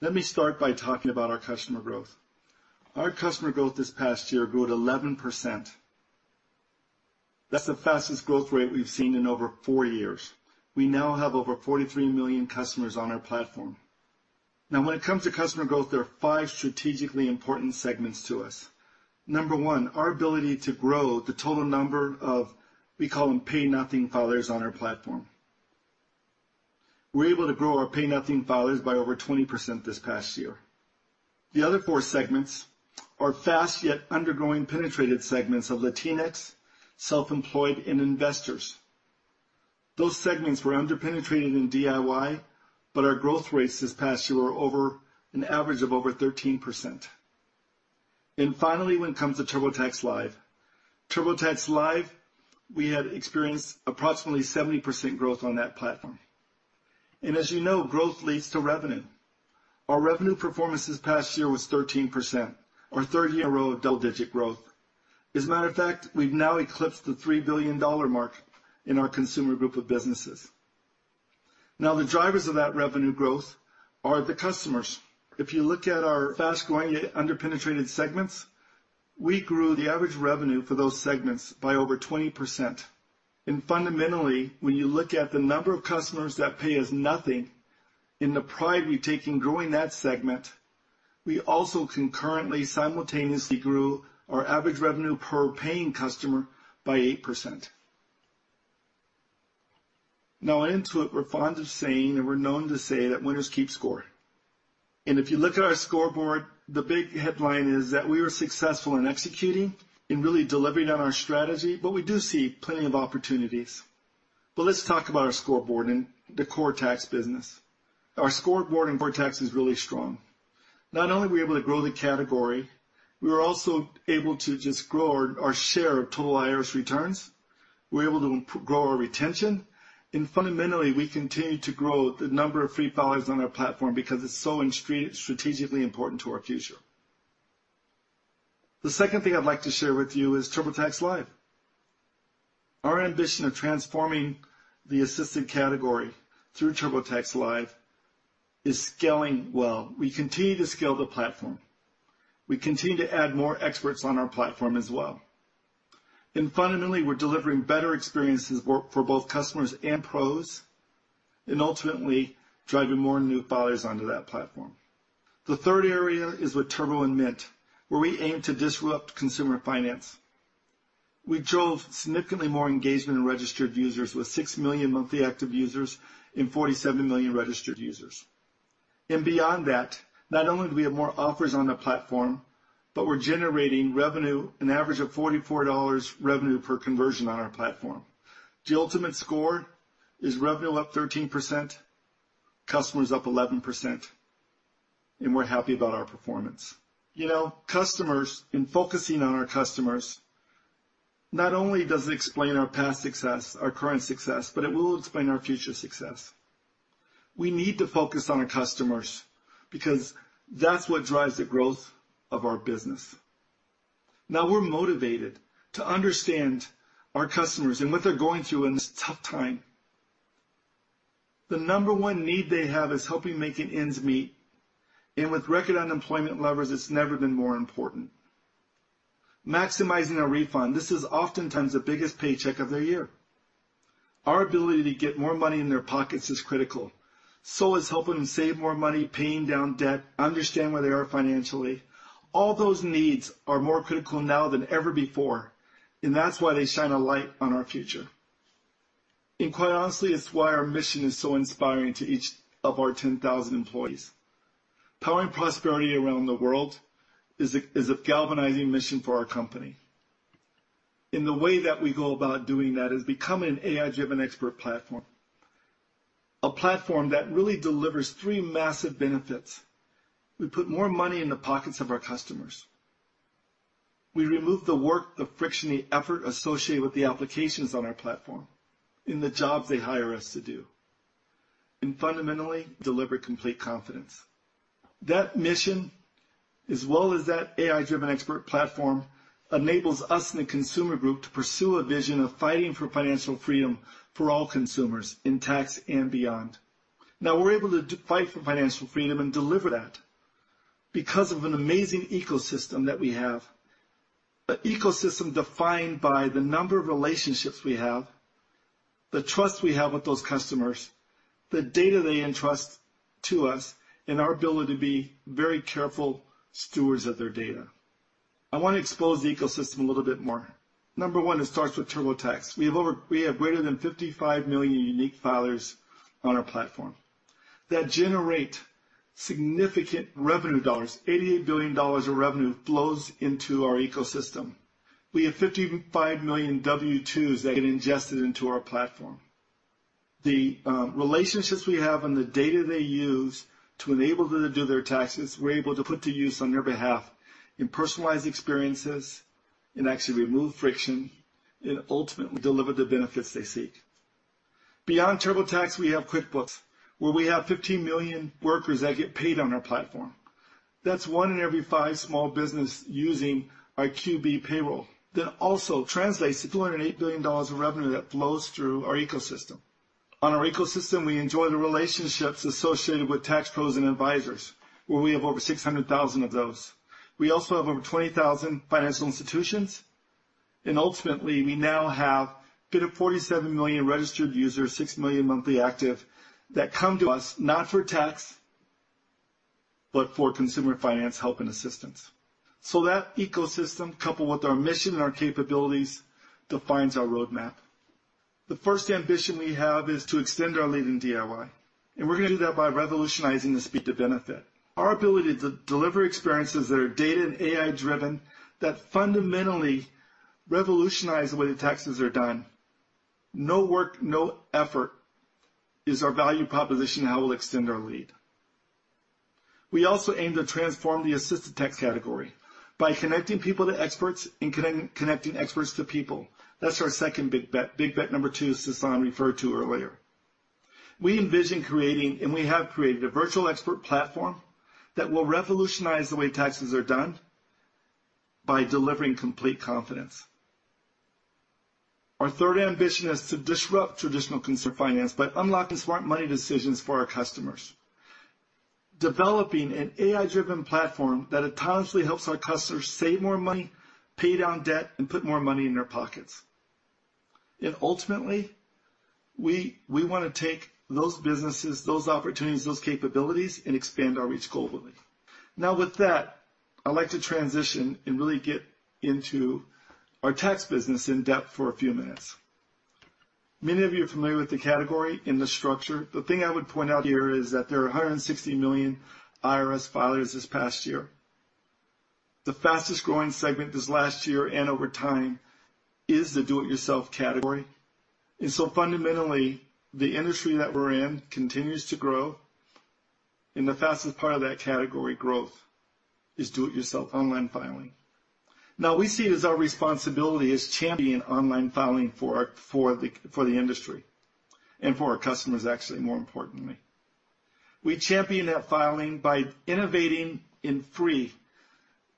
Speaker 24: Let me start by talking about our customer growth. Our customer growth this past year grew at 11%. That's the fastest growth rate we've seen in over four years. We now have over 43 million customers on our platform. Now, when it comes to customer growth, there are five strategically important segments to us. Number 1, our ability to grow the total number of, we call them pay nothing filers on our platform. We were able to grow our pay nothing filers by over 20% this past year. The other four segments are fast yet undergoing penetrated segments of Latinx, self-employed, and investors. Those segments were under-penetrated in DIY, our growth rates this past year were over an average of over 13%. Finally, when it comes to TurboTax Live. TurboTax Live, we have experienced approximately 70% growth on that platform. As you know, growth leads to revenue. Our revenue performance this past year was 13%, our third year in a row of double-digit growth. As a matter of fact, we've now eclipsed the $3 billion mark in our Consumer Group of businesses. The drivers of that revenue growth are the customers. If you look at our fast-growing yet under-penetrated segments, we grew the average revenue for those segments by over 20%. Fundamentally, when you look at the number of customers that pay us nothing and the pride we take in growing that segment, we also concurrently, simultaneously grew our average revenue per paying customer by 8%. At Intuit, we're fond of saying, and we're known to say that winners keep score. If you look at our scoreboard, the big headline is that we were successful in executing and really delivering on our strategy, but we do see plenty of opportunities. Let's talk about our scoreboard and the core tax business. Our scoreboard in core tax is really strong. Not only were we able to grow the category, we were also able to just grow our share of total IRS returns. We were able to grow our retention, and fundamentally, we continued to grow the number of free filers on our platform because it's so strategically important to our future. The second thing I'd like to share with you is TurboTax Live. Our ambition of transforming the assisted category through TurboTax Live is scaling well. We continue to scale the platform. We continue to add more experts on our platform as well. Fundamentally, we're delivering better experiences for both customers and pros, and ultimately driving more new filers onto that platform. The third area is with Turbo and Mint, where we aim to disrupt consumer finance. We drove significantly more engagement in registered users with 6 million monthly active users and 47 million registered users. Beyond that, not only do we have more offers on the platform, but we're generating revenue, an average of $44 revenue per conversion on our platform. The ultimate score is revenue up 13%, customers up 11%, and we're happy about our performance. Customers, in focusing on our customers, not only does it explain our past success, our current success, but it will explain our future success. We need to focus on our customers because that's what drives the growth of our business. We're motivated to understand our customers and what they're going through in this tough time. The number one need they have is helping making ends meet, and with record unemployment levels, it's never been more important. Maximizing a refund, this is oftentimes the biggest paycheck of their year. Our ability to get more money in their pockets is critical. Is helping them save more money, paying down debt, understand where they are financially. All those needs are more critical now than ever before, and that's why they shine a light on our future. Quite honestly, it's why our mission is so inspiring to each of our 10,000 employees. Powering prosperity around the world is a galvanizing mission for our company. The way that we go about doing that is becoming an AI-driven expert platform. A platform that really delivers three massive benefits. We put more money in the pockets of our customers. We remove the work, the friction, the effort associated with the applications on our platform in the jobs they hire us to do, and fundamentally deliver complete confidence. That mission, as well as that AI-driven expert platform, enables us in the Consumer Group to pursue a vision of fighting for financial freedom for all consumers in tax and beyond. Now, we're able to fight for financial freedom and deliver that because of an amazing ecosystem that we have. An ecosystem defined by the number of relationships we have, the trust we have with those customers, the data they entrust to us, and our ability to be very careful stewards of their data. I want to expose the ecosystem a little bit more. Number one, it starts with TurboTax. We have greater than 55 million unique filers on our platform that generate significant revenue dollars, $88 billion of revenue flows into our ecosystem. We have 55 million W-2s that get ingested into our platform. The relationships we have and the data they use to enable them to do their taxes, we are able to put to use on their behalf in personalized experiences and actually remove friction and ultimately deliver the benefits they seek. Beyond TurboTax, we have QuickBooks, where we have 15 million workers that get paid on our platform. That is one in every five small business using our QB Payroll. That also translates to $208 billion of revenue that flows through our ecosystem. On our ecosystem, we enjoy the relationships associated with tax pros and advisors, where we have over 600,000 of those. We also have over 20,000 financial institutions. Ultimately, we now have a bit of 47 million registered users, 6 million monthly active, that come to us not for tax, but for consumer finance help and assistance. That ecosystem, coupled with our mission and our capabilities, defines our roadmap. The first ambition we have is to extend our leading DIY. We're going to do that by revolutionizing the speed to benefit. Our ability to deliver experiences that are data and AI-driven, that fundamentally revolutionize the way the taxes are done. No work, no effort is our value proposition, how we'll extend our lead. We also aim to transform the assisted tax category by connecting people to experts and connecting experts to people. That's our second big bet. Big bet number two Sasan referred to earlier. We envision creating, and we have created, a virtual expert platform that will revolutionize the way taxes are done by delivering complete confidence. Our third ambition is to disrupt traditional consumer finance by unlocking smart money decisions for our customers. Developing an AI-driven platform that autonomously helps our customers save more money, pay down debt, and put more money in their pockets. Ultimately, we want to take those businesses, those opportunities, those capabilities, and expand our reach globally. With that, I'd like to transition and really get into our tax business in depth for a few minutes. Many of you are familiar with the category and the structure. The thing I would point out here is that there are 160 million IRS filers this past year. The fastest-growing segment this last year and over time is the do it yourself category. Fundamentally, the industry that we're in continues to grow, and the fastest part of that category growth is DIY online filing. Now we see it as our responsibility as champion online filing for the industry and for our customers, actually, more importantly. We champion that filing by innovating in free,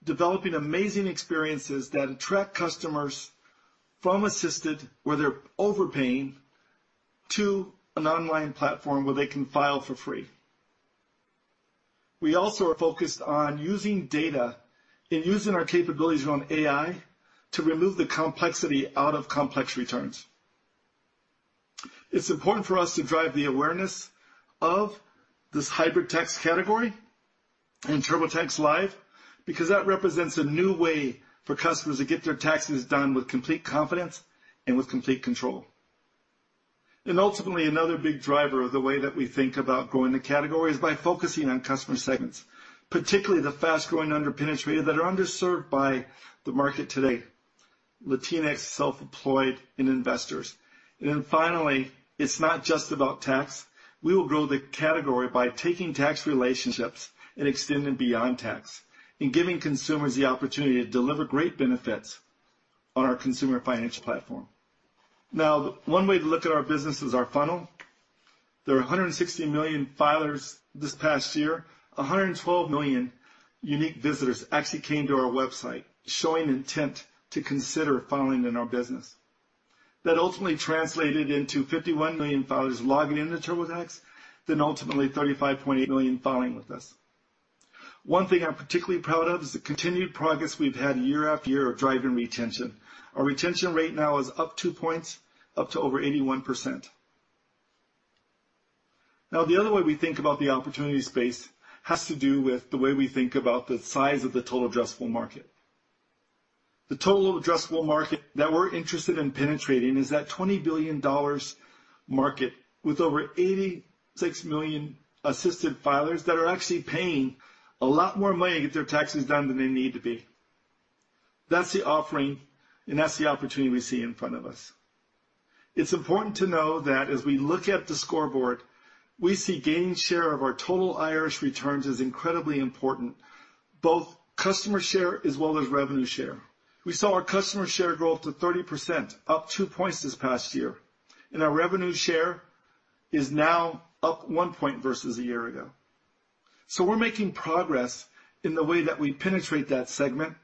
Speaker 24: developing amazing experiences that attract customers from assisted, where they're overpaying, to an online platform where they can file for free. We also are focused on using data and using our capabilities around AI to remove the complexity out of complex returns. It's important for us to drive the awareness of this hybrid tax category and TurboTax Live because that represents a new way for customers to get their taxes done with complete confidence and with complete control. Ultimately, another big driver of the way that we think about growing the category is by focusing on customer segments, particularly the fast-growing under-penetrated that are underserved by the market today, Latinx, self-employed, and investors. Finally, it's not just about tax. We will grow the category by taking tax relationships and extending beyond tax and giving consumers the opportunity to deliver great benefits on our consumer financial platform. One way to look at our business is our funnel. There are 160 million filers this past year, 112 million unique visitors actually came to our website, showing intent to consider filing in our business. That ultimately translated into 51 million filers logging into TurboTax, then ultimately 35.8 million filing with us. One thing I'm particularly proud of is the continued progress we've had year after year of driving retention. Our retention rate now is up two points, up to over 81%. The other way we think about the opportunity space has to do with the way we think about the size of the total addressable market. The total addressable market that we're interested in penetrating is that $20 billion market with over 86 million assisted filers that are actually paying a lot more money to get their taxes done than they need to be. That's the offering, and that's the opportunity we see in front of us. It's important to know that as we look at the scoreboard, we see gain share of our total IRS returns as incredibly important, both customer share as well as revenue share. We saw our customer share grow up to 30%, up two points this past year, and our revenue share is now up one point versus a year ago. We're making progress in the way that we penetrate that segment,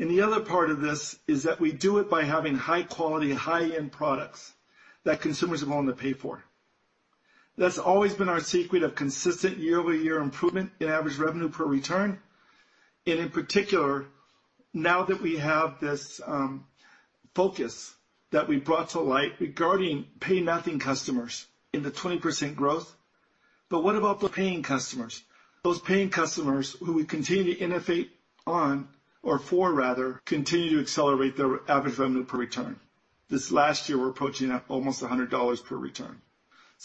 Speaker 24: and the other part of this is that we do it by having high quality, high-end products that consumers are willing to pay for. That's always been our secret of consistent year-over-year improvement in average revenue per return, and in particular, now that we have this focus that we brought to light regarding pay nothing customers in the 20% growth. What about the paying customers? Those paying customers who we continue to innovate on, or for rather, continue to accelerate their average revenue per return. This last year, we're approaching that almost $100 per return.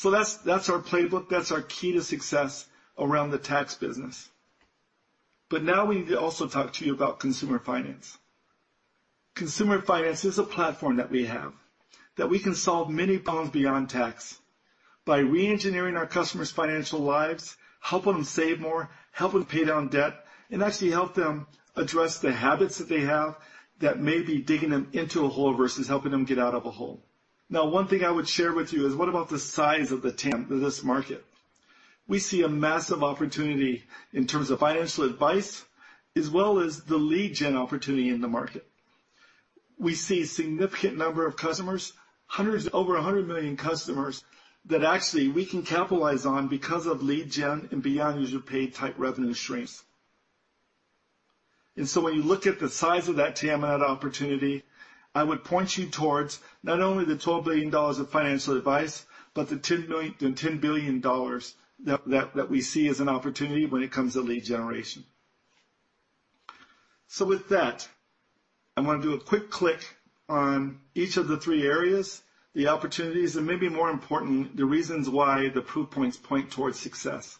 Speaker 24: That's our playbook, that's our key to success around the tax business. Now we need to also talk to you about consumer finance. Consumer finance is a platform that we have, that we can solve many problems beyond tax by re-engineering our customers' financial lives, helping them save more, helping pay down debt, and actually help them address the habits that they have that may be digging them into a hole versus helping them get out of a hole. One thing I would share with you is, what about the size of the TAM for this market? We see a massive opportunity in terms of financial advice, as well as the lead gen opportunity in the market. We see a significant number of customers, over 100 million customers that actually we can capitalize on because of lead gen and beyond user paid type revenue streams. When you look at the size of that TAM and that opportunity, I would point you towards not only the $12 billion of financial advice, but the $10 billion that we see as an opportunity when it comes to lead generation. With that, I want to do a quick click on each of the three areas, the opportunities, and maybe more important, the reasons why the proof points point towards success.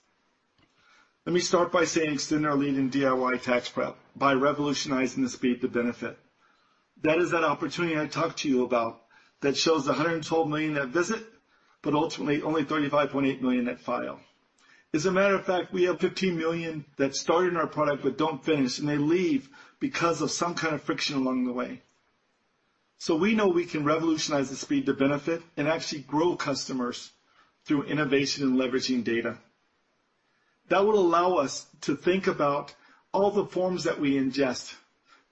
Speaker 24: Let me start by saying extend our lead in DIY tax prep by revolutionizing the speed to benefit. That is that opportunity I talked to you about that shows 112 million that visit, but ultimately only 35.8 million that file. As a matter of fact, we have 15 million that started our product but don't finish, and they leave because of some kind of friction along the way. We know we can revolutionize the speed to benefit and actually grow customers through innovation and leveraging data. That would allow us to think about all the forms that we ingest,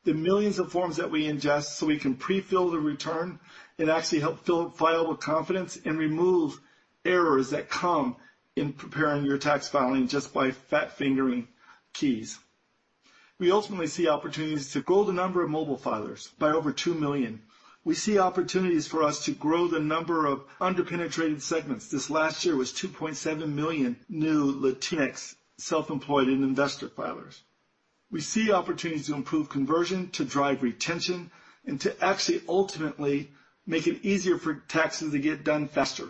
Speaker 24: the millions of forms that we ingest, so we can pre-fill the return and actually help fill file with confidence and remove errors that come in preparing your tax filing just by fat-fingering keys. We ultimately see opportunities to grow the number of mobile filers by over 2 million. We see opportunities for us to grow the number of under-penetrated segments. This last year was 2.7 million new Latinx self-employed and investor filers. We see opportunities to improve conversion, to drive retention, and to actually ultimately make it easier for taxes to get done faster.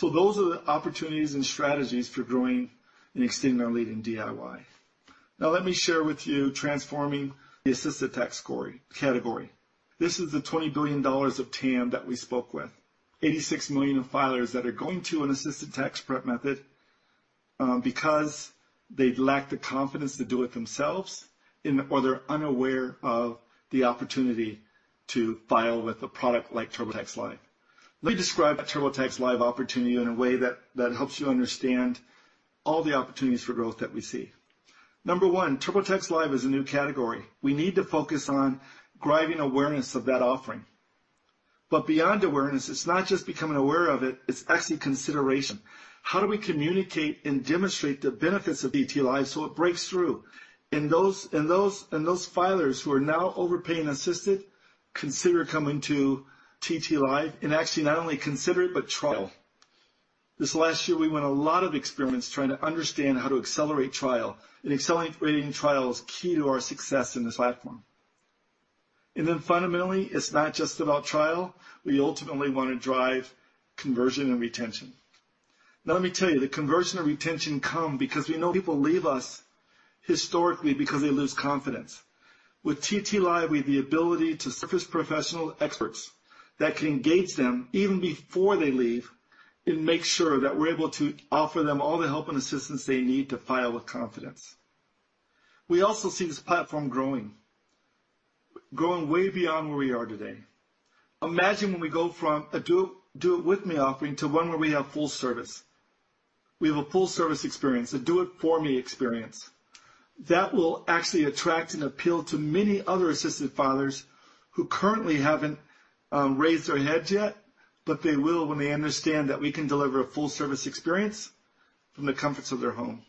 Speaker 24: Those are the opportunities and strategies for growing and extending our lead in DIY. Now let me share with you transforming the assisted tax category. This is the $20 billion of TAM that we spoke with. 86 million filers that are going to an assisted tax prep method because they lack the confidence to do it themselves or they're unaware of the opportunity to file with a product like TurboTax Live. Let me describe a TurboTax Live opportunity in a way that helps you understand all the opportunities for growth that we see. Number one, TurboTax Live is a new category. We need to focus on driving awareness of that offering. Beyond awareness, it's not just becoming aware of it's actually consideration. How do we communicate and demonstrate the benefits of TT Live so it breaks through? Those filers who are now overpaying assisted consider coming to TT Live, and actually not only consider it, but trial. This last year, we won a lot of experiments trying to understand how to accelerate trial. Accelerating trial is key to our success in this platform. Fundamentally, it's not just about trial. We ultimately want to drive conversion and retention. Now, let me tell you, the conversion and retention come because we know people leave us historically because they lose confidence. With TT Live, we have the ability to surface professional experts that can engage them even before they leave and make sure that we're able to offer them all the help and assistance they need to file with confidence. We also see this platform growing way beyond where we are today. Imagine when we go from a do it with me offering to one where we have full service. We have a full service experience, a do it for me experience. That will actually attract and appeal to many other assisted filers who currently haven't raised their heads yet, but they will when they understand that we can deliver a full service experience from the comforts of their home.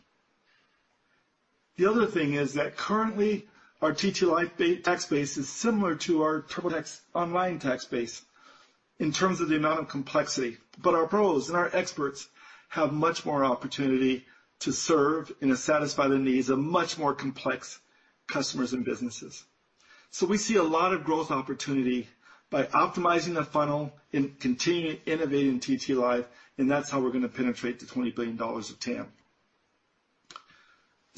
Speaker 24: The other thing is that currently our TT Live tax base is similar to our TurboTax Online tax base in terms of the amount of complexity. Our pros and our experts have much more opportunity to serve and satisfy the needs of much more complex customers and businesses. We see a lot of growth opportunity by optimizing the funnel and continuing innovating TT Live, and that's how we're going to penetrate the $20 billion of TAM.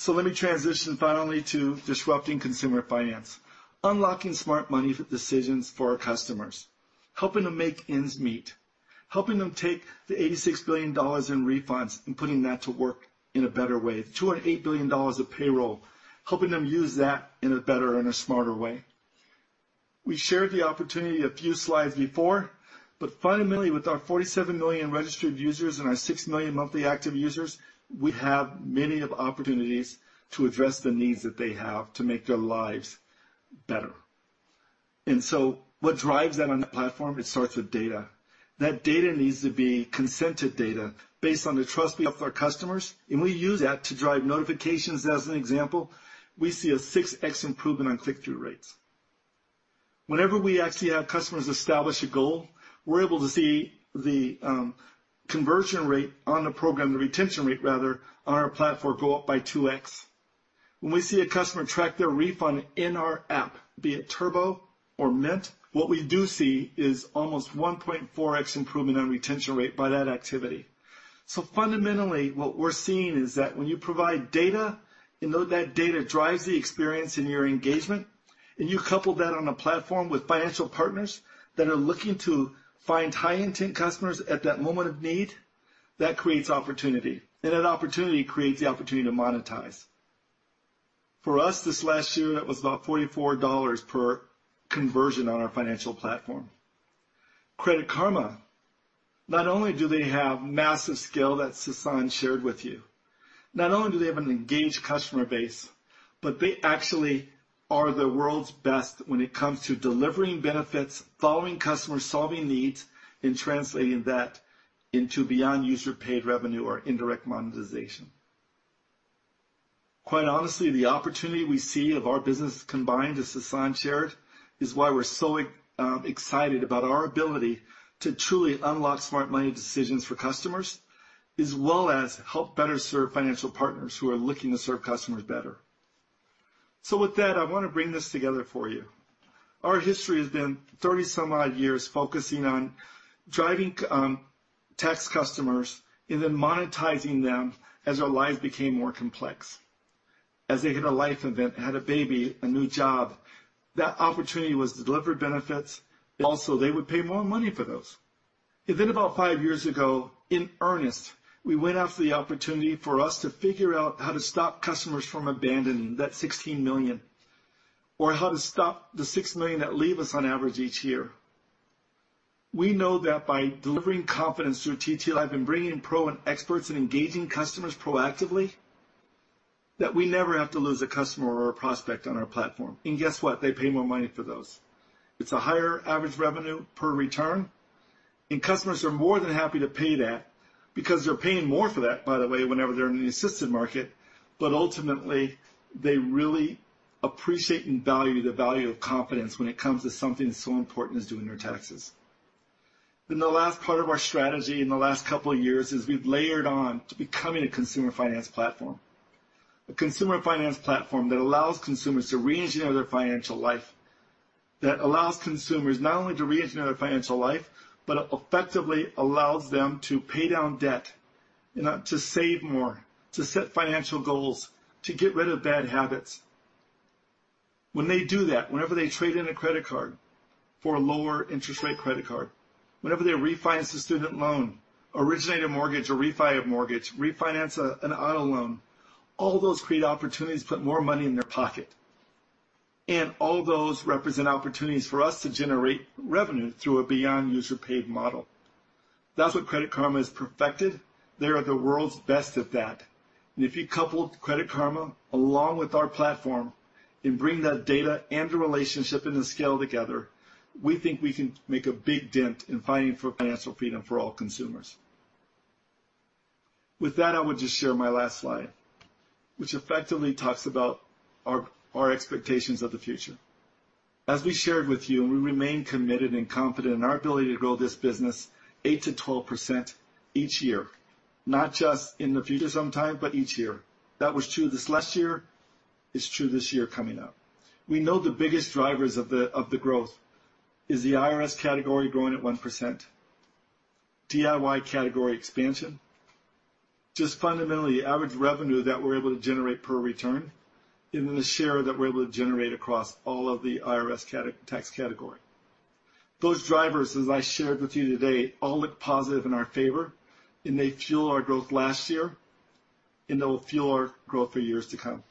Speaker 24: Let me transition finally to disrupting consumer finance, unlocking smart money decisions for our customers, helping them make ends meet, helping them take the $86 billion in refunds and putting that to work in a better way. The $208 billion of payroll, helping them use that in a better and a smarter way. We shared the opportunity a few slides before, but fundamentally, with our 47 million registered users and our six million monthly active users, we have many of opportunities to address the needs that they have to make their lives better. What drives that on that platform? It starts with data. That data needs to be consented data based on the trust we have with our customers, and we use that to drive notifications as an example. We see a 6X improvement on click-through rates. Whenever we actually have customers establish a goal, we're able to see the conversion rate on the program, the retention rate rather, on our platform go up by 2X. When we see a customer track their refund in our app, be it Turbo or Mint, what we do see is almost 1.4X improvement on retention rate by that activity. Fundamentally, what we're seeing is that when you provide data and know that data drives the experience in your engagement, and you couple that on a platform with financial partners that are looking to find high intent customers at that moment of need, that creates opportunity. That opportunity creates the opportunity to monetize. For us, this last year, that was about $44 per conversion on our financial platform. Credit Karma, not only do they have massive scale that Sasan shared with you, not only do they have an engaged customer base, but they actually are the world's best when it comes to delivering benefits, following customers, solving needs, and translating that into beyond user paid revenue or indirect monetization. Quite honestly, the opportunity we see of our business combined, as Sasan shared, is why we're so excited about our ability to truly unlock smart money decisions for customers, as well as help better serve financial partners who are looking to serve customers better. With that, I want to bring this together for you. Our history has been 30 some odd years focusing on driving tax customers and then monetizing them as their life became more complex. As they hit a life event, had a baby, a new job, that opportunity was to deliver benefits. They would pay more money for those. About five years ago, in earnest, we went after the opportunity for us to figure out how to stop customers from abandoning that 16 million, or how to stop the six million that leave us on average each year. We know that by delivering confidence through TT-Live and bringing pro and experts and engaging customers proactively, that we never have to lose a customer or a prospect on our platform. Guess what? They pay more money for those. It's a higher average revenue per return, and customers are more than happy to pay that because they're paying more for that, by the way, whenever they're in the assisted market. Ultimately, they really appreciate and value the value of confidence when it comes to something that's so important as doing their taxes. The last part of our strategy in the last couple of years is we've layered on to becoming a consumer finance platform. A consumer finance platform that allows consumers to re-engineer their financial life. That allows consumers not only to re-engineer their financial life, but effectively allows them to pay down debt, to save more, to set financial goals, to get rid of bad habits. When they do that, whenever they trade in a credit card for a lower interest rate credit card, whenever they refinance a student loan, originate a mortgage or refi a mortgage, refinance an auto loan, all those create opportunities to put more money in their pocket. All those represent opportunities for us to generate revenue through a beyond user paid model. That's what Credit Karma has perfected. They are the world's best at that. If you couple Credit Karma along with our platform and bring that data and the relationship and the scale together, we think we can make a big dent in fighting for financial freedom for all consumers. With that, I would just share my last slide, which effectively talks about our expectations of the future. As we shared with you, we remain committed and confident in our ability to grow this business 8%-12% each year, not just in the future sometime, but each year. That was true this last year. It's true this year coming up. We know the biggest drivers of the growth is the IRS category growing at 1%, DIY category expansion, just fundamentally average revenue that we're able to generate per return, and then the share that we're able to generate across all of the IRS tax category. Those drivers, as I shared with you today, all look positive in our favor, and they fueled our growth last year, and they will fuel our growth for years to come.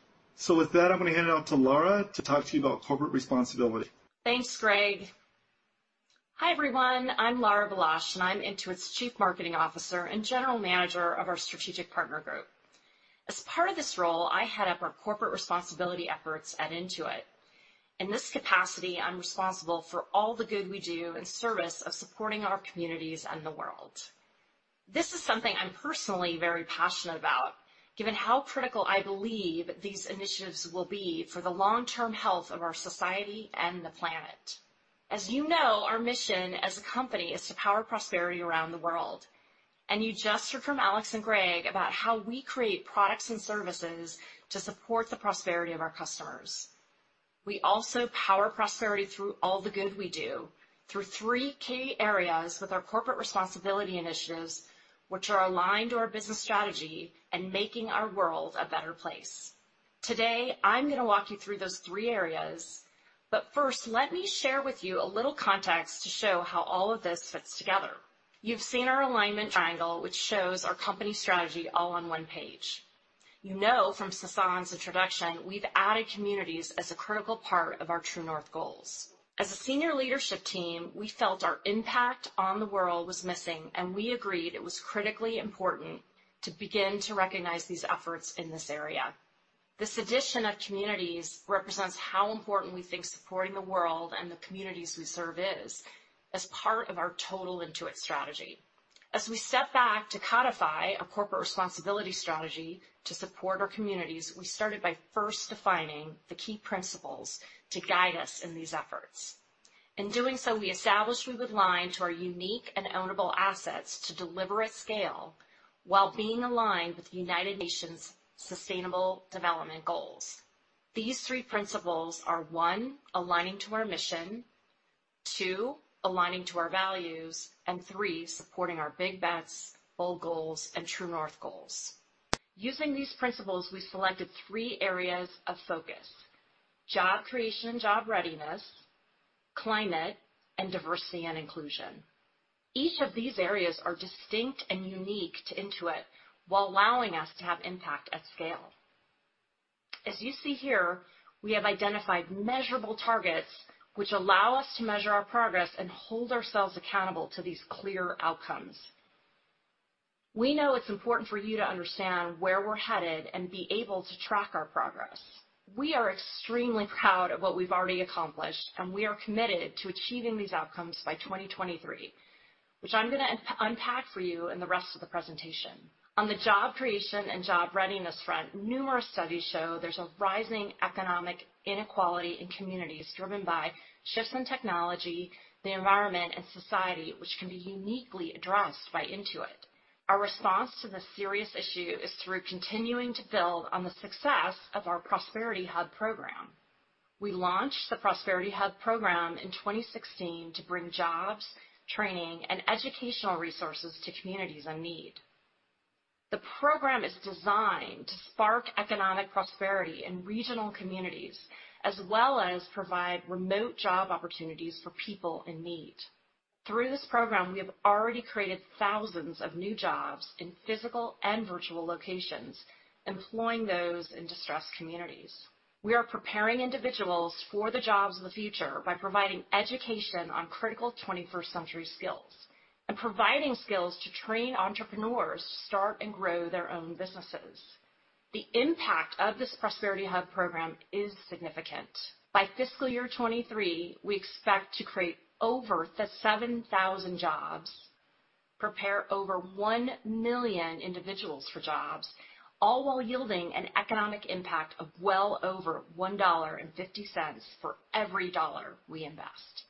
Speaker 24: With that, I'm going to hand it out to Lara to talk to you about corporate responsibility.
Speaker 25: Thanks, Greg. Hi, everyone. I'm Lara Balazs, and I'm Intuit's Chief Marketing Officer and General Manager of our Strategic Partner Group. As part of this role, I head up our corporate responsibility efforts at Intuit. In this capacity, I'm responsible for all the good we do in service of supporting our communities and the world. This is something I'm personally very passionate about, given how critical I believe these initiatives will be for the long-term health of our society and the planet. As you know, our mission as a company is to power prosperity around the world, and you just heard from Alex and Greg about how we create products and services to support the prosperity of our customers. We also power prosperity through all the good we do through three key areas with our corporate responsibility initiatives, which are aligned to our business strategy and making our world a better place. Today, I'm going to walk you through those three areas, but first, let me share with you a little context to show how all of this fits together. You've seen our alignment triangle, which shows our company strategy all on one page. You know from Sasan's introduction that we've added communities as a critical part of our True North goals. As a senior leadership team, we felt our impact on the world was missing, and we agreed it was critically important to begin to recognize these efforts in this area. This addition of communities represents how important we think supporting the world and the communities we serve is, as part of our total Intuit strategy. As we step back to codify a corporate responsibility strategy to support our communities, we started by first defining the key principles to guide us in these efforts. In doing so, we established we would align to our unique and ownable assets to deliver at scale while being aligned with the United Nations Sustainable Development Goals. These three principles are, one, aligning to our mission, two, aligning to our values, and three, supporting our big bets, bold goals, and True North goals. Using these principles, we selected three areas of focus, job creation and job readiness, climate, and diversity and inclusion. Each of these areas are distinct and unique to Intuit, while allowing us to have impact at scale. As you see here, we have identified measurable targets which allow us to measure our progress and hold ourselves accountable to these clear outcomes. We know it's important for you to understand where we're headed and be able to track our progress. We are extremely proud of what we've already accomplished, and we are committed to achieving these outcomes by 2023, which I'm going to unpack for you in the rest of the presentation. On the job creation and job readiness front, numerous studies show there's a rising economic inequality in communities driven by shifts in technology, the environment, and society, which can be uniquely addressed by Intuit. Our response to this serious issue is through continuing to build on the success of our Prosperity Hub program. We launched the Prosperity Hub program in 2016 to bring jobs, training, and educational resources to communities in need. The program is designed to spark economic prosperity in regional communities, as well as provide remote job opportunities for people in need. Through this program, we have already created thousands of new jobs in physical and virtual locations, employing those in distressed communities. We are preparing individuals for the jobs of the future by providing education on critical 21st-century skills and providing skills to train entrepreneurs to start and grow their own businesses. The impact of this Prosperity Hub program is significant. By fiscal year 2023, we expect to create over 7,000 jobs, prepare over 1 million individuals for jobs, all while yielding an economic impact of well over $1.50 for every dollar we invest.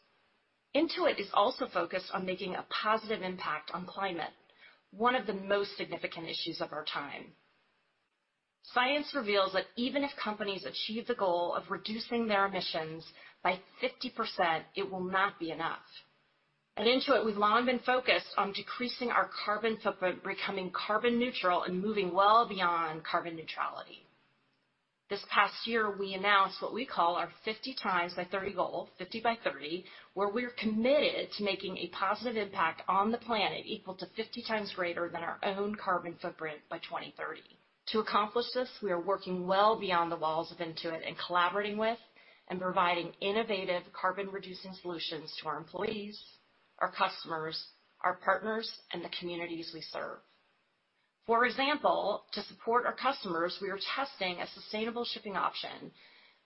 Speaker 25: Intuit is also focused on making a positive impact on climate, one of the most significant issues of our time. Science reveals that even if companies achieve the goal of reducing their emissions by 50%, it will not be enough. At Intuit, we've long been focused on decreasing our carbon footprint, becoming carbon neutral, and moving well beyond carbon neutrality. This past year, we announced what we call our 50 times by 30 goal, 50 by 30, where we're committed to making a positive impact on the planet equal to 50 times greater than our own carbon footprint by 2030. To accomplish this, we are working well beyond the walls of Intuit and collaborating with and providing innovative carbon-reducing solutions to our employees, our customers, our partners, and the communities we serve. For example, to support our customers, we are testing a sustainable shipping option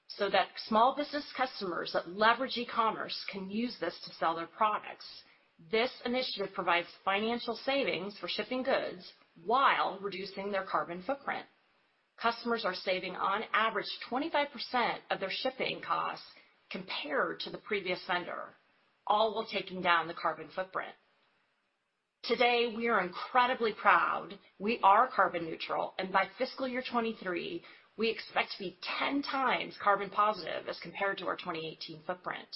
Speaker 25: so that small business customers that leverage e-commerce can use this to sell their products. This initiative provides financial savings for shipping goods while reducing their carbon footprint. Customers are saving on average 25% of their shipping costs compared to the previous vendor, all while taking down the carbon footprint. Today, we are incredibly proud. We are carbon neutral, and by FY 2023, we expect to be 10 times carbon positive as compared to our 2018 footprint.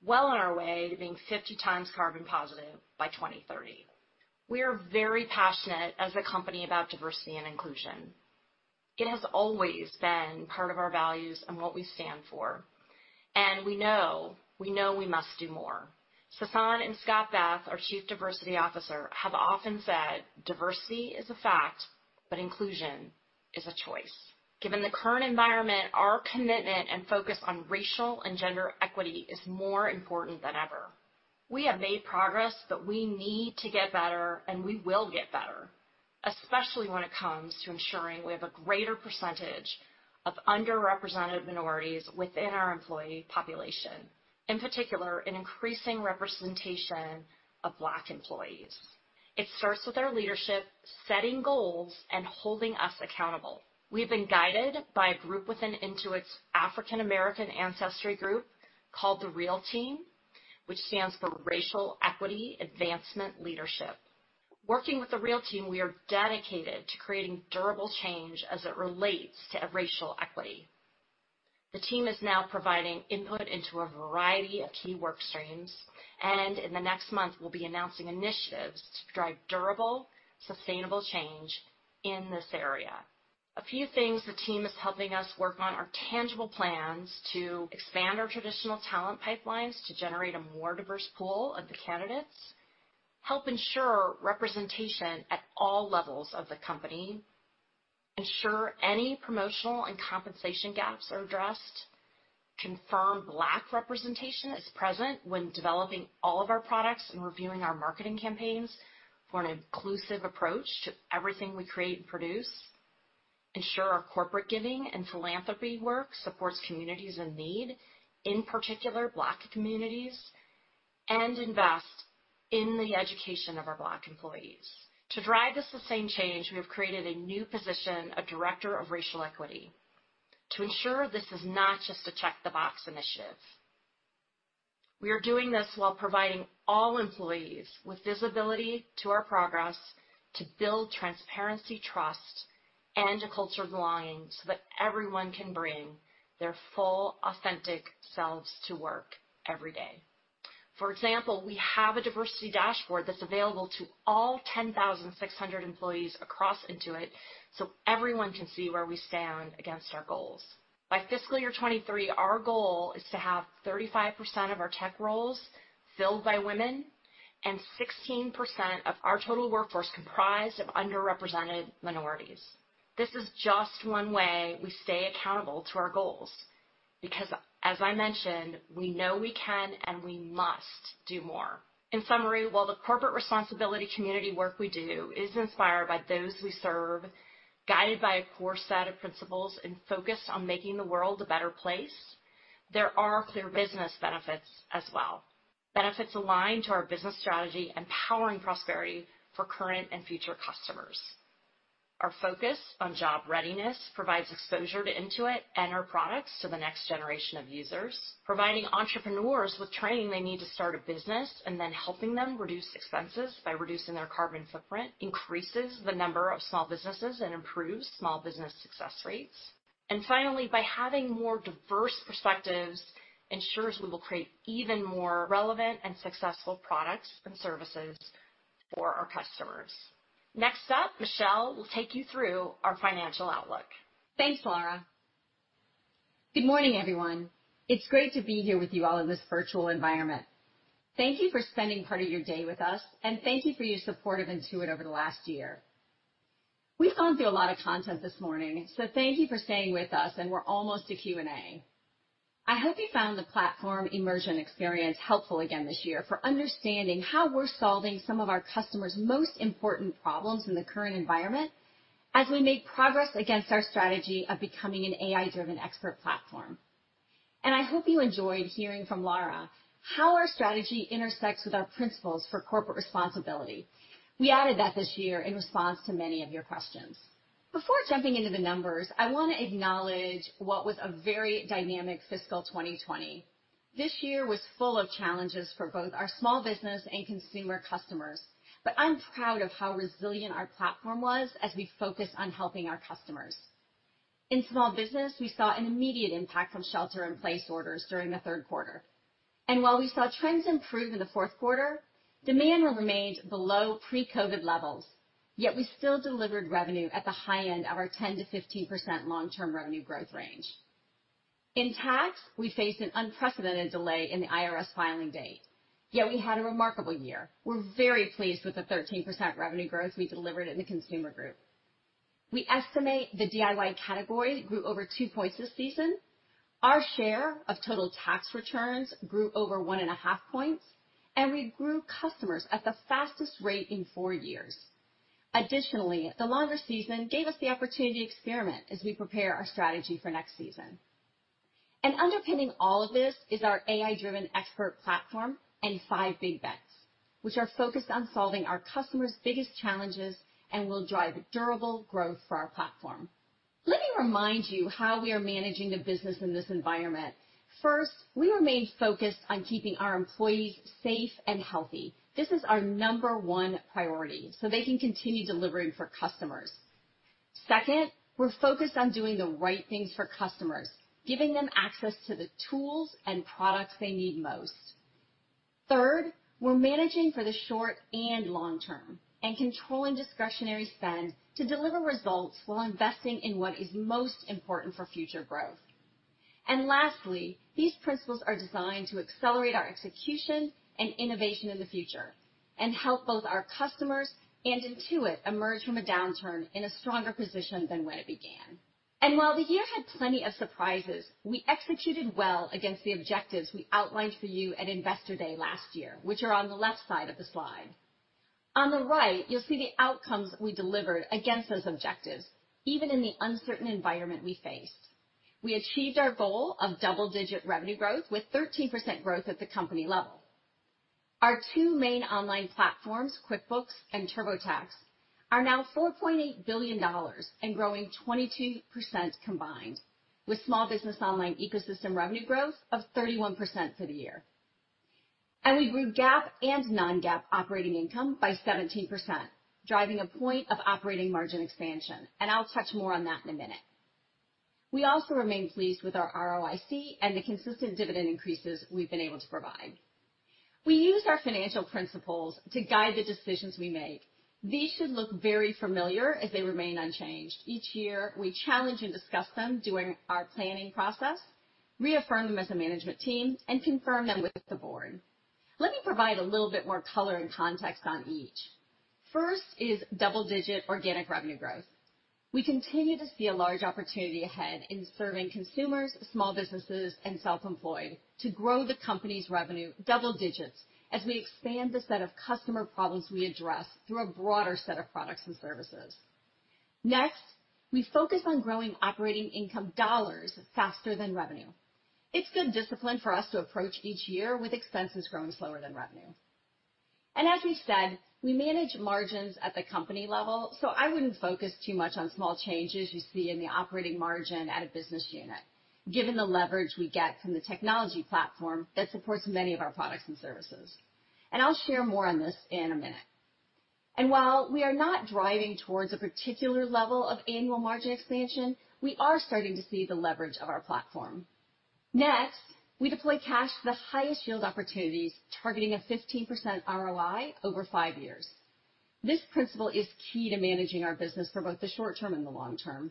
Speaker 25: Well on our way to being 50 times carbon positive by 2030. We are very passionate as a company about diversity and inclusion. It has always been part of our values and what we stand for, and we know we must do more. Sasan and Scott Beth, our Chief Diversity Officer, have often said diversity is a fact, inclusion is a choice. Given the current environment, our commitment and focus on racial and gender equity is more important than ever. We have made progress, we need to get better, we will get better, especially when it comes to ensuring we have a greater percentage of underrepresented minorities within our employee population, in particular, an increasing representation of Black employees. It starts with our leadership, setting goals, and holding us accountable. We've been guided by a group within Intuit's African American ancestry group called the REAL Team, which stands for Racial Equity Advancement Leadership. Working with the REAL Team, we are dedicated to creating durable change as it relates to racial equity. The team is now providing input into a variety of key work streams, and in the next month, we'll be announcing initiatives to drive durable, sustainable change in this area. A few things the team is helping us work on are tangible plans to expand our traditional talent pipelines to generate a more diverse pool of the candidates, help ensure representation at all levels of the company, ensure any promotional and compensation gaps are addressed, confirm Black representation is present when developing all of our products and reviewing our marketing campaigns for an inclusive approach to everything we create and produce, ensure our corporate giving and philanthropy work supports communities in need, in particular Black communities, and invest in the education of our Black employees. To drive this sustainable change, we have created a new position, a director of racial equity, to ensure this is not just a check-the-box initiative. We are doing this while providing all employees with visibility to our progress to build transparency, trust, and a culture of belonging so that everyone can bring their full, authentic selves to work every day. For example, we have a diversity dashboard that's available to all 10,600 employees across Intuit so everyone can see where we stand against our goals. By fiscal year 2023, our goal is to have 35% of our tech roles filled by women and 16% of our total workforce comprised of underrepresented minorities. This is just one way we stay accountable to our goals, because, as I mentioned, we know we can, and we must, do more. In summary, while the corporate responsibility community work we do is inspired by those we serve, guided by a core set of principles, and focused on making the world a better place, there are clear business benefits as well, benefits aligned to our business strategy, empowering prosperity for current and future customers. Our focus on job readiness provides exposure to Intuit and our products to the next generation of users, providing entrepreneurs with training they need to start a business, then helping them reduce expenses by reducing their carbon footprint increases the number of small businesses and improves small business success rates. Finally, by having more diverse perspectives ensures we will create even more relevant and successful products and services for our customers. Next up, Michelle will take you through our financial outlook.
Speaker 26: Thanks, Lara. Good morning, everyone. It's great to be here with you all in this virtual environment. Thank you for spending part of your day with us and thank you for your support of Intuit over the last year. We've gone through a lot of content this morning, so thank you for staying with us, and we're almost to Q&A. I hope you found the platform immersion experience helpful again this year for understanding how we're solving some of our customers' most important problems in the current environment as we make progress against our strategy of becoming an AI-driven expert platform. I hope you enjoyed hearing from Lara how our strategy intersects with our principles for corporate responsibility. We added that this year in response to many of your questions. Before jumping into the numbers, I want to acknowledge what was a very dynamic fiscal 2020.
Speaker 25: This year was full of challenges for both our small business and consumer customers, but I'm proud of how resilient our platform was as we focused on helping our customers. In small business, we saw an immediate impact from shelter-in-place orders during the Q3. While we saw trends improve in the Q4, demand remained below pre-COVID levels, we still delivered revenue at the high end of our 10%-15% long-term revenue growth range. In tax, we faced an unprecedented delay in the IRS filing date, we had a remarkable year. We're very pleased with the 13% revenue growth we delivered in the Consumer Group. We estimate the DIY category grew over two points this season. Our share of total tax returns grew over 1.5 points, and we grew customers at the fastest rate in four years. Additionally, the longer season gave us the opportunity to experiment as we prepare our strategy for next season. Underpinning all of this is our AI-driven expert platform and five big bets, which are focused on solving our customers' biggest challenges and will drive durable growth for our platform. Let me remind you how we are managing the business in this environment. First, we remain focused on keeping our employees safe and healthy. This is our number one priority so they can continue delivering for customers. Second, we're focused on doing the right things for customers, giving them access to the tools and products they need most. Third, we're managing for the short and long term and controlling discretionary spend to deliver results while investing in what is most important for future growth.
Speaker 26: Lastly, these principles are designed to accelerate our execution and innovation in the future and help both our customers and Intuit emerge from a downturn in a stronger position than when it began. While the year had plenty of surprises, we executed well against the objectives we outlined for you at Investor Day last year, which are on the left side of the slide. On the right, you'll see the outcomes we delivered against those objectives, even in the uncertain environment we faced. We achieved our goal of double-digit revenue growth with 13% growth at the company level. Our two main online platforms, QuickBooks and TurboTax Are now $4.8 billion and growing 22% combined, with Small Business Online ecosystem revenue growth of 31% for the year. We grew GAAP and non-GAAP operating income by 17%, driving a point of operating margin expansion. I'll touch more on that in a minute. We also remain pleased with our ROIC and the consistent dividend increases we've been able to provide. We use our financial principles to guide the decisions we make. These should look very familiar as they remain unchanged. Each year, we challenge and discuss them during our planning process, reaffirm them as a management team, and confirm them with the board. Let me provide a little bit more color and context on each. First is double-digit organic revenue growth. We continue to see a large opportunity ahead in serving consumers, small businesses, and self-employed to grow the company's revenue double digits as we expand the set of customer problems we address through a broader set of products and services. Next, we focus on growing operating income dollars faster than revenue. It's good discipline for us to approach each year with expenses growing slower than revenue. As we've said, we manage margins at the company level, so I wouldn't focus too much on small changes you see in the operating margin at a business unit, given the leverage we get from the technology platform that supports many of our products and services. I'll share more on this in a minute. While we are not driving towards a particular level of annual margin expansion, we are starting to see the leverage of our platform. Next, we deploy cash to the highest yield opportunities targeting a 15% ROI over five years. This principle is key to managing our business for both the short term and the long term.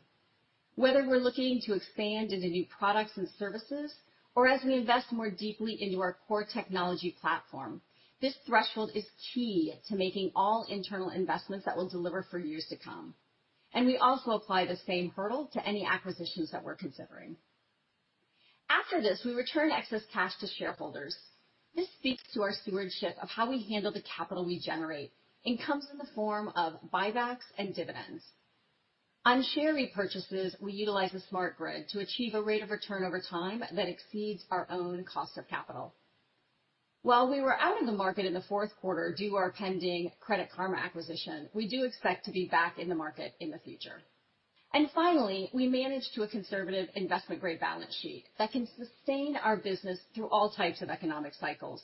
Speaker 26: Whether we're looking to expand into new products and services or as we invest more deeply into our core technology platform, this threshold is key to making all internal investments that will deliver for years to come. We also apply the same hurdle to any acquisitions that we're considering. After this, we return excess cash to shareholders. This speaks to our stewardship of how we handle the capital we generate and comes in the form of buybacks and dividends. On share repurchases, we utilize the Smart Grid to achieve a rate of return over time that exceeds our own cost of capital. While we were out of the market in the fourth quarter due to our pending Credit Karma acquisition, we do expect to be back in the market in the future. Finally, we manage to a conservative investment-grade balance sheet that can sustain our business through all types of economic cycles.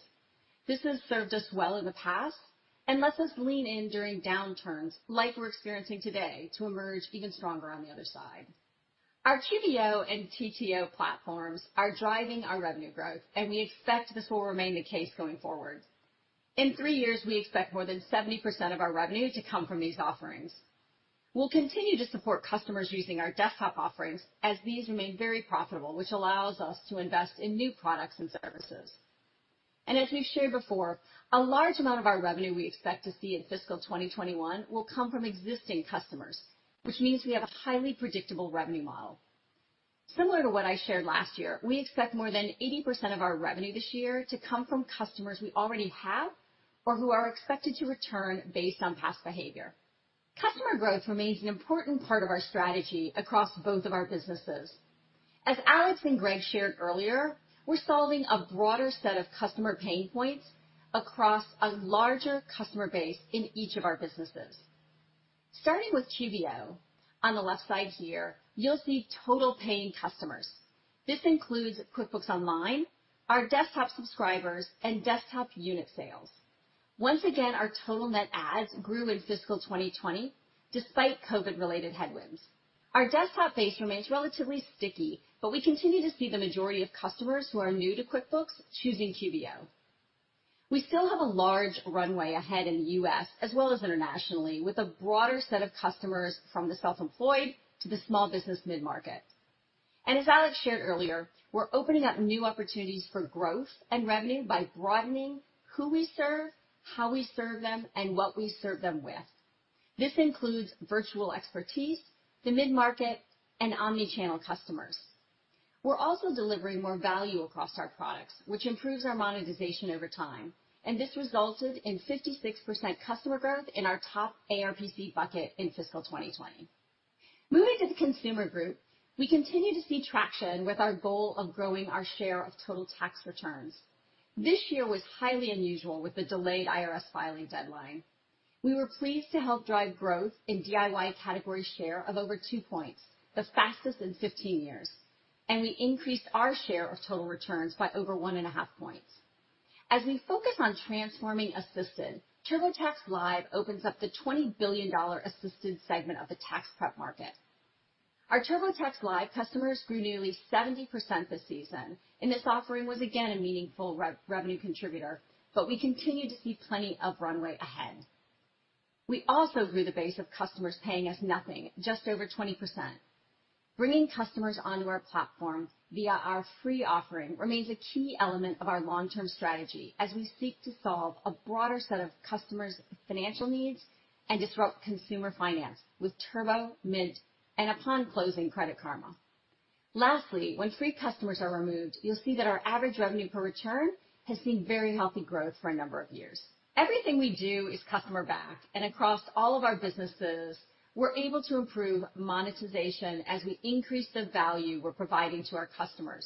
Speaker 26: This has served us well in the past and lets us lean in during downturns like we're experiencing today to emerge even stronger on the other side. Our QBO and TTO platforms are driving our revenue growth. We expect this will remain the case going forward. In three years, we expect more than 70% of our revenue to come from these offerings. We'll continue to support customers using our desktop offerings as these remain very profitable, which allows us to invest in new products and services. As we've shared before, a large amount of our revenue we expect to see in FY 2021 will come from existing customers, which means we have a highly predictable revenue model. Similar to what I shared last year, we expect more than 80% of our revenue this year to come from customers we already have or who are expected to return based on past behavior. Customer growth remains an important part of our strategy across both of our businesses. As Alex and Greg shared earlier, we're solving a broader set of customer pain points across a larger customer base in each of our businesses. Starting with QBO, on the left side here, you'll see total paying customers. This includes QuickBooks Online, our desktop subscribers, and desktop unit sales. Once again, our total net adds grew in FY 2020 despite COVID-related headwinds. Our desktop base remains relatively sticky, but we continue to see the majority of customers who are new to QuickBooks choosing QBO. We still have a large runway ahead in the U.S. as well as internationally, with a broader set of customers from the self-employed to the small business mid-market. As Alex shared earlier, we're opening up new opportunities for growth and revenue by broadening who we serve, how we serve them, and what we serve them with. This includes virtual expertise, the mid-market, and omni-channel customers. We're also delivering more value across our products, which improves our monetization over time, and this resulted in 56% customer growth in our top ARPC bucket in fiscal 2020. Moving to the Consumer Group, we continue to see traction with our goal of growing our share of total tax returns. This year was highly unusual with the delayed IRS filing deadline. We were pleased to help drive growth in DIY category share of over two points, the fastest in 15 years, and we increased our share of total returns by over one and a half points. As we focus on transforming Assisted, TurboTax Live opens up the $20 billion Assisted segment of the tax prep market. Our TurboTax Live customers grew nearly 70% this season, and this offering was again a meaningful revenue contributor, but we continue to see plenty of runway ahead. We also grew the base of customers paying us nothing just over 20%. Bringing customers onto our platforms via our free offering remains a key element of our long-term strategy as we seek to solve a broader set of customers' financial needs and disrupt consumer finance with Turbo, Mint, and upon closing, Credit Karma. When free customers are removed, you'll see that our average revenue per return has seen very healthy growth for a number of years. Everything we do is customer-backed, and across all of our businesses, we're able to improve monetization as we increase the value we're providing to our customers.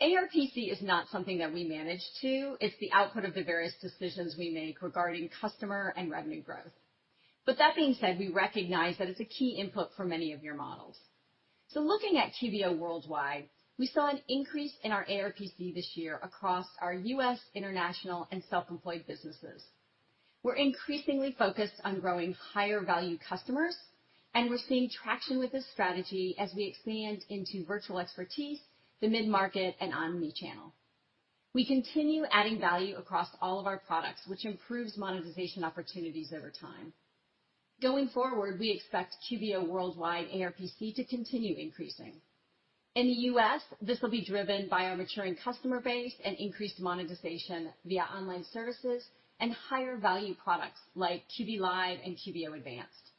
Speaker 26: ARPC is not something that we manage to. It's the output of the various decisions we make regarding customer and revenue growth. That being said, we recognize that it's a key input for many of your models. Looking at QBO worldwide, we saw an increase in our ARPC this year across our U.S., international, and self-employed businesses. We're increasingly focused on growing higher value customers, and we're seeing traction with this strategy as we expand into virtual expertise, the mid-market, and omni-channel. We continue adding value across all of our products, which improves monetization opportunities over time. Going forward, we expect QBO worldwide ARPC to continue increasing. In the U.S., this will be driven by our maturing customer base and increased monetization via online services and higher value products like QB Live and QBO Advanced.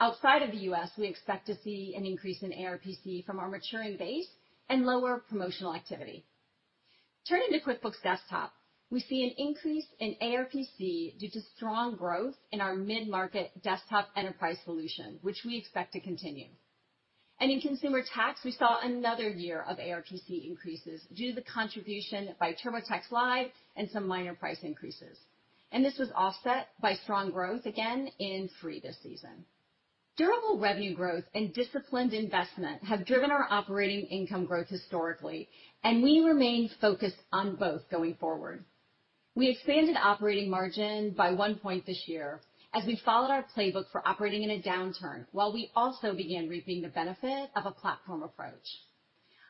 Speaker 26: Outside of the U.S., we expect to see an increase in ARPC from our maturing base and lower promotional activity. Turning to QuickBooks Desktop, we see an increase in ARPC due to strong growth in our mid-market desktop enterprise solution, which we expect to continue. In consumer tax, we saw another year of ARPC increases due to the contribution by TurboTax Live and some minor price increases. This was offset by strong growth again in Free this season. Durable revenue growth and disciplined investment have driven our operating income growth historically, and we remain focused on both going forward. We expanded operating margin by one point this year as we followed our playbook for operating in a downturn, while we also began reaping the benefit of a platform approach.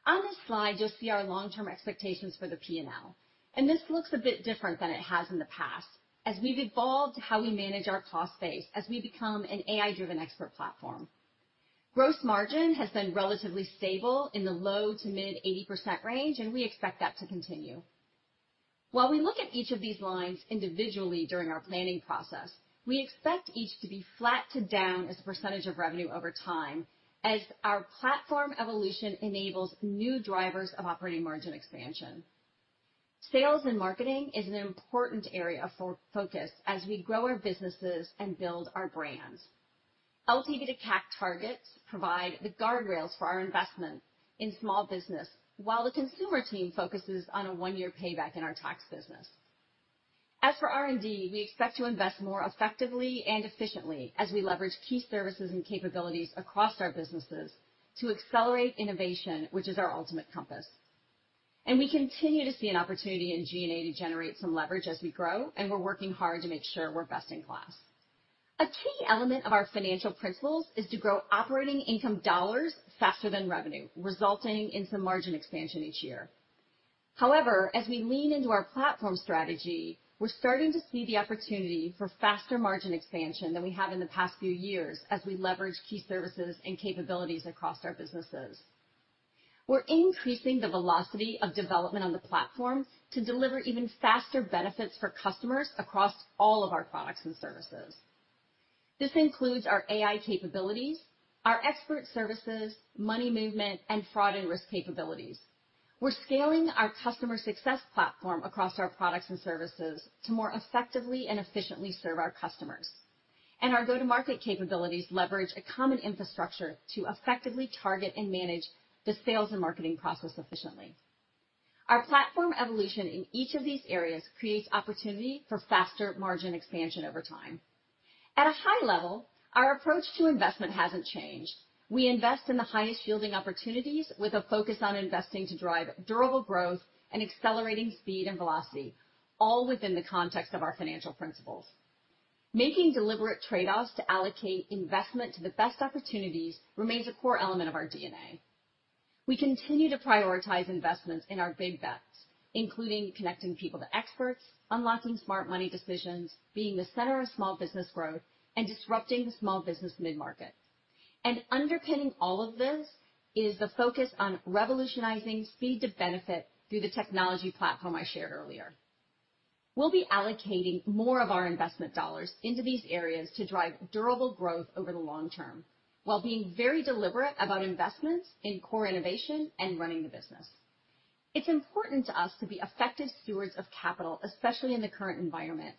Speaker 26: On this slide, you'll see our long-term expectations for the P&L. This looks a bit different than it has in the past as we've evolved how we manage our cost base as we become an AI-driven expert platform. Gross margin has been relatively stable in the low to mid 80% range. We expect that to continue. While we look at each of these lines individually during our planning process, we expect each to be flat to down as a percentage of revenue over time as our platform evolution enables new drivers of operating margin expansion. Sales and marketing is an important area for focus as we grow our businesses and build our brands. LTV to CAC targets provide the guardrails for our investment in small business, while the consumer team focuses on a one-year payback in our tax business. As for R&D, we expect to invest more effectively and efficiently as we leverage key services and capabilities across our businesses to accelerate innovation, which is our ultimate compass. We continue to see an opportunity in G&A to generate some leverage as we grow, and we're working hard to make sure we're best in class. A key element of our financial principles is to grow operating income dollars faster than revenue, resulting in some margin expansion each year. However, as we lean into our platform strategy, we're starting to see the opportunity for faster margin expansion than we have in the past few years as we leverage key services and capabilities across our businesses. We're increasing the velocity of development on the platform to deliver even faster benefits for customers across all of our products and services. This includes our AI capabilities, our expert services, money movement, and fraud and risk capabilities. We're scaling our customer success platform across our products and services to more effectively and efficiently serve our customers. Our go-to-market capabilities leverage a common infrastructure to effectively target and manage the sales and marketing process efficiently. Our platform evolution in each of these areas creates opportunity for faster margin expansion over time. At a high level, our approach to investment hasn't changed. We invest in the highest yielding opportunities with a focus on investing to drive durable growth and accelerating speed and velocity, all within the context of our financial principles. Making deliberate trade-offs to allocate investment to the best opportunities remains a core element of our DNA. We continue to prioritize investments in our big bets, including connecting people to experts, unlocking smart money decisions, being the center of small business growth, and disrupting the small business mid-market. Underpinning all of this is the focus on revolutionizing speed to benefit through the technology platform I shared earlier. We'll be allocating more of our investment dollars into these areas to drive durable growth over the long term, while being very deliberate about investments in core innovation and running the business. It's important to us to be effective stewards of capital, especially in the current environment.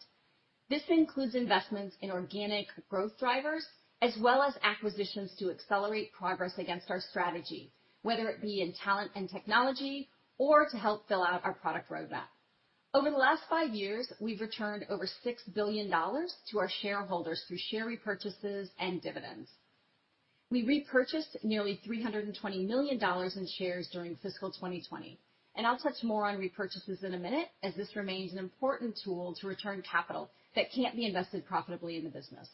Speaker 26: This includes investments in organic growth drivers, as well as acquisitions to accelerate progress against our strategy, whether it be in talent and technology or to help fill out our product roadmap. Over the last five years, we've returned over $6 billion to our shareholders through share repurchases and dividends. We repurchased nearly $320 million in shares during fiscal 2020, and I'll touch more on repurchases in a minute, as this remains an important tool to return capital that can't be invested profitably in the business.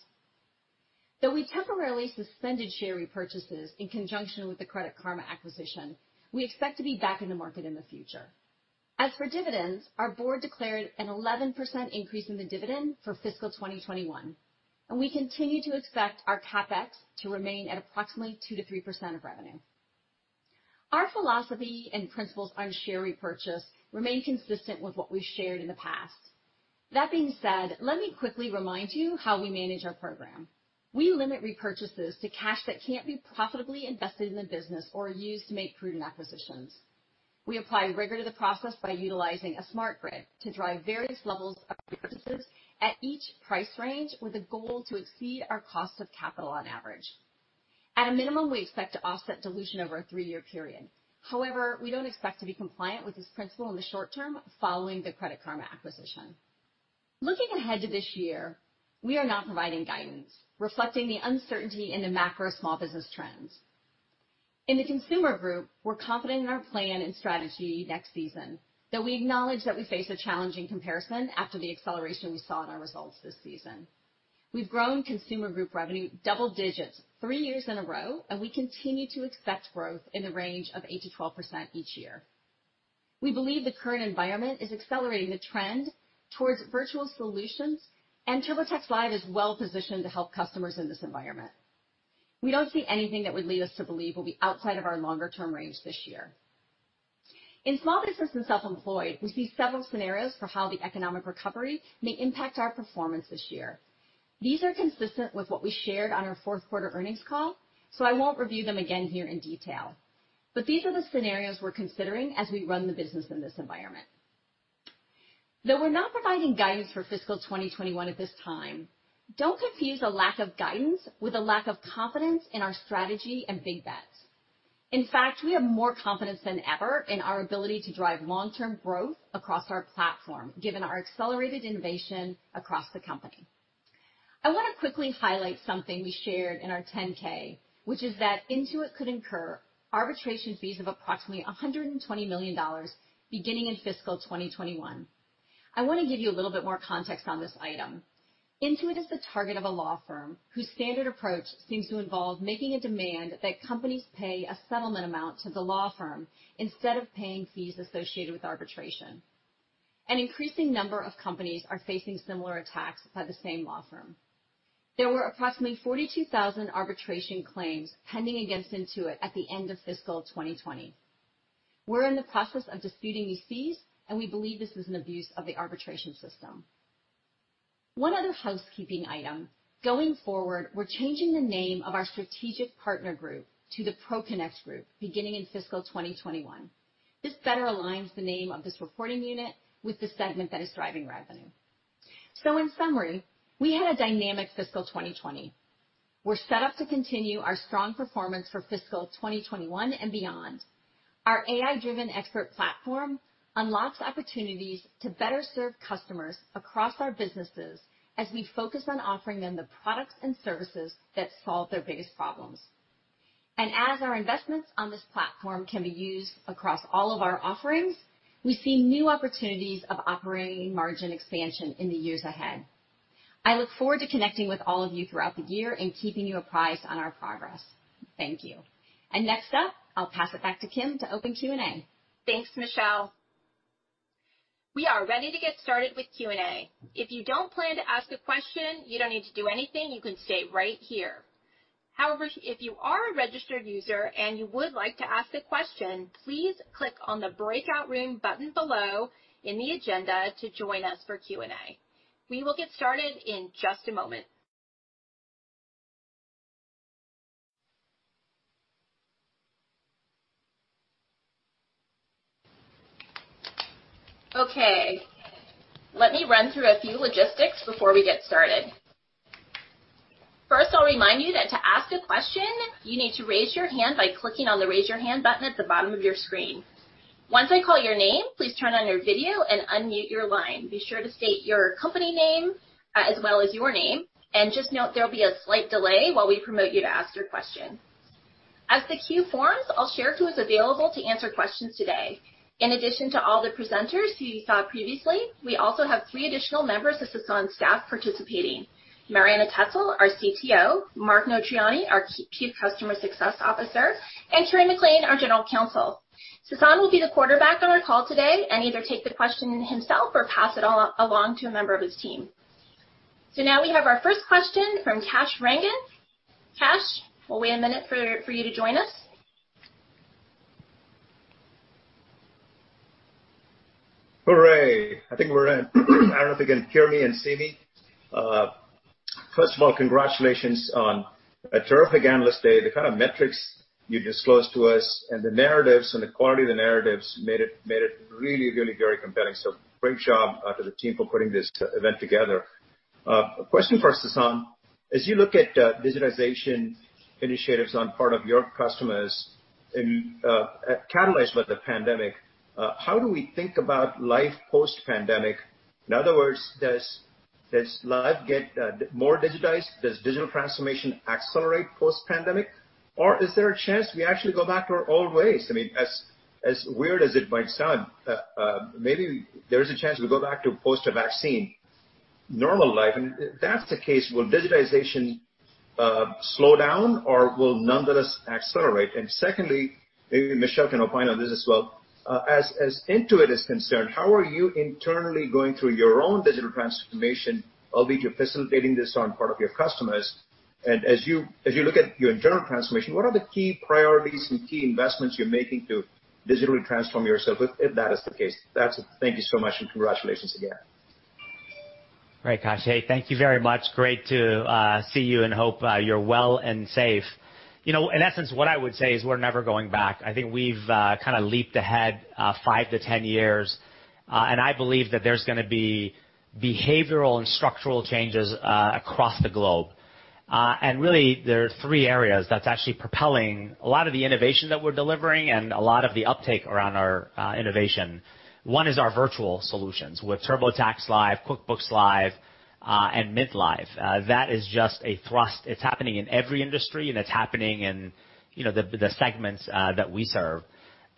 Speaker 26: Though we temporarily suspended share repurchases in conjunction with the Credit Karma acquisition, we expect to be back in the market in the future. As for dividends, our board declared an 11% increase in the dividend for fiscal 2021, and we continue to expect our CapEx to remain at approximately 2%-3% of revenue. Our philosophy and principles on share repurchase remain consistent with what we've shared in the past. That being said, let me quickly remind you how we manage our program. We limit repurchases to cash that can't be profitably invested in the business or used to make prudent acquisitions. We apply rigor to the process by utilizing a Smart Grid to drive various levels of purchases at each price range with a goal to exceed our cost of capital on average. At a minimum, we expect to offset dilution over a three-year period. We don't expect to be compliant with this principle in the short term following the Credit Karma acquisition. Looking ahead to this year, we are not providing guidance, reflecting the uncertainty in the macro small business trends. In the Consumer Group, we're confident in our plan and strategy next season, though we acknowledge that we face a challenging comparison after the acceleration we saw in our results this season. We've grown Consumer Group revenue double digits three years in a row, and we continue to expect growth in the range of 8%-12% each year. We believe the current environment is accelerating the trend towards virtual solutions, and TurboTax Live is well positioned to help customers in this environment. We don't see anything that would lead us to believe we'll be outside of our longer-term range this year. In small business and self-employed, we see several scenarios for how the economic recovery may impact our performance this year. These are consistent with what we shared on our fourth quarter earnings call, so I won't review them again here in detail. These are the scenarios we're considering as we run the business in this environment. Though we're not providing guidance for fiscal 2021 at this time, don't confuse a lack of guidance with a lack of confidence in our strategy and big bets. We have more confidence than ever in our ability to drive long-term growth across our platform, given our accelerated innovation across the company. I want to quickly highlight something we shared in our 10-K, which is that Intuit could incur arbitration fees of approximately $120 million beginning in fiscal 2021. I want to give you a little bit more context on this item. Intuit is the target of a law firm whose standard approach seems to involve making a demand that companies pay a settlement amount to the law firm instead of paying fees associated with arbitration. An increasing number of companies are facing similar attacks by the same law firm. There were approximately 42,000 arbitration claims pending against Intuit at the end of fiscal 2020. We're in the process of disputing these fees, and we believe this is an abuse of the arbitration system. One other housekeeping item, going forward, we're changing the name of our Strategic Partner Group to the ProConnect Group beginning in fiscal 2021. This better aligns the name of this reporting unit with the segment that is driving revenue. In summary, we had a dynamic fiscal 2020. We're set up to continue our strong performance for fiscal 2021 and beyond. Our AI-driven expert platform unlocks opportunities to better serve customers across our businesses as we focus on offering them the products and services that solve their biggest problems. As our investments on this platform can be used across all of our offerings, we see new opportunities of operating margin expansion in the years ahead. I look forward to connecting with all of you throughout the year and keeping you apprised on our progress. Thank you. Next up, I'll pass it back to Kim to open Q&A.
Speaker 1: Thanks, Michelle. We are ready to get started with Q&A. If you don't plan to ask a question, you don't need to do anything. You can stay right here. However, if you are a registered user and you would like to ask a question, please click on the breakout room button below in the agenda to join us for Q&A. We will get started in just a moment. Okay, let me run through a few logistics before we get started. First, I'll remind you that to ask a question, you need to raise your hand by clicking on the raise your hand button at the bottom of your screen. Once I call your name, please turn on your video and unmute your line. Be sure to state your company name, as well as your name, and just note there'll be a slight delay while we promote you to ask your question. As the queue forms, I'll share who is available to answer questions today. In addition to all the presenters who you saw previously, we also have three additional members of Sasan's staff participating, Marianna Tessel, our CTO, Mark Notarainni, our Chief Customer Success Officer, and Kerry McLean, our General Counsel. Sasan will be the quarterback on our call today, and either take the question himself or pass it along to a member of his team. Now we have our first question from Kash Rangan. Kash, we'll wait a minute for you to join us.
Speaker 27: Hooray. I think we're in. I don't know if you can hear me and see me. First of all, congratulations on a terrific analyst day. The kind of metrics you disclosed to us and the narratives and the quality of the narratives made it really very compelling. Great job to the team for putting this event together. A question for Sasan. As you look at digitization initiatives on part of your customers, and catalyzed by the pandemic, how do we think about life post-pandemic? In other words, does life get more digitized? Does digital transformation accelerate post-pandemic? Is there a chance we actually go back to our old ways? As weird as it might sound, maybe there's a chance we go back to post a vaccine normal life, and if that's the case, will digitization slow down, or will none of this accelerate? Secondly, maybe Michelle can opine on this as well. As Intuit is concerned, how are you internally going through your own digital transformation, albeit you're facilitating this on part of your customers? As you look at your internal transformation, what are the key priorities and key investments you're making to digitally transform yourself, if that is the case? That's it. Thank you so much, and congratulations again.
Speaker 2: Great, Kash, hey, thank you very much. Great to see you. Hope you're well and safe. In essence, what I would say is we're never going back. I think we've kind of leaped ahead 5-10 years, and I believe that there's going to be behavioral and structural changes across the globe. Really, there are three areas that's actually propelling a lot of the innovation that we're delivering and a lot of the uptake around our innovation. One is our virtual solutions with TurboTax Live, QuickBooks Live, and Mint Live. That is just a thrust. It's happening in every industry, and it's happening in the segments that we serve.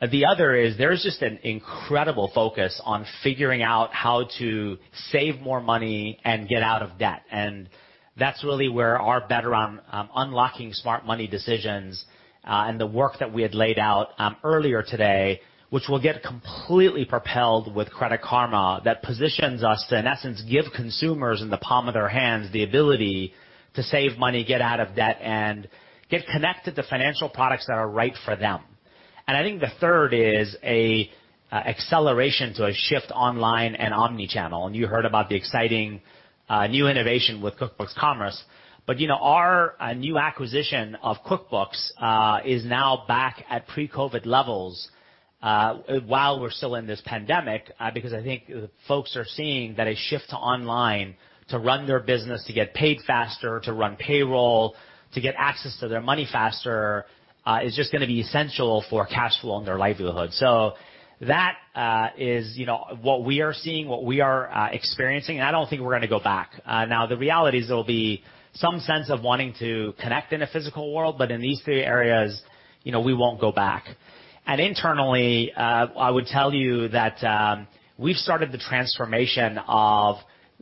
Speaker 2: The other is there's just an incredible focus on figuring out how to save more money and get out of debt, and that's really where our bet around unlocking smart money decisions, and the work that we had laid out earlier today, which will get completely propelled with Credit Karma, that positions us to, in essence, give consumers in the palm of their hands the ability to save money, get out of debt, and get connected to financial products that are right for them. I think the third is a acceleration to a shift online and omni-channel, and you heard about the exciting new innovation with QuickBooks Commerce. Our new acquisition of QuickBooks is now back at pre-COVID levels while we're still in this pandemic, because I think folks are seeing that a shift to online to run their business, to get paid faster, to run payroll, to get access to their money faster, is just going to be essential for cash flow and their livelihood. That is what we are seeing, what we are experiencing, and I don't think we're going to go back. The reality is there'll be some sense of wanting to connect in a physical world, but in these three areas, we won't go back. Internally, I would tell you that we've started the transformation of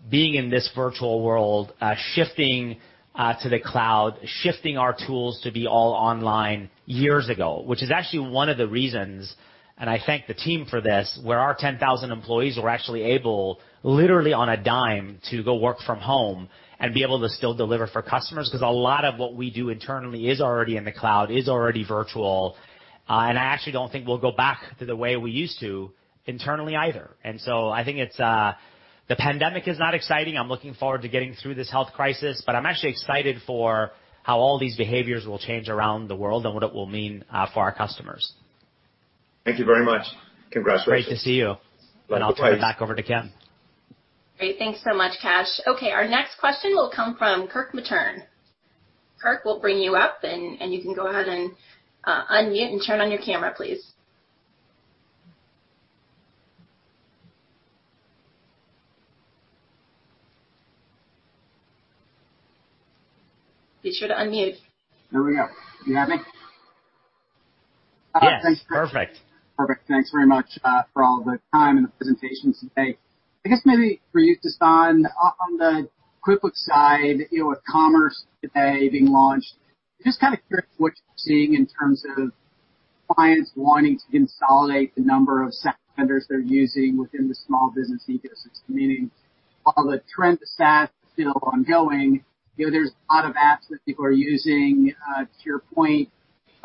Speaker 2: being in this virtual world, shifting to the cloud, shifting our tools to be all online years ago, which is actually one of the reasons, and I thank the team for this, where our 10,000 employees were actually able, literally on a dime, to go work from home and be able to still deliver for customers, because a lot of what we do internally is already in the cloud, is already virtual. I actually don't think we'll go back to the way we used to internally either. I think the pandemic is not exciting. I'm looking forward to getting through this health crisis, but I'm actually excited for how all these behaviors will change around the world and what it will mean for our customers.
Speaker 27: Thank you very much. Congratulations.
Speaker 2: Great to see you.
Speaker 27: Likewise.
Speaker 2: I'll turn it back over to Kim.
Speaker 1: Great. Thanks so much, Kash. Our next question will come from Kirk Materne. Kirk, we'll bring you up, and you can go ahead and unmute and turn on your camera, please. Be sure to unmute.
Speaker 28: There we go. Do you have me?
Speaker 2: Yes. Perfect.
Speaker 28: Perfect. Thanks very much for all the time and the presentations today. I guess maybe for you, Sasan, on the QuickBooks side, with Commerce today being launched, just kind of curious what you're seeing in terms of clients wanting to consolidate the number of SaaS vendors they're using within the small business ecosystem, meaning while the trend to SaaS is still ongoing, there's a lot of apps that people are using, to your point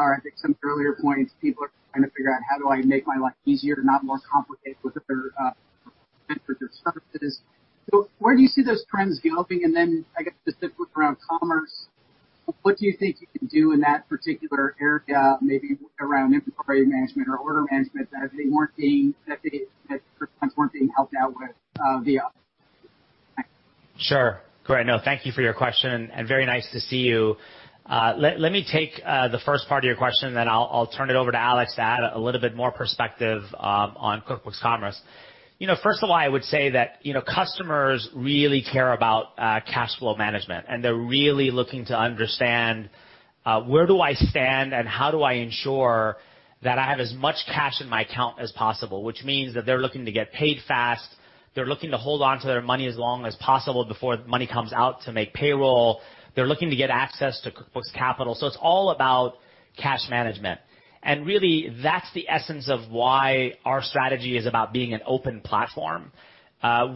Speaker 28: or I think some earlier points, people are trying to figure out, "How do I make my life easier, not more complicated with their services?" Where do you see those trends developing? I guess specifically around Commerce, what do you think you can do in that particular area, maybe around inventory management or order management as they weren't being, that perhaps weren't being helped out with via? Thanks.
Speaker 2: Sure. Great. No, thank you for your question, and very nice to see you. Let me take the first part of your question, then I'll turn it over to Alex to add a little bit more perspective on QuickBooks Commerce. First of all, I would say that customers really care about cash flow management, and they're really looking to understand, "Where do I stand, and how do I ensure that I have as much cash in my account as possible?" Which means that they're looking to get paid fast. They're looking to hold onto their money as long as possible before money comes out to make payroll. They're looking to get access to QuickBooks Capital. It's all about cash management, and really that's the essence of why our strategy is about being an open platform.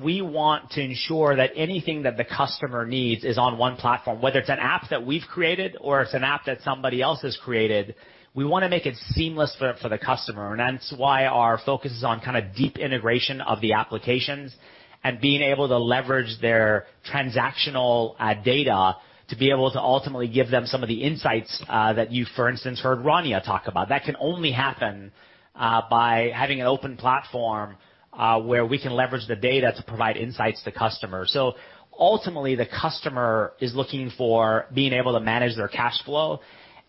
Speaker 2: We want to ensure that anything that the customer needs is on one platform. Whether it's an app that we've created or it's an app that somebody else has created, we want to make it seamless for the customer, and that's why our focus is on kind of deep integration of the applications and being able to leverage their transactional data to be able to ultimately give them some of the insights that you, for instance, heard Rania talk about. That can only happen by having an open platform where we can leverage the data to provide insights to customers. Ultimately, the customer is looking for being able to manage their cash flow,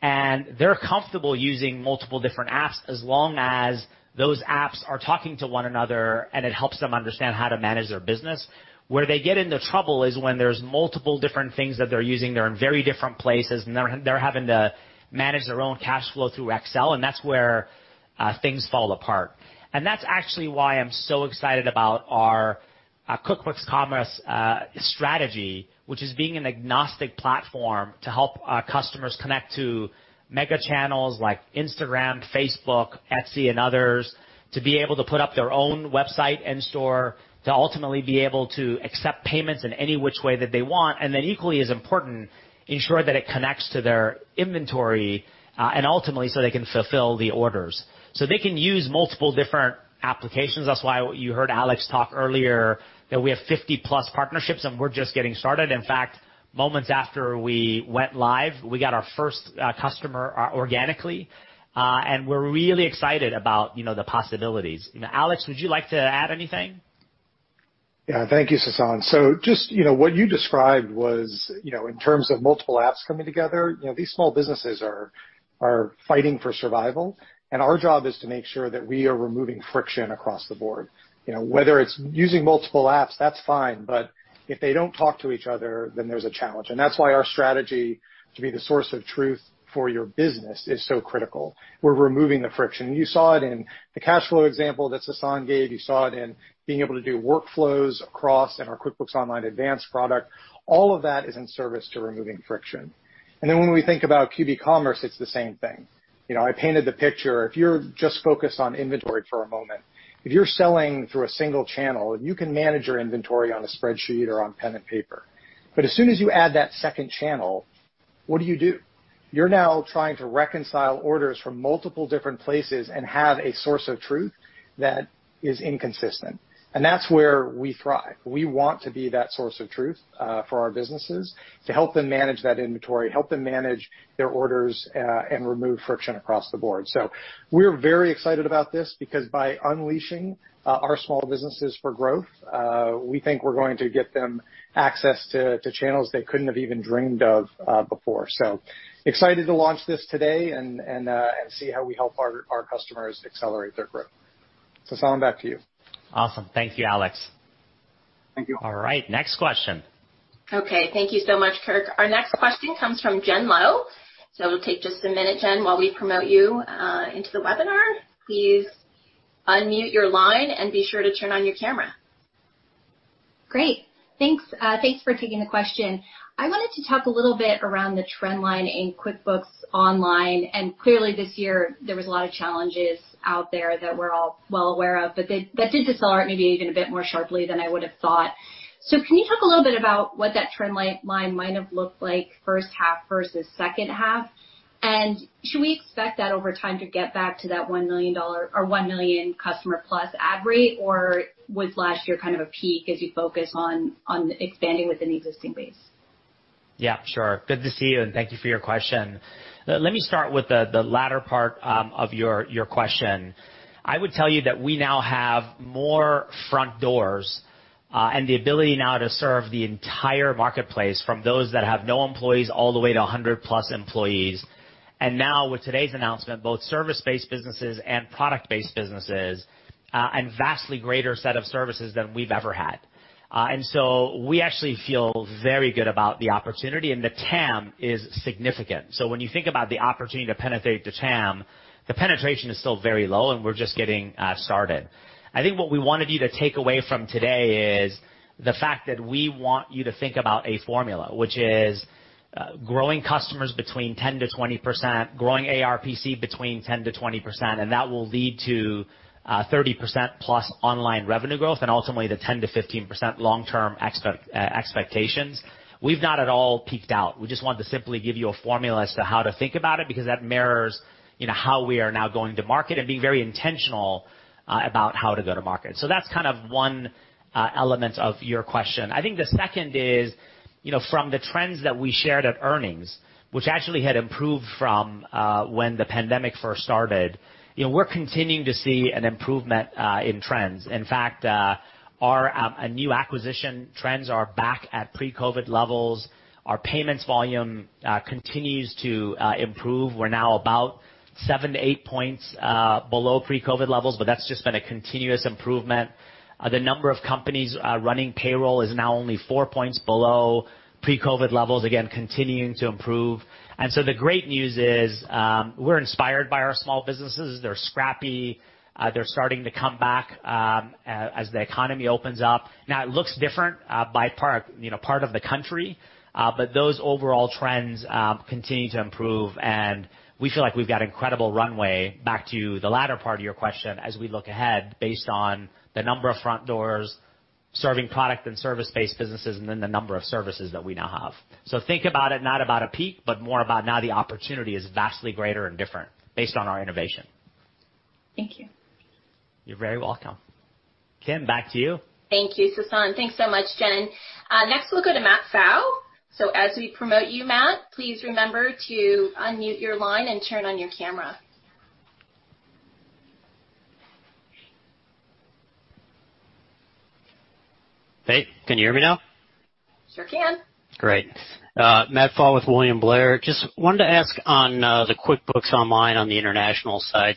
Speaker 2: and they're comfortable using multiple different apps as long as those apps are talking to one another and it helps them understand how to manage their business. Where they get into trouble is when there's multiple different things that they're using. They're in very different places, and they're having to manage their own cash flow through Excel, and that's where things fall apart. That's actually why I'm so excited about our QuickBooks Commerce strategy, which is being an agnostic platform to help our customers connect to mega channels like Instagram, Facebook, Etsy, and others, to be able to put up their own website and store, to ultimately be able to accept payments in any which way that they want, and then equally as important, ensure that it connects to their inventory, and ultimately so they can fulfill the orders. They can use multiple different applications. That's why you heard Alex talk earlier that we have 50-plus partnerships, and we're just getting started. In fact, moments after we went live, we got our first customer organically, and we're really excited about the possibilities. Alex, would you like to add anything?
Speaker 23: Thank you, Sasan. Just what you described was, in terms of multiple apps coming together, these small businesses are fighting for survival, and our job is to make sure that we are removing friction across the board. Whether it's using multiple apps, that's fine, but if they don't talk to each other, then there's a challenge. That's why our strategy to be the source of truth for your business is so critical. We're removing the friction. You saw it in the cash flow example that Sasan gave. You saw it in being able to do workflows across in our QuickBooks Online Advanced product. All of that is in service to removing friction. When we think about QB Commerce, it's the same thing. I painted the picture. If you're just focused on inventory for a moment, if you're selling through a single channel, you can manage your inventory on a spreadsheet or on pen and paper. As soon as you add that second channel, what do you do? You're now trying to reconcile orders from multiple different places and have a source of truth that is inconsistent, and that's where we thrive. We want to be that source of truth for our businesses to help them manage that inventory, help them manage their orders, and remove friction across the board. We're very excited about this because by unleashing our small businesses for growth, we think we're going to get them access to channels they couldn't have even dreamed of before. Excited to launch this today and see how we help our customers accelerate their growth. Sasan, back to you.
Speaker 2: Awesome. Thank you, Alex.
Speaker 23: Thank you.
Speaker 2: All right. Next question.
Speaker 1: Okay. Thank you so much, Kirk. Our next question comes from Jen Lowe. It'll take just a minute, Jen, while we promote you into the webinar. Please unmute your line and be sure to turn on your camera.
Speaker 29: Great. Thanks for taking the question. I wanted to talk a little bit around the trend line in QuickBooks Online, clearly this year there was a lot of challenges out there that we're all well aware of, but that did decelerate maybe even a bit more sharply than I would have thought. Can you talk a little bit about what that trend line might have looked like first half versus second half? Should we expect that over time to get back to that 1 million customer plus add rate, or was last year kind of a peak as you focus on expanding within the existing base?
Speaker 2: Yeah, sure. Good to see you, and thank you for your question. Let me start with the latter part of your question. I would tell you that we now have more front doors, and the ability now to serve the entire marketplace from those that have no employees all the way to 100-plus employees. Now with today's announcement, both service-based businesses and product-based businesses, and vastly greater set of services than we've ever had. We actually feel very good about the opportunity, and the TAM is significant. When you think about the opportunity to penetrate the TAM, the penetration is still very low, and we're just getting started. I think what we wanted you to take away from today is the fact that we want you to think about a formula, which is growing customers between 10%-20%, growing ARPC between 10%-20%, and that will lead to 30%-plus online revenue growth and ultimately the 10%-15% long-term expectations. We've not at all peaked out. We just wanted to simply give you a formula as to how to think about it, because that mirrors how we are now going to market and being very intentional about how to go to market. That's one element of your question. I think the second is from the trends that we shared at earnings, which actually had improved from when the pandemic first started, we're continuing to see an improvement in trends. In fact, our new acquisition trends are back at pre-COVID levels. Our payments volume continues to improve. We're now about seven to eight points below pre-COVID levels, but that's just been a continuous improvement. The number of companies running payroll is now only four points below pre-COVID levels. Again, continuing to improve. The great news is we're inspired by our small businesses. They're scrappy. They're starting to come back as the economy opens up. Now, it looks different by part of the country. Those overall trends continue to improve, and we feel like we've got incredible runway back to the latter part of your question as we look ahead based on the number of front doors, serving product and service-based businesses, and then the number of services that we now have. Think about it not about a peak, but more about now the opportunity is vastly greater and different based on our innovation.
Speaker 29: Thank you.
Speaker 2: You're very welcome. Kim, back to you.
Speaker 1: Thank you, Sasan. Thanks so much, Jen. Next we'll go to Matt Pfau. As we promote you, Matt, please remember to unmute your line and turn on your camera.
Speaker 30: Hey, can you hear me now?
Speaker 1: Sure can.
Speaker 30: Great. Matthew Pfau with William Blair. Just wanted to ask on the QuickBooks Online on the international side.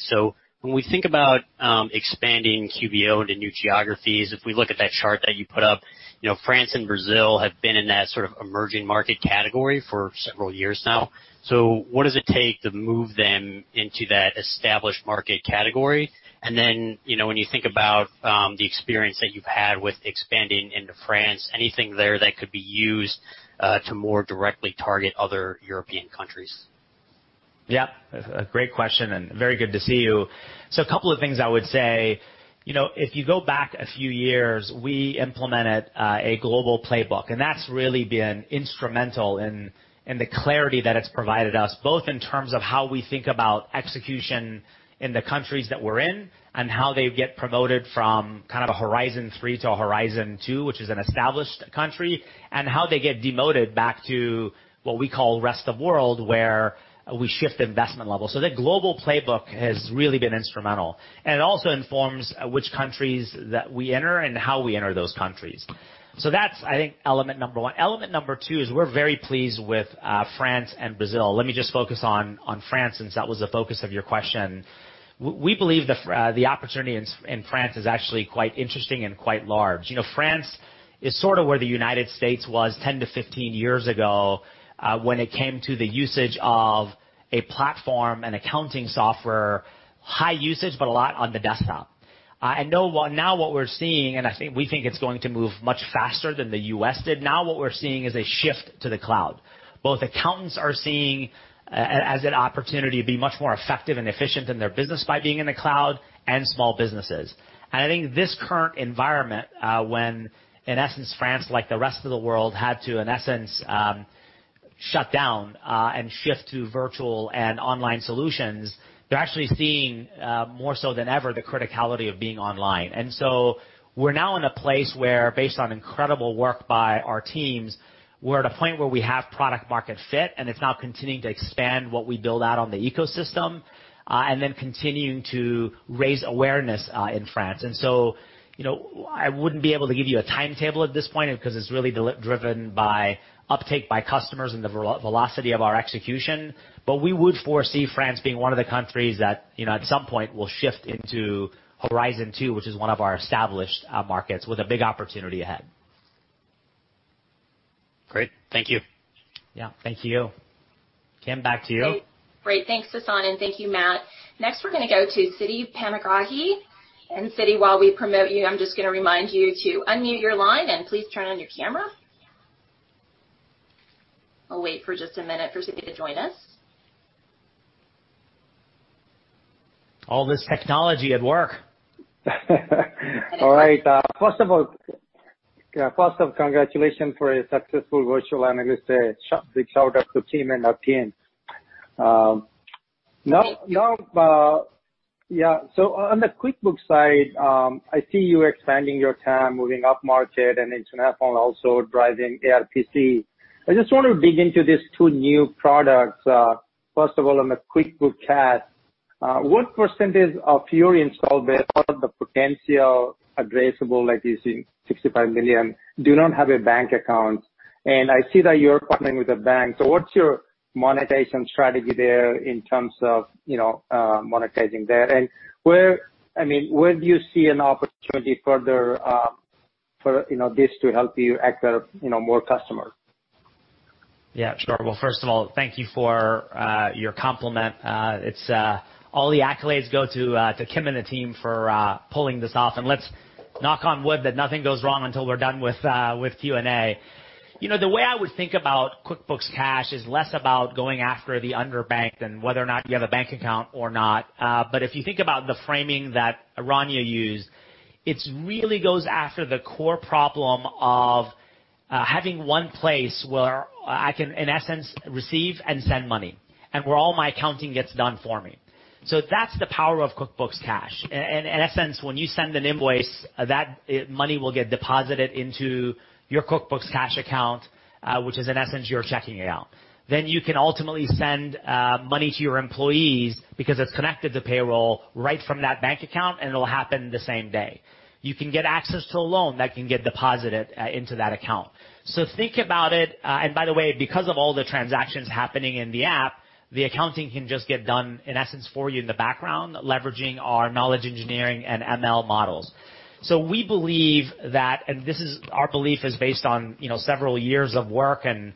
Speaker 30: When we think about expanding QBO into new geographies, if we look at that chart that you put up, France and Brazil have been in that sort of emerging market category for several years now. What does it take to move them into that established market category? When you think about the experience that you've had with expanding into France, anything there that could be used to more directly target other European countries?
Speaker 2: Yeah. A great question and very good to see you. A couple of things I would say. If you go back a few years, we implemented a global playbook, that's really been instrumental in the clarity that it's provided us, both in terms of how we think about execution in the countries that we're in, and how they get promoted from a horizon three to a horizon two, which is an established country, and how they get demoted back to what we call rest of world, where we shift investment levels. The global playbook has really been instrumental; it also informs which countries that we enter and how we enter those countries. That's, I think, element number 1. Element number two is we're very pleased with France and Brazil. Let me just focus on France since that was the focus of your question. We believe the opportunity in France is actually quite interesting and quite large. France is sort of where the U.S. was 10-15 years ago when it came to the usage of a platform and accounting software, high usage, but a lot on the desktop. What we're seeing, and we think it's going to move much faster than the U.S. did, now what we're seeing is a shift to the cloud. Both accountants are seeing as an opportunity to be much more effective and efficient in their business by being in the cloud, and small businesses. I think this current environment when, in essence, France like the rest of the world, had to, in essence, shut down and shift to virtual and online solutions, they're actually seeing, more so than ever, the criticality of being online. We're now in a place we're based on incredible work by our teams; we're at a point where we have product market fit, and it's now continuing to expand what we build out on the ecosystem and then continuing to raise awareness in France. I wouldn't be able to give you a timetable at this point because it's really driven by uptake by customers and the velocity of our execution. We would foresee France being one of the countries that, at some point, will shift into horizon two, which is one of our established markets with a big opportunity ahead.
Speaker 30: Great. Thank you.
Speaker 2: Yeah. Thank you. Kim, back to you.
Speaker 1: Great. Thanks, Sasan. Thank you, Matt. Next, we're going to go to Siti Panigrahi. Siti, while we promote you, I'm just going to remind you to unmute your line and please turn on your camera. I'll wait for just a minute for Siti to join us.
Speaker 2: All this technology at work.
Speaker 31: All right. First of all, congratulations for a successful virtual analyst day. Big shout out to team and our PM. On the QuickBooks side, I see you expanding your TAM, moving up market and Intuit Phone also driving ARPC. I just want to dig into these two new products. First of all, on the QuickBooks Cash, what percentage of your install base or the potential addressable that you see, $65 million, do not have a bank account? I see that you're partnering with a bank. What's your monetization strategy there in terms of monetizing there? Where do you see an opportunity further for this to help you acquire more customers?
Speaker 2: Sure. First of all, thank you for your compliment. All the accolades go to Kim and the team for pulling this off, let's knock on wood that nothing goes wrong until we're done with Q&A. The way I would think about QuickBooks Cash is less about going after the underbanked whether or not you have a bank account or not. If you think about the framing that Rania used, it really goes after the core problem of having one place where I can, in essence, receive and send money, where all my accounting gets done for me. That's the power of QuickBooks Cash. In essence, when you send an invoice, that money will get deposited into your QuickBooks Cash account, which is in essence, your checking account. You can ultimately send money to your employees because it's connected to payroll right from that bank account, and it'll happen the same day. You can get access to a loan that can get deposited into that account. Think about it, and by the way, because of all the transactions happening in the app, the accounting can just get done, in essence, for you in the background, leveraging our knowledge engineering and ML models. We believe that, and our belief is based on several years of work and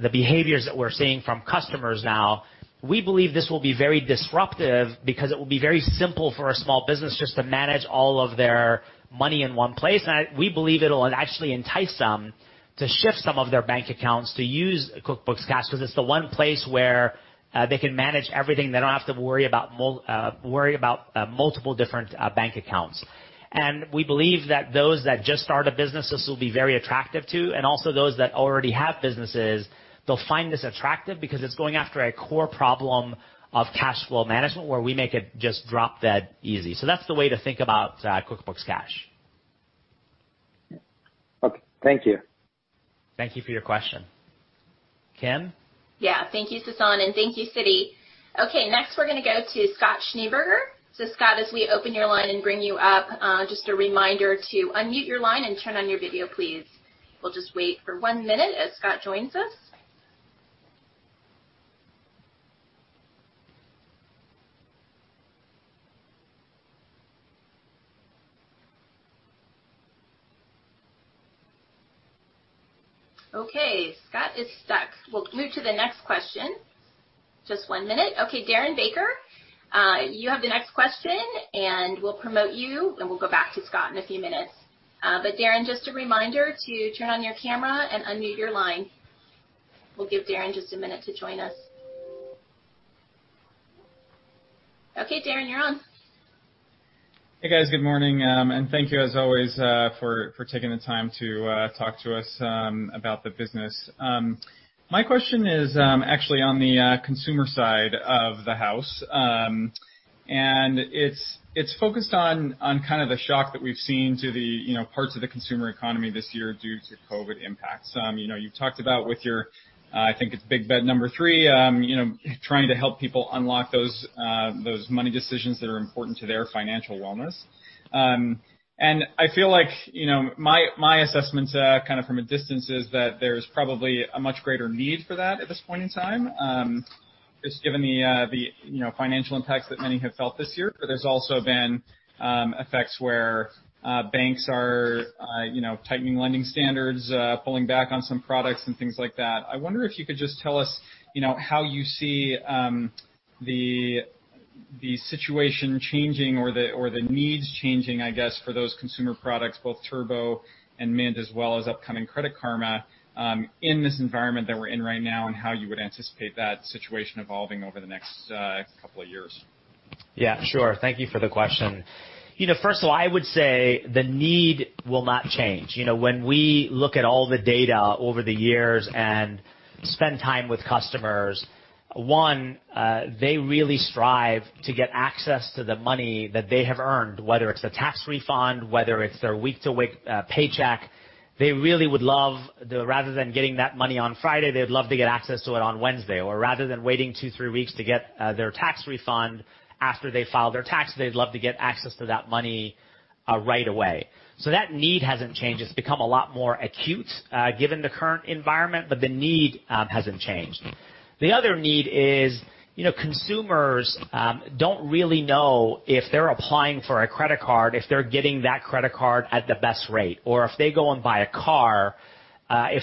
Speaker 2: the behaviors that we're seeing from customers now, we believe this will be very disruptive because it will be very simple for a small business just to manage all of their money in one place. We believe it'll actually entice them to shift some of their bank accounts to use QuickBooks Cash because it's the one place where they can manage everything. They don't have to worry about multiple different bank accounts. We believe that those that just start a business, this will be very attractive to, and also those that already have businesses, they'll find this attractive because it's going after a core problem of cash flow management where we make it just drop-dead easy. That's the way to think about QuickBooks Cash.
Speaker 31: Okay. Thank you.
Speaker 2: Thank you for your question. Kim?
Speaker 1: Yeah. Thank you, Sasan, and thank you, Siti. Okay, next we're going to go to Scott Schneeberger. Scott, as we open your line and bring you up, just a reminder to unmute your line and turn on your video, please. We'll just wait for one minute as Scott joins us. Okay, Scott is stuck. We'll move to the next question. Just one minute. Okay, Darin Baker, you have the next question, and we'll promote you, and we'll go back to Scott in a few minutes. Darin, just a reminder to turn on your camera and unmute your line. We'll give Darin just a minute to join us. Okay, Darin, you're on.
Speaker 32: Hey, guys. Good morning. Thank you, as always for taking the time to talk to us about the business. My question is actually on the consumer side of the house. It's focused on the shock that we've seen to the parts of the consumer economy this year due to COVID impacts. You've talked about with your, I think it's big bet number three, trying to help people unlock those money decisions that are important to their financial wellness. I feel like, my assessment from a distance is that there's probably a much greater need for that at this point in time, just given the financial impacts that many have felt this year. There's also been effects where banks are tightening lending standards, pulling back on some products, and things like that. I wonder if you could just tell us how you see the situation changing or the needs changing, I guess, for those consumer products, both TurboTax and Mint, as well as upcoming Credit Karma, in this environment that we're in right now, and how you would anticipate that situation evolving over the next couple of years?
Speaker 2: Yeah, sure. Thank you for the question. First of all, I would say the need will not change. When we look at all the data over the years and spend time with customers, one, they really strive to get access to the money that they have earned, whether it's a tax refund, whether it's their week-to-week paycheck. They really would love, rather than getting that money on Friday, they would love to get access to it on Wednesday. Rather than waiting two, three weeks to get their tax refund after they file their taxes, they'd love to get access to that money right away. That need hasn't changed. It's become a lot more acute, given the current environment, the need hasn't changed. The other need is consumers don't really know if they're applying for a credit card, if they're getting that credit card at the best rate. If they go and buy a car, if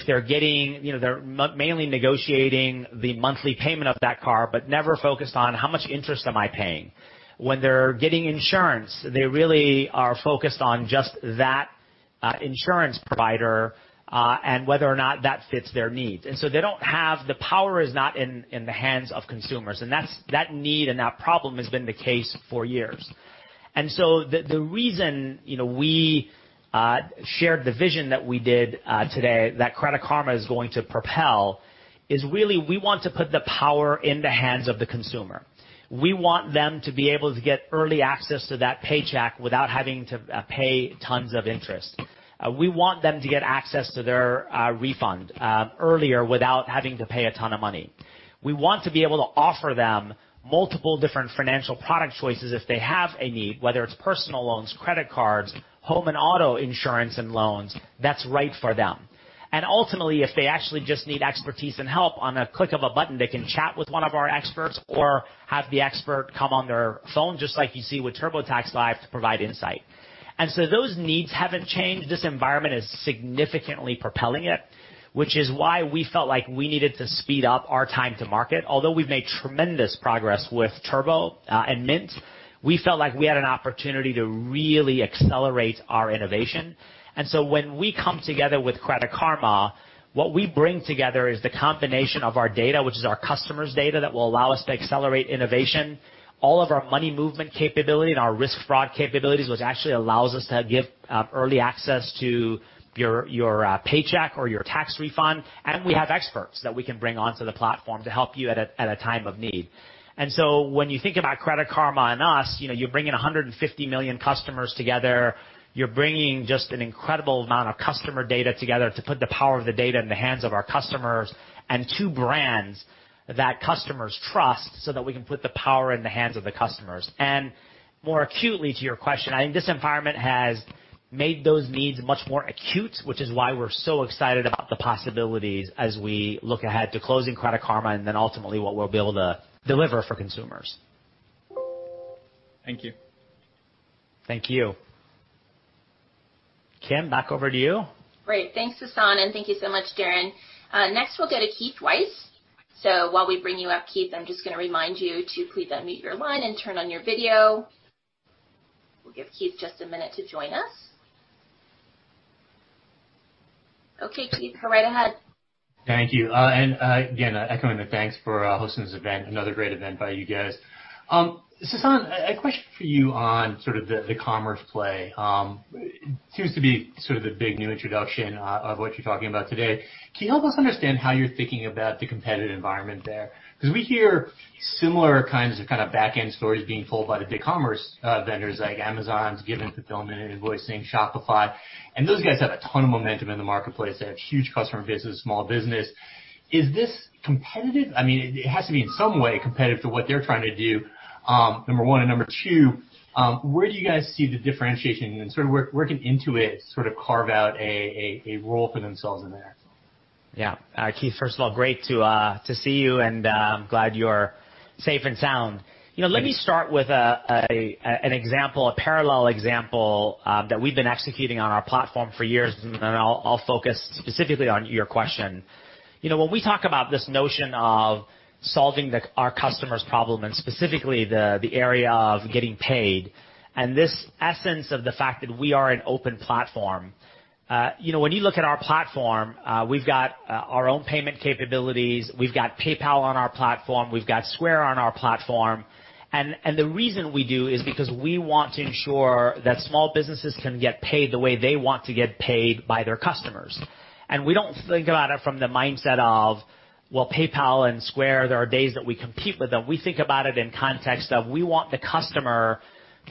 Speaker 2: they're mainly negotiating the monthly payment of that car, but never focused on how much interest am I paying. When they're getting insurance, they really are focused on just that insurance provider, and whether or not that fits their needs. The power is not in the hands of consumers, and that need and that problem has been the case for years. The reason we shared the vision that we did today that Credit Karma is going to propel is really we want to put the power in the hands of the consumer. We want them to be able to get early access to that paycheck without having to pay tons of interest. We want them to get access to their refund earlier without having to pay a ton of money. We want to be able to offer them multiple different financial product choices if they have a need, whether it's personal loans, credit cards, home and auto insurance and loans that's right for them. Ultimately, if they actually just need expertise and help, on a click of a button, they can chat with one of our experts or have the expert come on their phone, just like you see with TurboTax Live, to provide insight. Those needs haven't changed. This environment is significantly propelling it, which is why we felt like we needed to speed up our time to market. Although we've made tremendous progress with TurboTax and Mint, we felt like we had an opportunity to really accelerate our innovation. When we come together with Credit Karma, what we bring together is the combination of our data, which is our customer's data that will allow us to accelerate innovation, all of our money movement capability and our risk fraud capabilities, which actually allows us to give early access to your paycheck or your tax refund, and we have experts that we can bring onto the platform to help you at a time of need. When you think about Credit Karma and us, you're bringing 150 million customers together. You're bringing just an incredible amount of customer data together to put the power of the data in the hands of our customers, and two brands that customers trust so that we can put the power in the hands of the customers. More acutely to your question, I think this environment has made those needs much more acute, which is why we're so excited about the possibilities as we look ahead to closing Credit Karma, and then ultimately what we'll be able to deliver for consumers.
Speaker 32: Thank you.
Speaker 2: Thank you. Kim, back over to you.
Speaker 1: Great. Thanks, Sasan, and thank you so much, Darin. Next we'll go to Keith Weiss. While we bring you up, Keith, I'm just going to remind you to please unmute your line and turn on your video. We'll give Keith just a minute to join us. Okay, Keith, go right ahead.
Speaker 18: Thank you. Again, echoing the thanks for hosting this event, another great event by you guys. Sasan, a question for you on sort of the commerce play. It seems to be sort of the big new introduction of what you're talking about today. Can you help us understand how you're thinking about the competitive environment there? We hear similar kinds of backend stories being told by the big commerce vendors like Amazon's giving fulfillment and invoicing, Shopify, and those guys have a ton of momentum in the marketplace. They have huge customer base in small business. Is this competitive? It has to be in some way competitive to what they're trying to do, number one, and number two, where do you guys see the differentiation and sort of where can Intuit sort of carve out a role for themselves in there?
Speaker 2: Yeah. Keith, first of all, great to see you, and I'm glad you're safe and sound. Let me start with an example, a parallel example that we've been executing on our platform for years, and then I'll focus specifically on your question. When we talk about this notion of solving our customer's problem, and specifically the area of getting paid, and this essence of the fact that we are an open platform. When you look at our platform, we've got our own payment capabilities, we've got PayPal on our platform, we've got Square on our platform, and the reason we do is because we want to ensure that small businesses can get paid the way they want to get paid by their customers. We don't think about it from the mindset of, well, PayPal and Square, there are days that we compete with them. We think about it in context of we want the customer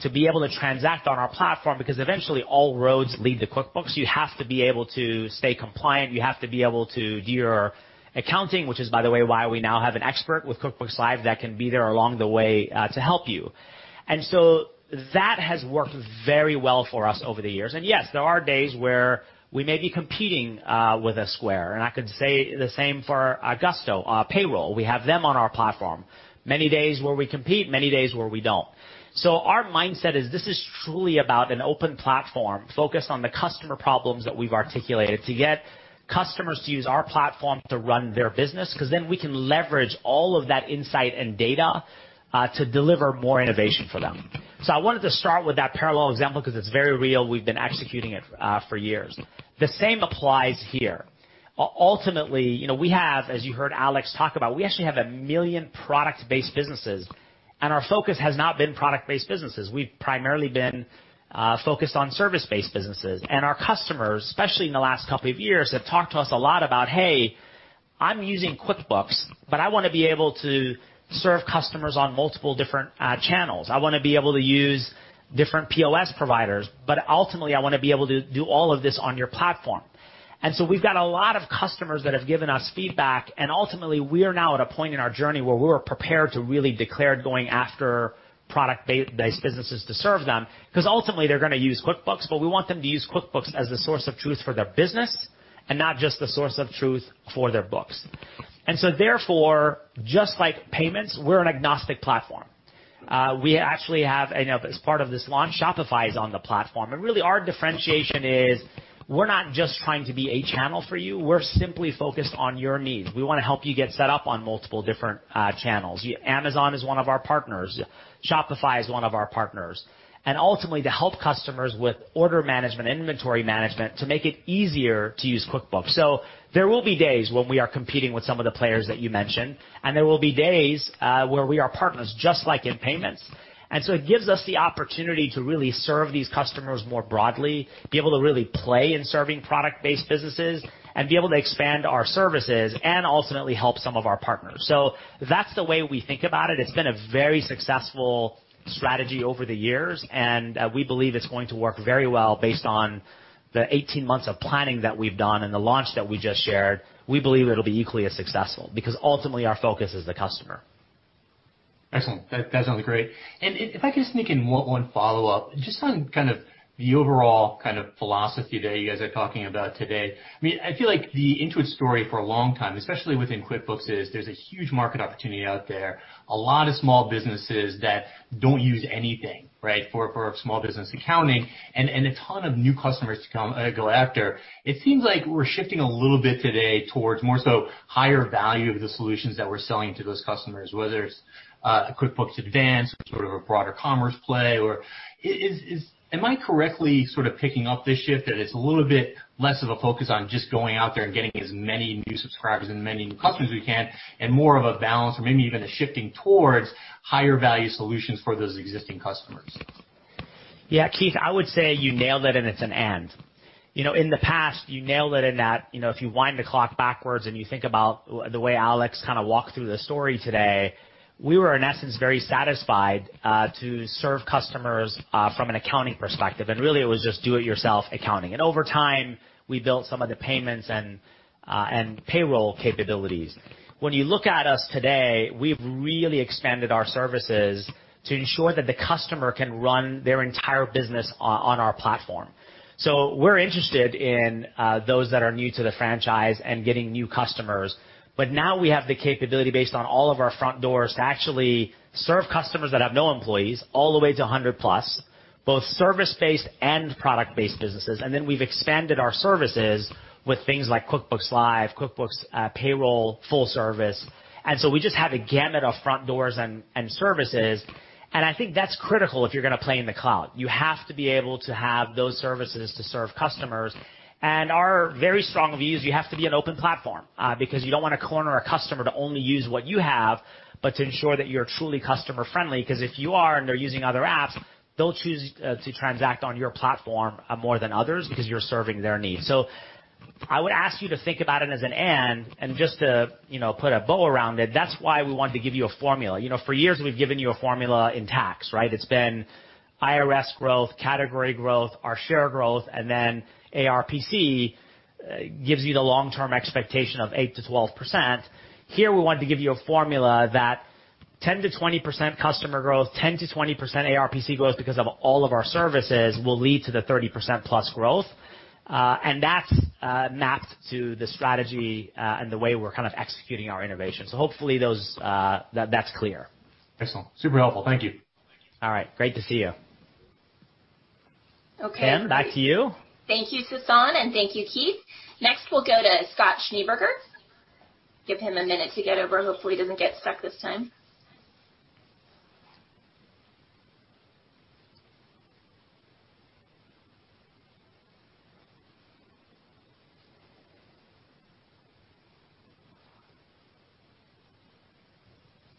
Speaker 2: to be able to transact on our platform because eventually all roads lead to QuickBooks. You have to be able to stay compliant. You have to be able to do your accounting, which is, by the way, why we now have an expert with QuickBooks Live that can be there along the way to help you. That has worked very well for us over the years. There are days where we may be competing with a Square, and I could say the same for Gusto Payroll. We have them on our platform. Many days where we compete, many days where we don't. Our mindset is this is truly about an open platform focused on the customer problems that we've articulated to get customers to use our platform to run their business because then we can leverage all of that insight and data to deliver more innovation for them. I wanted to start with that parallel example because it's very real. We've been executing it for years. The same applies here. Ultimately, we have, as you heard Alex talk about, we actually have 1 million product-based businesses, and our focus has not been product-based businesses. We've primarily been focused on service-based businesses, and our customers, especially in the last couple of years, have talked to us a lot about, "Hey, I'm using QuickBooks, but I want to be able to serve customers on multiple different channels. I want to be able to use different POS providers, but ultimately, I want to be able to do all of this on your platform. We've got a lot of customers that have given us feedback, and ultimately, we are now at a point in our journey where we are prepared to really declare going after product-based businesses to serve them because ultimately they're going to use QuickBooks, but we want them to use QuickBooks as the source of truth for their business and not just the source of truth for their books. Therefore, just like payments, we're an agnostic platform. We actually have, as part of this launch, Shopify is on the platform, and really our differentiation is we're not just trying to be a channel for you. We're simply focused on your needs. We want to help you get set up on multiple different channels. Amazon is one of our partners. Shopify is one of our partners. Ultimately, to help customers with order management, inventory management, to make it easier to use QuickBooks. There will be days when we are competing with some of the players that you mentioned, and there will be days where we are partners, just like in payments. It gives us the opportunity to really serve these customers more broadly, be able to really play in serving product-based businesses and be able to expand our services and ultimately help some of our partners. That's the way we think about it. It's been a very successful strategy over the years, and we believe it's going to work very well based on the 18 months of planning that we've done and the launch that we just shared. We believe it'll be equally as successful because ultimately our focus is the customer.
Speaker 18: Excellent. That sounds great. If I could just sneak in one follow-up, just on kind of the overall kind of philosophy that you guys are talking about today. I feel like the Intuit story for a long time, especially within QuickBooks, is there's a huge market opportunity out there, a lot of small businesses that don't use anything, right, for small business accounting and a ton of new customers to go after. It seems like we're shifting a little bit today towards more so higher value of the solutions that we're selling to those customers, whether it's QuickBooks Advanced, sort of a broader commerce play. Am I correctly sort of picking up this shift that it's a little bit less of a focus on just going out there and getting as many new subscribers and many new customers we can and more of a balance or maybe even a shifting towards higher value solutions for those existing customers?
Speaker 2: Yeah, Keith, I would say you nailed it, and it's an and. In the past, you nailed it in that if you wind the clock backwards and you think about the way Alex kind of walked through the story today, we were, in essence, very satisfied to serve customers from an accounting perspective, and really it was just do it yourself accounting. Over time, we built some of the payments and payroll capabilities. When you look at us today, we've really expanded our services to ensure that the customer can run their entire business on our platform. We're interested in those that are new to the franchise and getting new customers. Now we have the capability based on all of our front doors to actually serve customers that have no employees all the way to 100 plus, both service-based and product-based businesses. Then we've expanded our services with things like QuickBooks Live, QuickBooks Payroll, full service. So we just have a gamut of front doors and services. I think that's critical if you're going to play in the cloud. You have to be able to have those services to serve customers. Our very strong views, you have to be an open platform because you don't want to corner a customer to only use what you have, but to ensure that you're truly customer friendly, because if you are and they're using other apps, they'll choose to transact on your platform more than others because you're serving their needs. I would ask you to think about it as an and just to put a bow around it, that's why we wanted to give you a formula. For years, we've given you a formula in tax, right? It's been IRS growth, category growth, our share growth, ARPC gives you the long-term expectation of 8%-12%. Here, we wanted to give you a formula, 10%-20% customer growth, 10%-20% ARPC growth because of all of our services will lead to the 30% plus growth. That's mapped to the strategy, and the way we're kind of executing our innovation. Hopefully that's clear.
Speaker 18: Excellent. Super helpful. Thank you.
Speaker 2: All right. Great to see you.
Speaker 1: Okay.
Speaker 2: Kim, back to you.
Speaker 1: Thank you, Sasan, thank you, Keith. We'll go to Scott Schneeberger. Give him a minute to get over. Hopefully, he doesn't get stuck this time.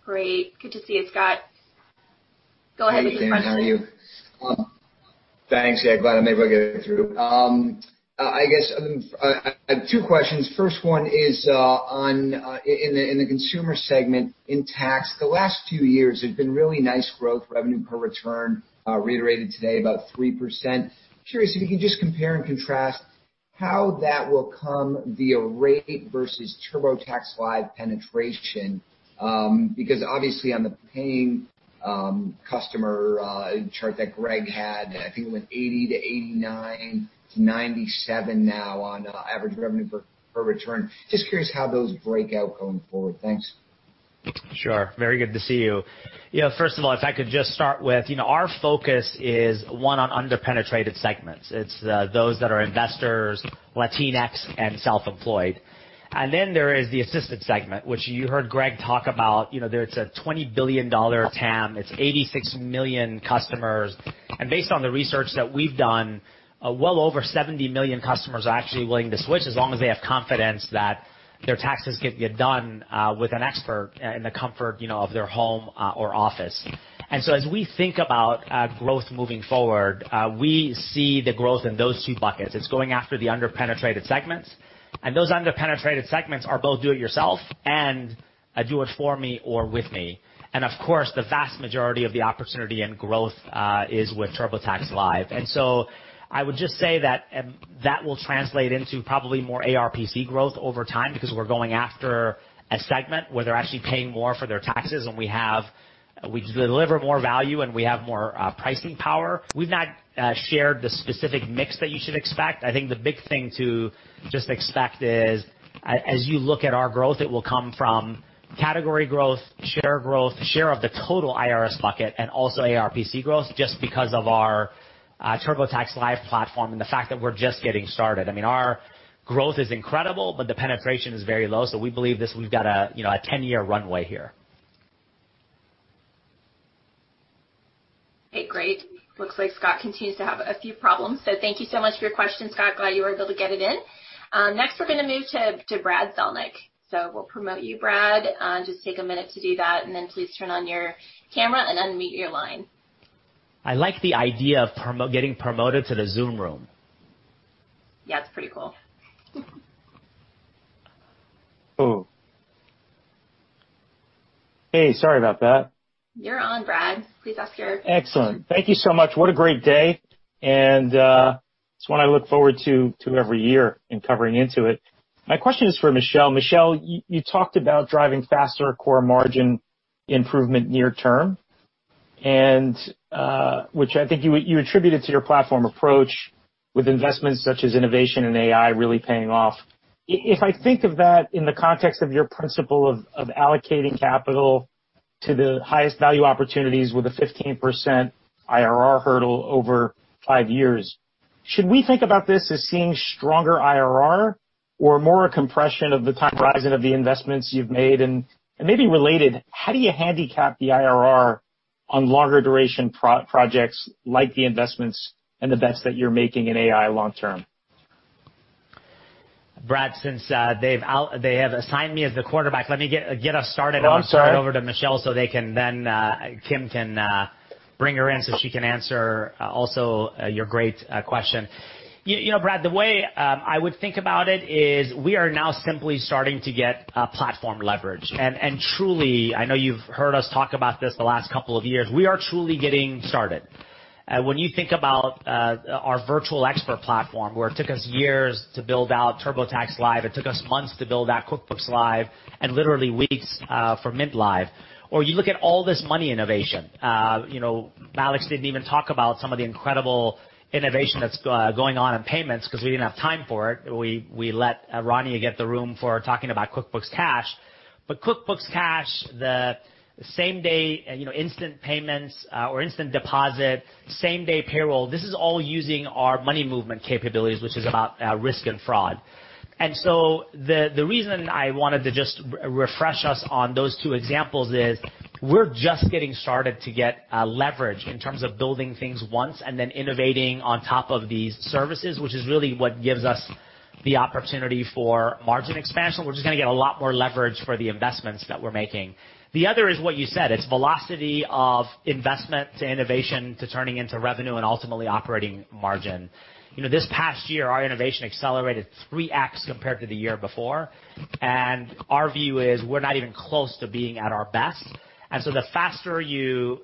Speaker 1: Great. Good to see you, Scott. Go ahead with your question.
Speaker 33: Hey, Sasan, how are you? Thanks. Yeah, glad I'm able to get through. I have two questions. First one is, in the consumer segment in tax, the last two years have been really nice growth revenue per return, reiterated today about 3%. Curious if you can just compare and contrast how that will come via rate versus TurboTax Live penetration, because obviously on the paying customer chart that Greg had, I think it went $80-$89-$97 now on average revenue per return. Just curious how those break out going forward. Thanks.
Speaker 2: Sure. Very good to see you. First of all, if I could just start with, our focus is, one, on under-penetrated segments. It's those that are investors, Latinx, and self-employed. Then there is the assisted segment, which you heard Greg talk about. There it's a $20 billion TAM. It's 86 million customers. Based on the research that we've done, well over 70 million customers are actually willing to switch as long as they have confidence that their taxes can get done with an expert in the comfort of their home or office. So as we think about growth moving forward, we see the growth in those two buckets. It's going after the under-penetrated segments, and those under-penetrated segments are both do it yourself and a do it for me or with me. Of course, the vast majority of the opportunity and growth is with TurboTax Live. I would just say that will translate into probably more ARPC growth over time because we're going after a segment where they're actually paying more for their taxes, and we deliver more value, and we have more pricing power. We've not shared the specific mix that you should expect. I think the big thing to just expect is, as you look at our growth, it will come from category growth, share growth, share of the total IRS bucket, and also ARPC growth just because of our TurboTax Live platform and the fact that we're just getting started. Our growth is incredible, but the penetration is very low. We believe we've got a 10-year runway here.
Speaker 1: Okay, great. Looks like Scott continues to have a few problems. Thank you so much for your question, Scott. Glad you were able to get it in. Next, we're going to move to Brad Zelnick. We'll promote you, Brad. Just take a minute to do that, please turn on your camera and unmute your line.
Speaker 2: I like the idea of getting promoted to the Zoom Rooms.
Speaker 1: Yeah, it's pretty cool.
Speaker 10: Hey, sorry about that.
Speaker 1: You're on, Brad. Please ask.
Speaker 10: Excellent. Thank you so much. What a great day. It's one I look forward to every year in covering Intuit. My question is for Michelle. Michelle, you talked about driving faster core margin improvement near term, which I think you attributed to your platform approach with investments such as innovation and AI really paying off. If I think of that in the context of your principle of allocating capital to the highest value opportunities with a 15% IRR hurdle over five years, should we think about this as seeing stronger IRR or more a compression of the time horizon of the investments you've made? Maybe related, how do you handicap the IRR on longer duration projects like the investments and the bets that you're making in AI long term?
Speaker 2: Brad, since they have assigned me as the quarterback, let me get us started.
Speaker 10: Oh, I'm sorry.
Speaker 2: I'll turn it over to Michelle, so Kim can bring her in so she can answer also your great question. Brad, the way I would think about it is we are now simply starting to get platform leverage. Truly, I know you've heard us talk about this the last couple of years. We are truly getting started. When you think about our virtual expert platform, where it took us years to build out TurboTax Live, it took us months to build out QuickBooks Live, and literally weeks for Mint Live. You look at all this money innovation. Alex didn't even talk about some of the incredible innovation that's going on in payments because we didn't have time for it. We let Rania get the room for talking about QuickBooks Cash. QuickBooks Cash, the same-day instant payments, or instant deposit, same-day payroll, this is all using our money movement capabilities, which is about risk and fraud. The reason I wanted to just refresh us on those two examples is we're just getting started to get leverage in terms of building things once and then innovating on top of these services, which is really what gives us the opportunity for margin expansion. We're just going to get a lot more leverage for the investments that we're making. The other is what you said. It's velocity of investment to innovation to turning into revenue and ultimately operating margin. This past year, our innovation accelerated 3x compared to the year before, and our view is we're not even close to being at our best. The faster you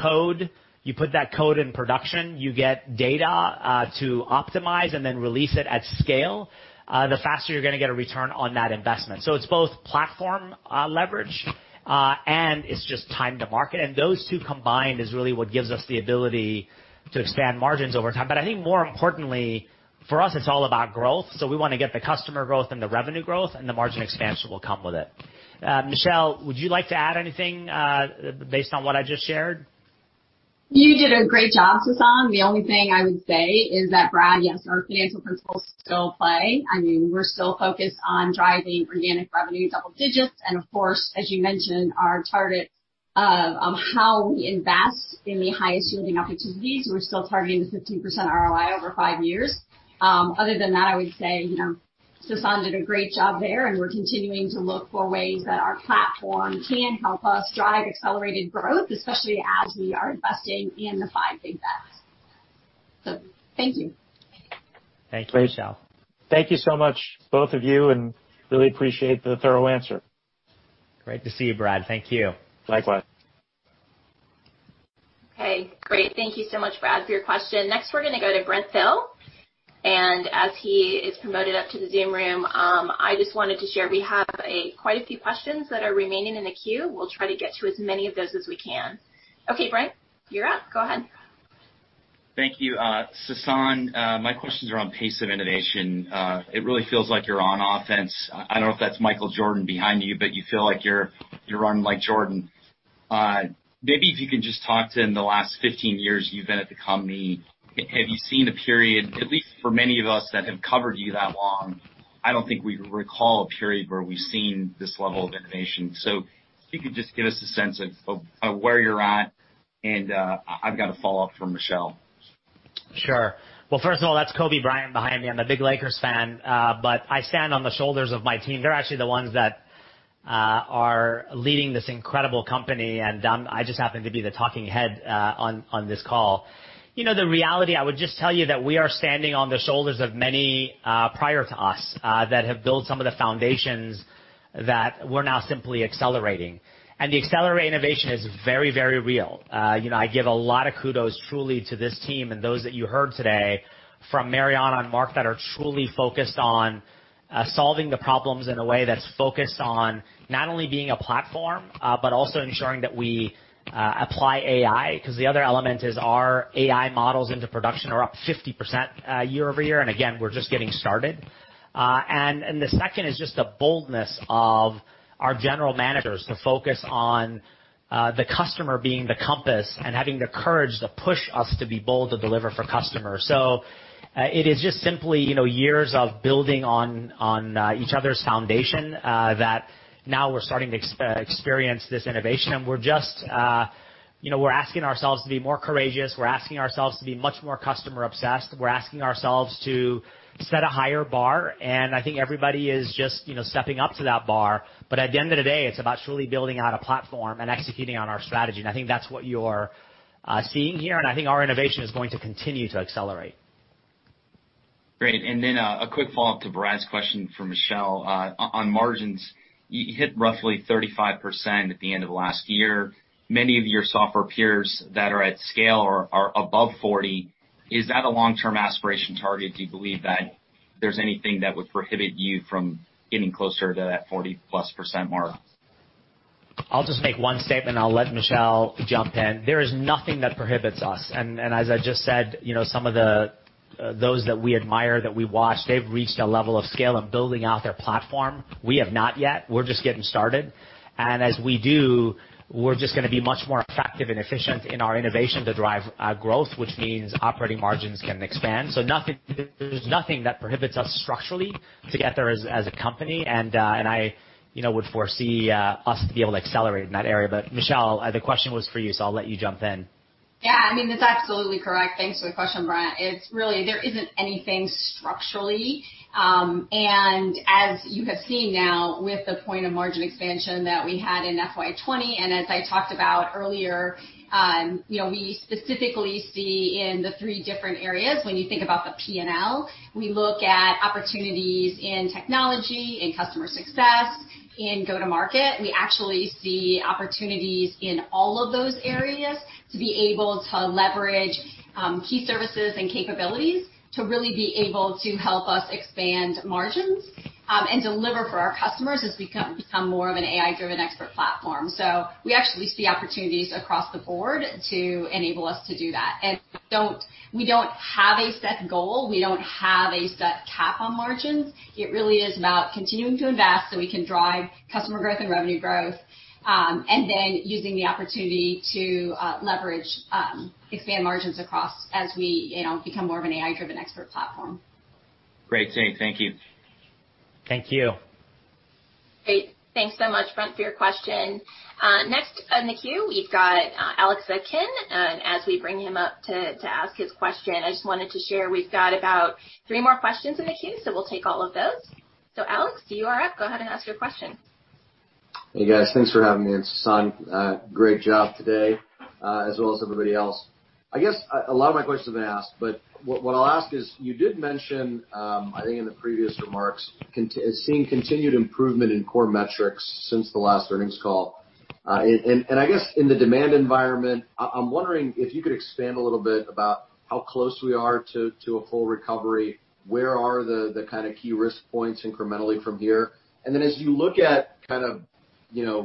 Speaker 2: code, you put that code in production, you get data to optimize and then release it at scale, the faster you're going to get a return on that investment. It's both platform leverage, and it's just time to market. Those two combined is really what gives us the ability to expand margins over time. I think more importantly, for us, it's all about growth. We want to get the customer growth and the revenue growth, and the margin expansion will come with it. Michelle, would you like to add anything based on what I just shared?
Speaker 26: You did a great job, Sasan. The only thing I would say is that, Brad, yes, our financial principles still play. We're still focused on driving organic revenue double digits. Of course, as you mentioned, our target of how we invest in the highest-yielding opportunities, we're still targeting the 15% ROI over five years. Other than that, I would say, Sasan did a great job there, and we're continuing to look for ways that our platform can help us drive accelerated growth, especially as we are investing in the five big bets. Thank you.
Speaker 10: Thank you. Thank you so much, both of you, and really appreciate the thorough answer.
Speaker 2: Great to see you, Brad. Thank you.
Speaker 10: Likewise.
Speaker 1: Okay, great. Thank you so much, Brad, for your question. We're going to go to Brent Thill, and as he is promoted up to the Zoom Rooms, I just wanted to share, we have quite a few questions that are remaining in the queue. We'll try to get to as many of those as we can. Okay, Brent, you're up. Go ahead.
Speaker 21: Thank you. Sasan, my questions are on pace of innovation. It really feels like you're on offense. I don't know if that's Michael Jordan behind you, but you feel like you're running like Jordan. Maybe if you can just talk to, in the last 15 years you've been at the company, have you seen a period, at least for many of us that have covered you that long, I don't think we recall a period where we've seen this level of innovation. If you could just give us a sense of where you're at and I've got a follow-up for Michelle.
Speaker 2: Sure. Well, first of all, that's Kobe Bryant behind me. I'm a big Lakers fan. I stand on the shoulders of my team. They're actually the ones that are leading this incredible company, and I just happen to be the talking head on this call. The reality, I would just tell you that we are standing on the shoulders of many prior to us that have built some of the foundations that we're now simply accelerating. The accelerated innovation is very real. I give a lot of kudos truly to this team and those that you heard today from Marianna and Mark that are truly focused on solving the problems in a way that's focused on not only being a platform, but also ensuring that we apply AI, because the other element is our AI models into production are up 50% year-over-year. We're just getting started. The second is just the boldness of our general managers to focus on the customer being the compass and having the courage to push us to be bold to deliver for customers. It is just simply years of building on each other's foundation that now we're starting to experience this innovation. We're asking ourselves to be more courageous. We're asking ourselves to be much more customer-obsessed. We're asking ourselves to set a higher bar, and I think everybody is just stepping up to that bar. At the end of the day, it's about truly building out a platform and executing on our strategy, and I think that's what you're seeing here, and I think our innovation is going to continue to accelerate.
Speaker 21: Great. Then a quick follow-up to Brad's question for Michelle. On margins, you hit roughly 35% at the end of last year. Many of your software peers that are at scale are above 40%. Is that a long-term aspiration target? Do you believe that there's anything that would prohibit you from getting closer to that 40-plus percentage mark?
Speaker 2: I'll just make one statement, and I'll let Michelle jump in. There is nothing that prohibits us. As I just said, some of those that we admire, that we watch, they've reached a level of scale and building out their platform. We have not yet. We're just getting started. As we do, we're just going to be much more effective and efficient in our innovation to drive growth, which means operating margins can expand. There's nothing that prohibits us structurally to get there as a company, and I would foresee us to be able to accelerate in that area. Michelle, the question was for you, so I'll let you jump in.
Speaker 26: Yeah. That's absolutely correct. Thanks for the question, Brent. There isn't anything structurally. As you have seen now with the point of margin expansion that we had in FY 2020, as I talked about earlier, we specifically see in the three different areas when you think about the P&L. We look at opportunities in technology, in customer success, in go-to-market. We actually see opportunities in all of those areas to be able to leverage key services and capabilities to really be able to help us expand margins, and deliver for our customers as we become more of an AI-driven expert platform. We actually see opportunities across the board to enable us to do that. We don't have a set goal. We don't have a set cap on margins. It really is about continuing to invest so we can drive customer growth and revenue growth, then using the opportunity to leverage, expand margins across as we become more of an AI-driven expert platform.
Speaker 21: Great. Thank you.
Speaker 2: Thank you.
Speaker 1: Great. Thanks so much, Brent, for your question. Next in the queue, we've got Alex Zukin, and as we bring him up to ask his question, I just wanted to share, we've got about three more questions in the queue. We'll take all of those. Alex, you are up. Go ahead and ask your question.
Speaker 11: Hey, guys. Thanks for having me. Sasan, great job today, as well as everybody else. I guess a lot of my questions have been asked, but what I'll ask is, you did mention, I think in the previous remarks, seeing continued improvement in core metrics since the last earnings call. I guess in the demand environment, I'm wondering if you could expand a little bit about how close we are to a full recovery. Where are the key risk points incrementally from here? Then as you look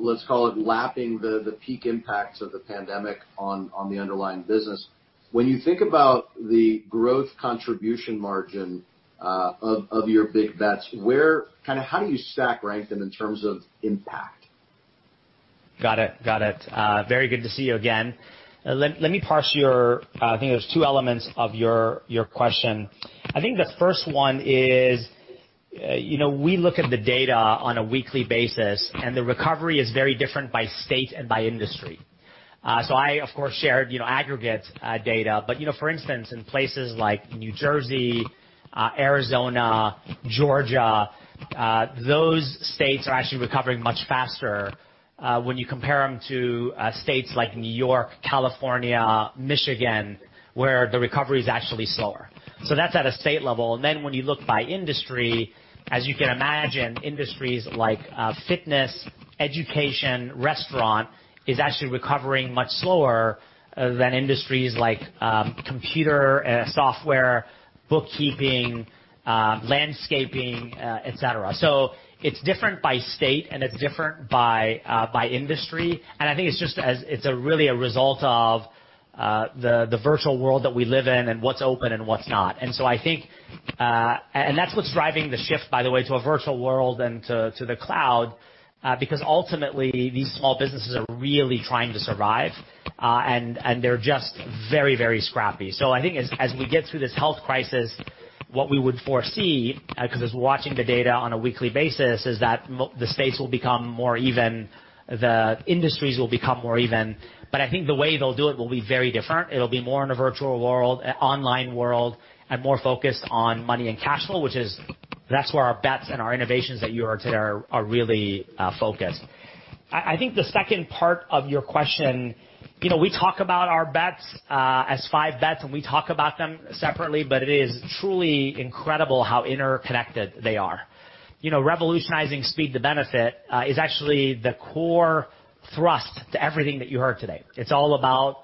Speaker 11: at, let's call it lapping the peak impacts of the pandemic on the underlying business. When you think about the growth contribution margin of your big bets, how do you stack rank them in terms of impact?
Speaker 2: Got it. Very good to see you again. I think there's two elements of your question. I think the first one is, we look at the data on a weekly basis, the recovery is very different by state and by industry. I, of course, shared aggregate data. For instance, in places like New Jersey, Arizona, Georgia, those states are actually recovering much faster when you compare them to states like New York, California, Michigan, where the recovery is actually slower. That's at a state level. Then when you look by industry, as you can imagine, industries like fitness, education, restaurant is actually recovering much slower than industries like computer software, bookkeeping, landscaping, et cetera. It's different by state and it's different by industry. I think it's just really a result of the virtual world that we live in and what's open and what's not. That's what's driving the shift, by the way, to a virtual world and to the cloud because ultimately, these small businesses are really trying to survive, and they're just very scrappy. I think as we get through this health crisis, what we would foresee, because watching the data on a weekly basis, is that the states will become more even, the industries will become more even. I think the way they'll do it will be very different. It'll be more in a virtual world, online world, and more focused on money and cash flow, which is that's where our bets and our innovations that you heard today are really focused. I think the second part of your question, we talk about our bets as five bets, we talk about them separately, it is truly incredible how interconnected they are. Revolutionizing speed to benefit is actually the core thrust to everything that you heard today. It's all about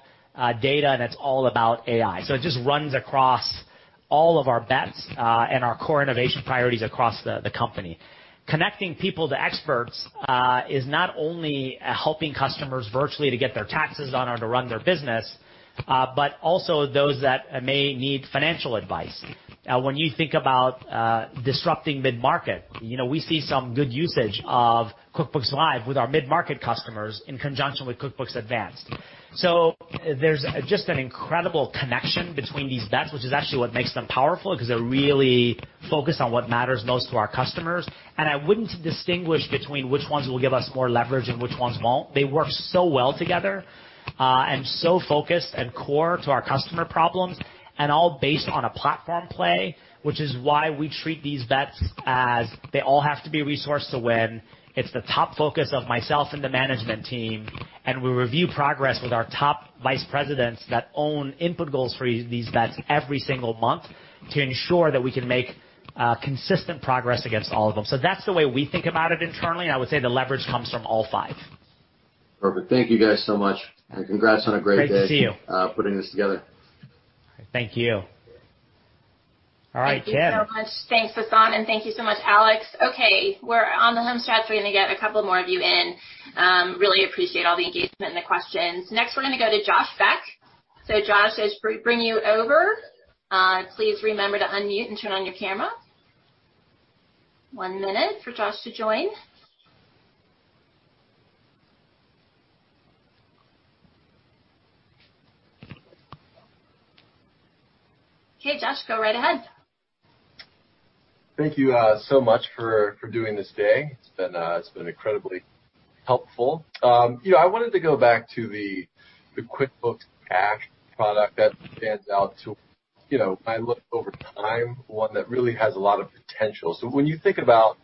Speaker 2: data, it's all about AI. It just runs across all of our bets and our core innovation priorities across the company. Connecting people to experts is not only helping customers virtually to get their taxes done or to run their business, but also those that may need financial advice. When you think about disrupting mid-market, we see some good usage of QuickBooks Live with our mid-market customers in conjunction with QuickBooks Advanced. There's just an incredible connection between these bets, which is actually what makes them powerful because they're really focused on what matters most to our customers. I wouldn't distinguish between which ones will give us more leverage and which ones won't. They work so well together, and so focused and core to our customer problems, and all based on a platform play, which is why we treat these bets as they all have to be resourced to win. It's the top focus of myself and the management team, and we review progress with our top vice presidents that own input goals for these bets every single month to ensure that we can make consistent progress against all of them. That's the way we think about it internally, and I would say the leverage comes from all five.
Speaker 11: Perfect. Thank you guys so much, and congrats on a great day-
Speaker 2: Great to see you.
Speaker 11: putting this together.
Speaker 2: Thank you. All right, Jen.
Speaker 1: Thank you so much. Thanks, Sasan, and thank you so much, Alex. Okay, we're on the home stretch. We're going to get a couple more of you in. Really appreciate all the engagement and the questions. Next, we're going to go to Josh Beck. Josh, as we bring you over, please remember to unmute and turn on your camera. One minute for Josh to join. Okay, Josh, go right ahead.
Speaker 34: Thank you so much for doing this day. It's been incredibly helpful. I wanted to go back to the QuickBooks Cash product that stands out to, when I look over time, one that really has a lot of potential. When you think about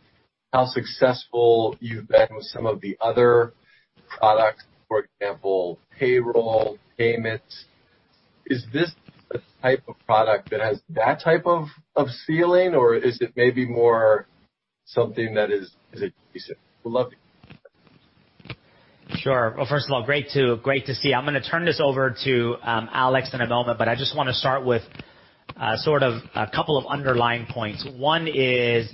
Speaker 34: how successful you've been with some of the other products, for example, payroll, payments, is this the type of product that has that type of feeling, or is it maybe more something that is a piece? Would love to hear.
Speaker 2: Sure. Well, first of all, great to see. I'm going to turn this over to Alex in a moment, but I just want to start with sort of a couple of underlying points. One is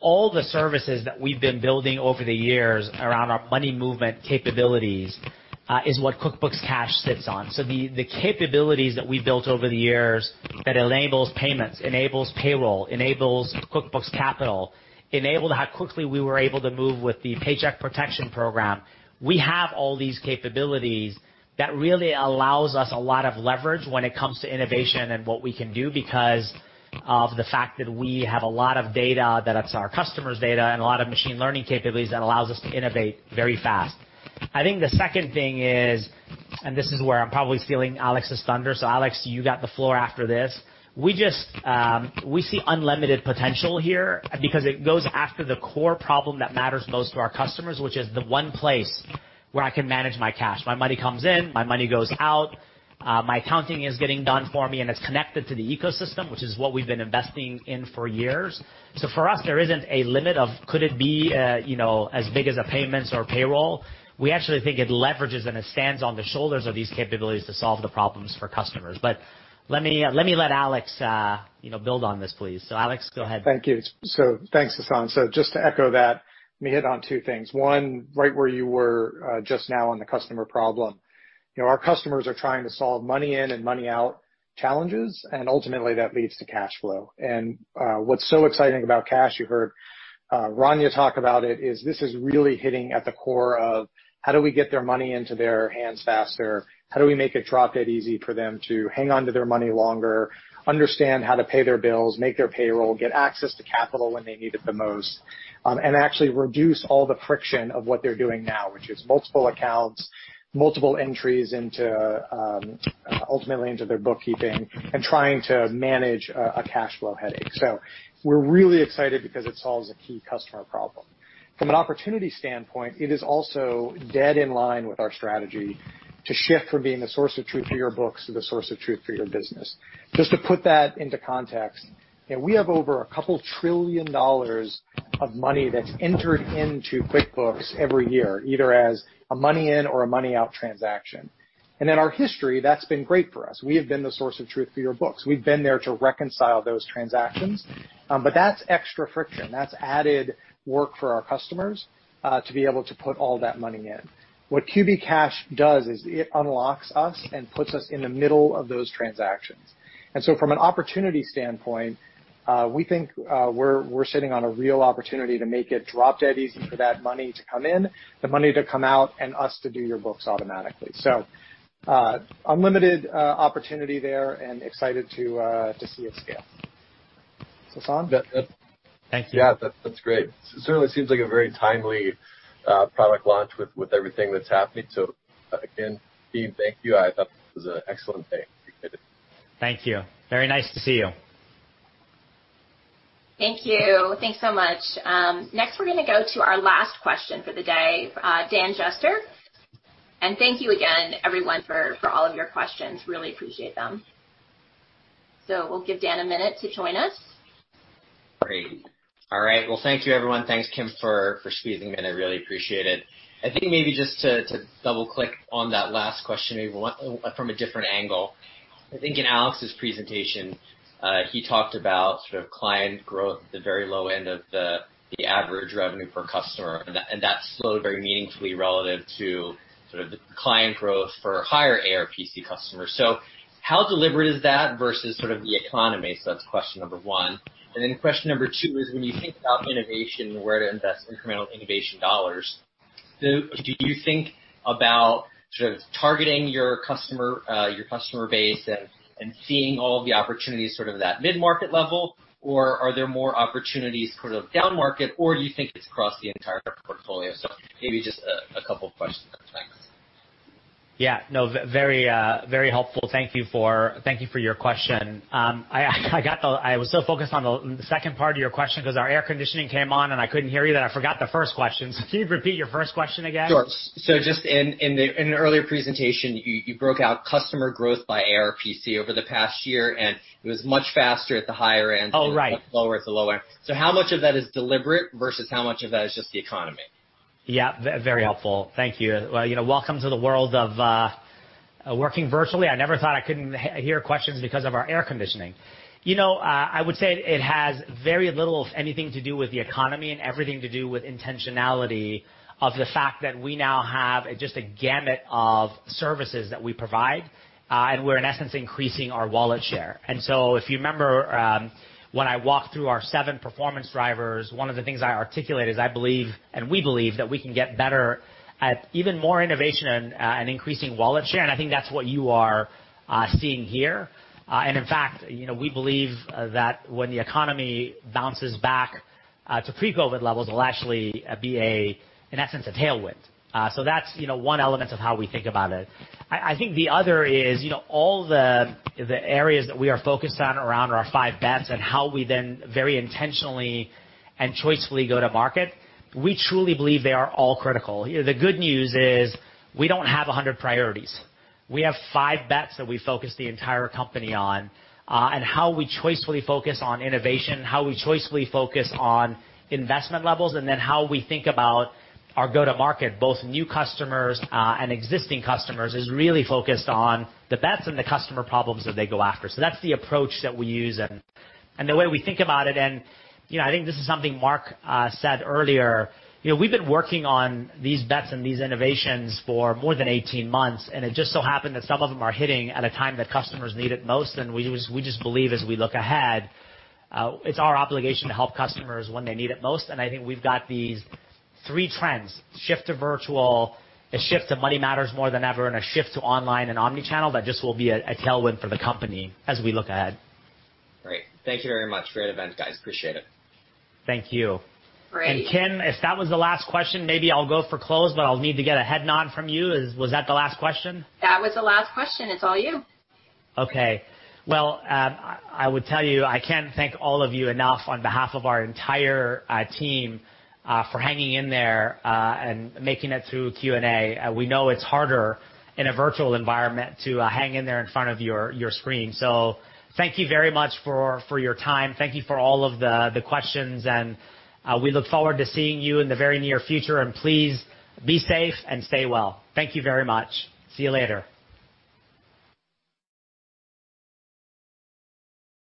Speaker 2: all the services that we've been building over the years around our money movement capabilities, is what QuickBooks Cash sits on. The capabilities that we built over the years that enables payments, enables payroll, enables QuickBooks Capital, enabled how quickly we were able to move with the Paycheck Protection Program. We have all these capabilities that really allows us a lot of leverage when it comes to innovation and what we can do because of the fact that we have a lot of data, that it's our customers' data and a lot of machine learning capabilities that allows us to innovate very fast. I think the second thing is, and this is where I'm probably stealing Alex's thunder, so Alex, you got the floor after this. We see unlimited potential here because it goes after the core problem that matters most to our customers, which is the one place where I can manage my cash. My money comes in, my money goes out, my accounting is getting done for me, and it's connected to the ecosystem, which is what we've been investing in for years. For us, there isn't a limit of could it be as big as a payments or payroll. We actually think it leverages and it stands on the shoulders of these capabilities to solve the problems for customers. Let me let Alex build on this, please. Alex, go ahead.
Speaker 23: Thank you. Thanks, Sasan. Just to echo that, let me hit on two things. One, right where you were just now on the customer problem. Our customers are trying to solve money in and money out challenges, and ultimately that leads to cash flow. What's so exciting about Cash, you heard Rania talk about it, is this is really hitting at the core of how do we get their money into their hands faster, how do we make it drop-dead easy for them to hang on to their money longer, understand how to pay their bills, make their payroll, get access to capital when they need it the most, and actually reduce all the friction of what they're doing now. Which is multiple accounts, multiple entries ultimately into their bookkeeping, and trying to manage a cash flow headache. We're really excited because it solves a key customer problem. From an opportunity standpoint, it is also dead in line with our strategy to shift from being the source of truth for your books to the source of truth for your business. Just to put that into context, we have over a couple trillion dollars of money that's entered into QuickBooks every year, either as a money in or a money out transaction. In our history, that's been great for us. We have been the source of truth for your books. We've been there to reconcile those transactions. That's extra friction. That's added work for our customers to be able to put all that money in. What QuickBooks Cash does is it unlocks us and puts us in the middle of those transactions. From an opportunity standpoint, we think we're sitting on a real opportunity to make it drop-dead easy for that money to come in, the money to come out, and us to do your books automatically. Unlimited opportunity there and excited to see it scale. Sasan?
Speaker 2: Thank you.
Speaker 34: Yeah. That's great. Certainly seems like a very timely product launch with everything that's happening. Again, team, thank you. I thought this was an excellent day. Appreciate it.
Speaker 2: Thank you. Very nice to see you.
Speaker 1: Thank you. Thanks so much. We're going to go to our last question for the day, Dan Jester. Thank you again, everyone, for all of your questions. Really appreciate them. We'll give Dan a minute to join us.
Speaker 35: Great. All right. Well, thank you everyone. Thanks, Kim, for squeezing me in. I really appreciate it. I think maybe just to double-click on that last question maybe from a different angle. I think in Alex's presentation, he talked about client growth at the very low end of the average revenue per customer, and that slowed very meaningfully relative to the client growth for higher ARPC customers. How deliberate is that versus the economy? That's question number one. Question number 2 is when you think about innovation and where to invest incremental innovation dollars, do you think about targeting your customer base and seeing all of the opportunities at that mid-market level, or are there more opportunities down market, or do you think it's across the entire portfolio? Maybe just a couple questions. Thanks.
Speaker 2: Yeah, no, very helpful. Thank you for your question. I was so focused on the second part of your question because our air conditioning came on and I couldn't hear you that I forgot the first question. Can you repeat your first question again?
Speaker 35: Sure. Just in an earlier presentation, you broke out customer growth by ARPC over the past year, and it was much faster at the higher end.
Speaker 2: Oh, right.
Speaker 35: than it was lower at the low end. How much of that is deliberate versus how much of that is just the economy?
Speaker 2: Yeah. Very helpful. Thank you. Welcome to the world of working virtually. I never thought I couldn't hear questions because of our air conditioning. I would say it has very little of anything to do with the economy and everything to do with intentionality of the fact that we now have just a gamut of services that we provide, and we're in essence increasing our wallet share. If you remember when I walked through our seven performance drivers, one of the things I articulated is I believe, and we believe, that we can get better at even more innovation and increasing wallet share, and I think that's what you are seeing here. In fact, we believe that when the economy bounces back to pre-COVID levels, it'll actually be, in essence, a tailwind. That's one element of how we think about it. I think the other is all the areas that we are focused on around our five bets and how we then very intentionally and choicefully go to market, we truly believe they are all critical. The good news is we don't have 100 priorities. We have five bets that we focus the entire company on. How we choicefully focus on innovation, how we choicefully focus on investment levels, and then how we think about our go-to market, both new customers and existing customers, is really focused on the bets and the customer problems that they go after. That's the approach that we use and the way we think about it, and I think this is something Mark said earlier. We've been working on these bets and these innovations for more than 18 months, and it just so happened that some of them are hitting at a time that customers need it most, and we just believe as we look ahead, it's our obligation to help customers when they need it most. I think we've got these three trends, shift to virtual, a shift to money matters more than ever, and a shift to online and omni-channel, that just will be a tailwind for the company as we look ahead.
Speaker 35: Great. Thank you very much. Great event, guys. Appreciate it.
Speaker 2: Thank you.
Speaker 1: Great.
Speaker 2: Kim, if that was the last question, maybe I'll go for close, but I'll need to get a head nod from you. Was that the last question?
Speaker 1: That was the last question. It's all you.
Speaker 2: Okay. Well, I would tell you, I can't thank all of you enough on behalf of our entire team for hanging in there and making it through Q&A. We know it's harder in a virtual environment to hang in there in front of your screen. Thank you very much for your time. Thank you for all of the questions, and we look forward to seeing you in the very near future. Please be safe and stay well. Thank you very much. See you later.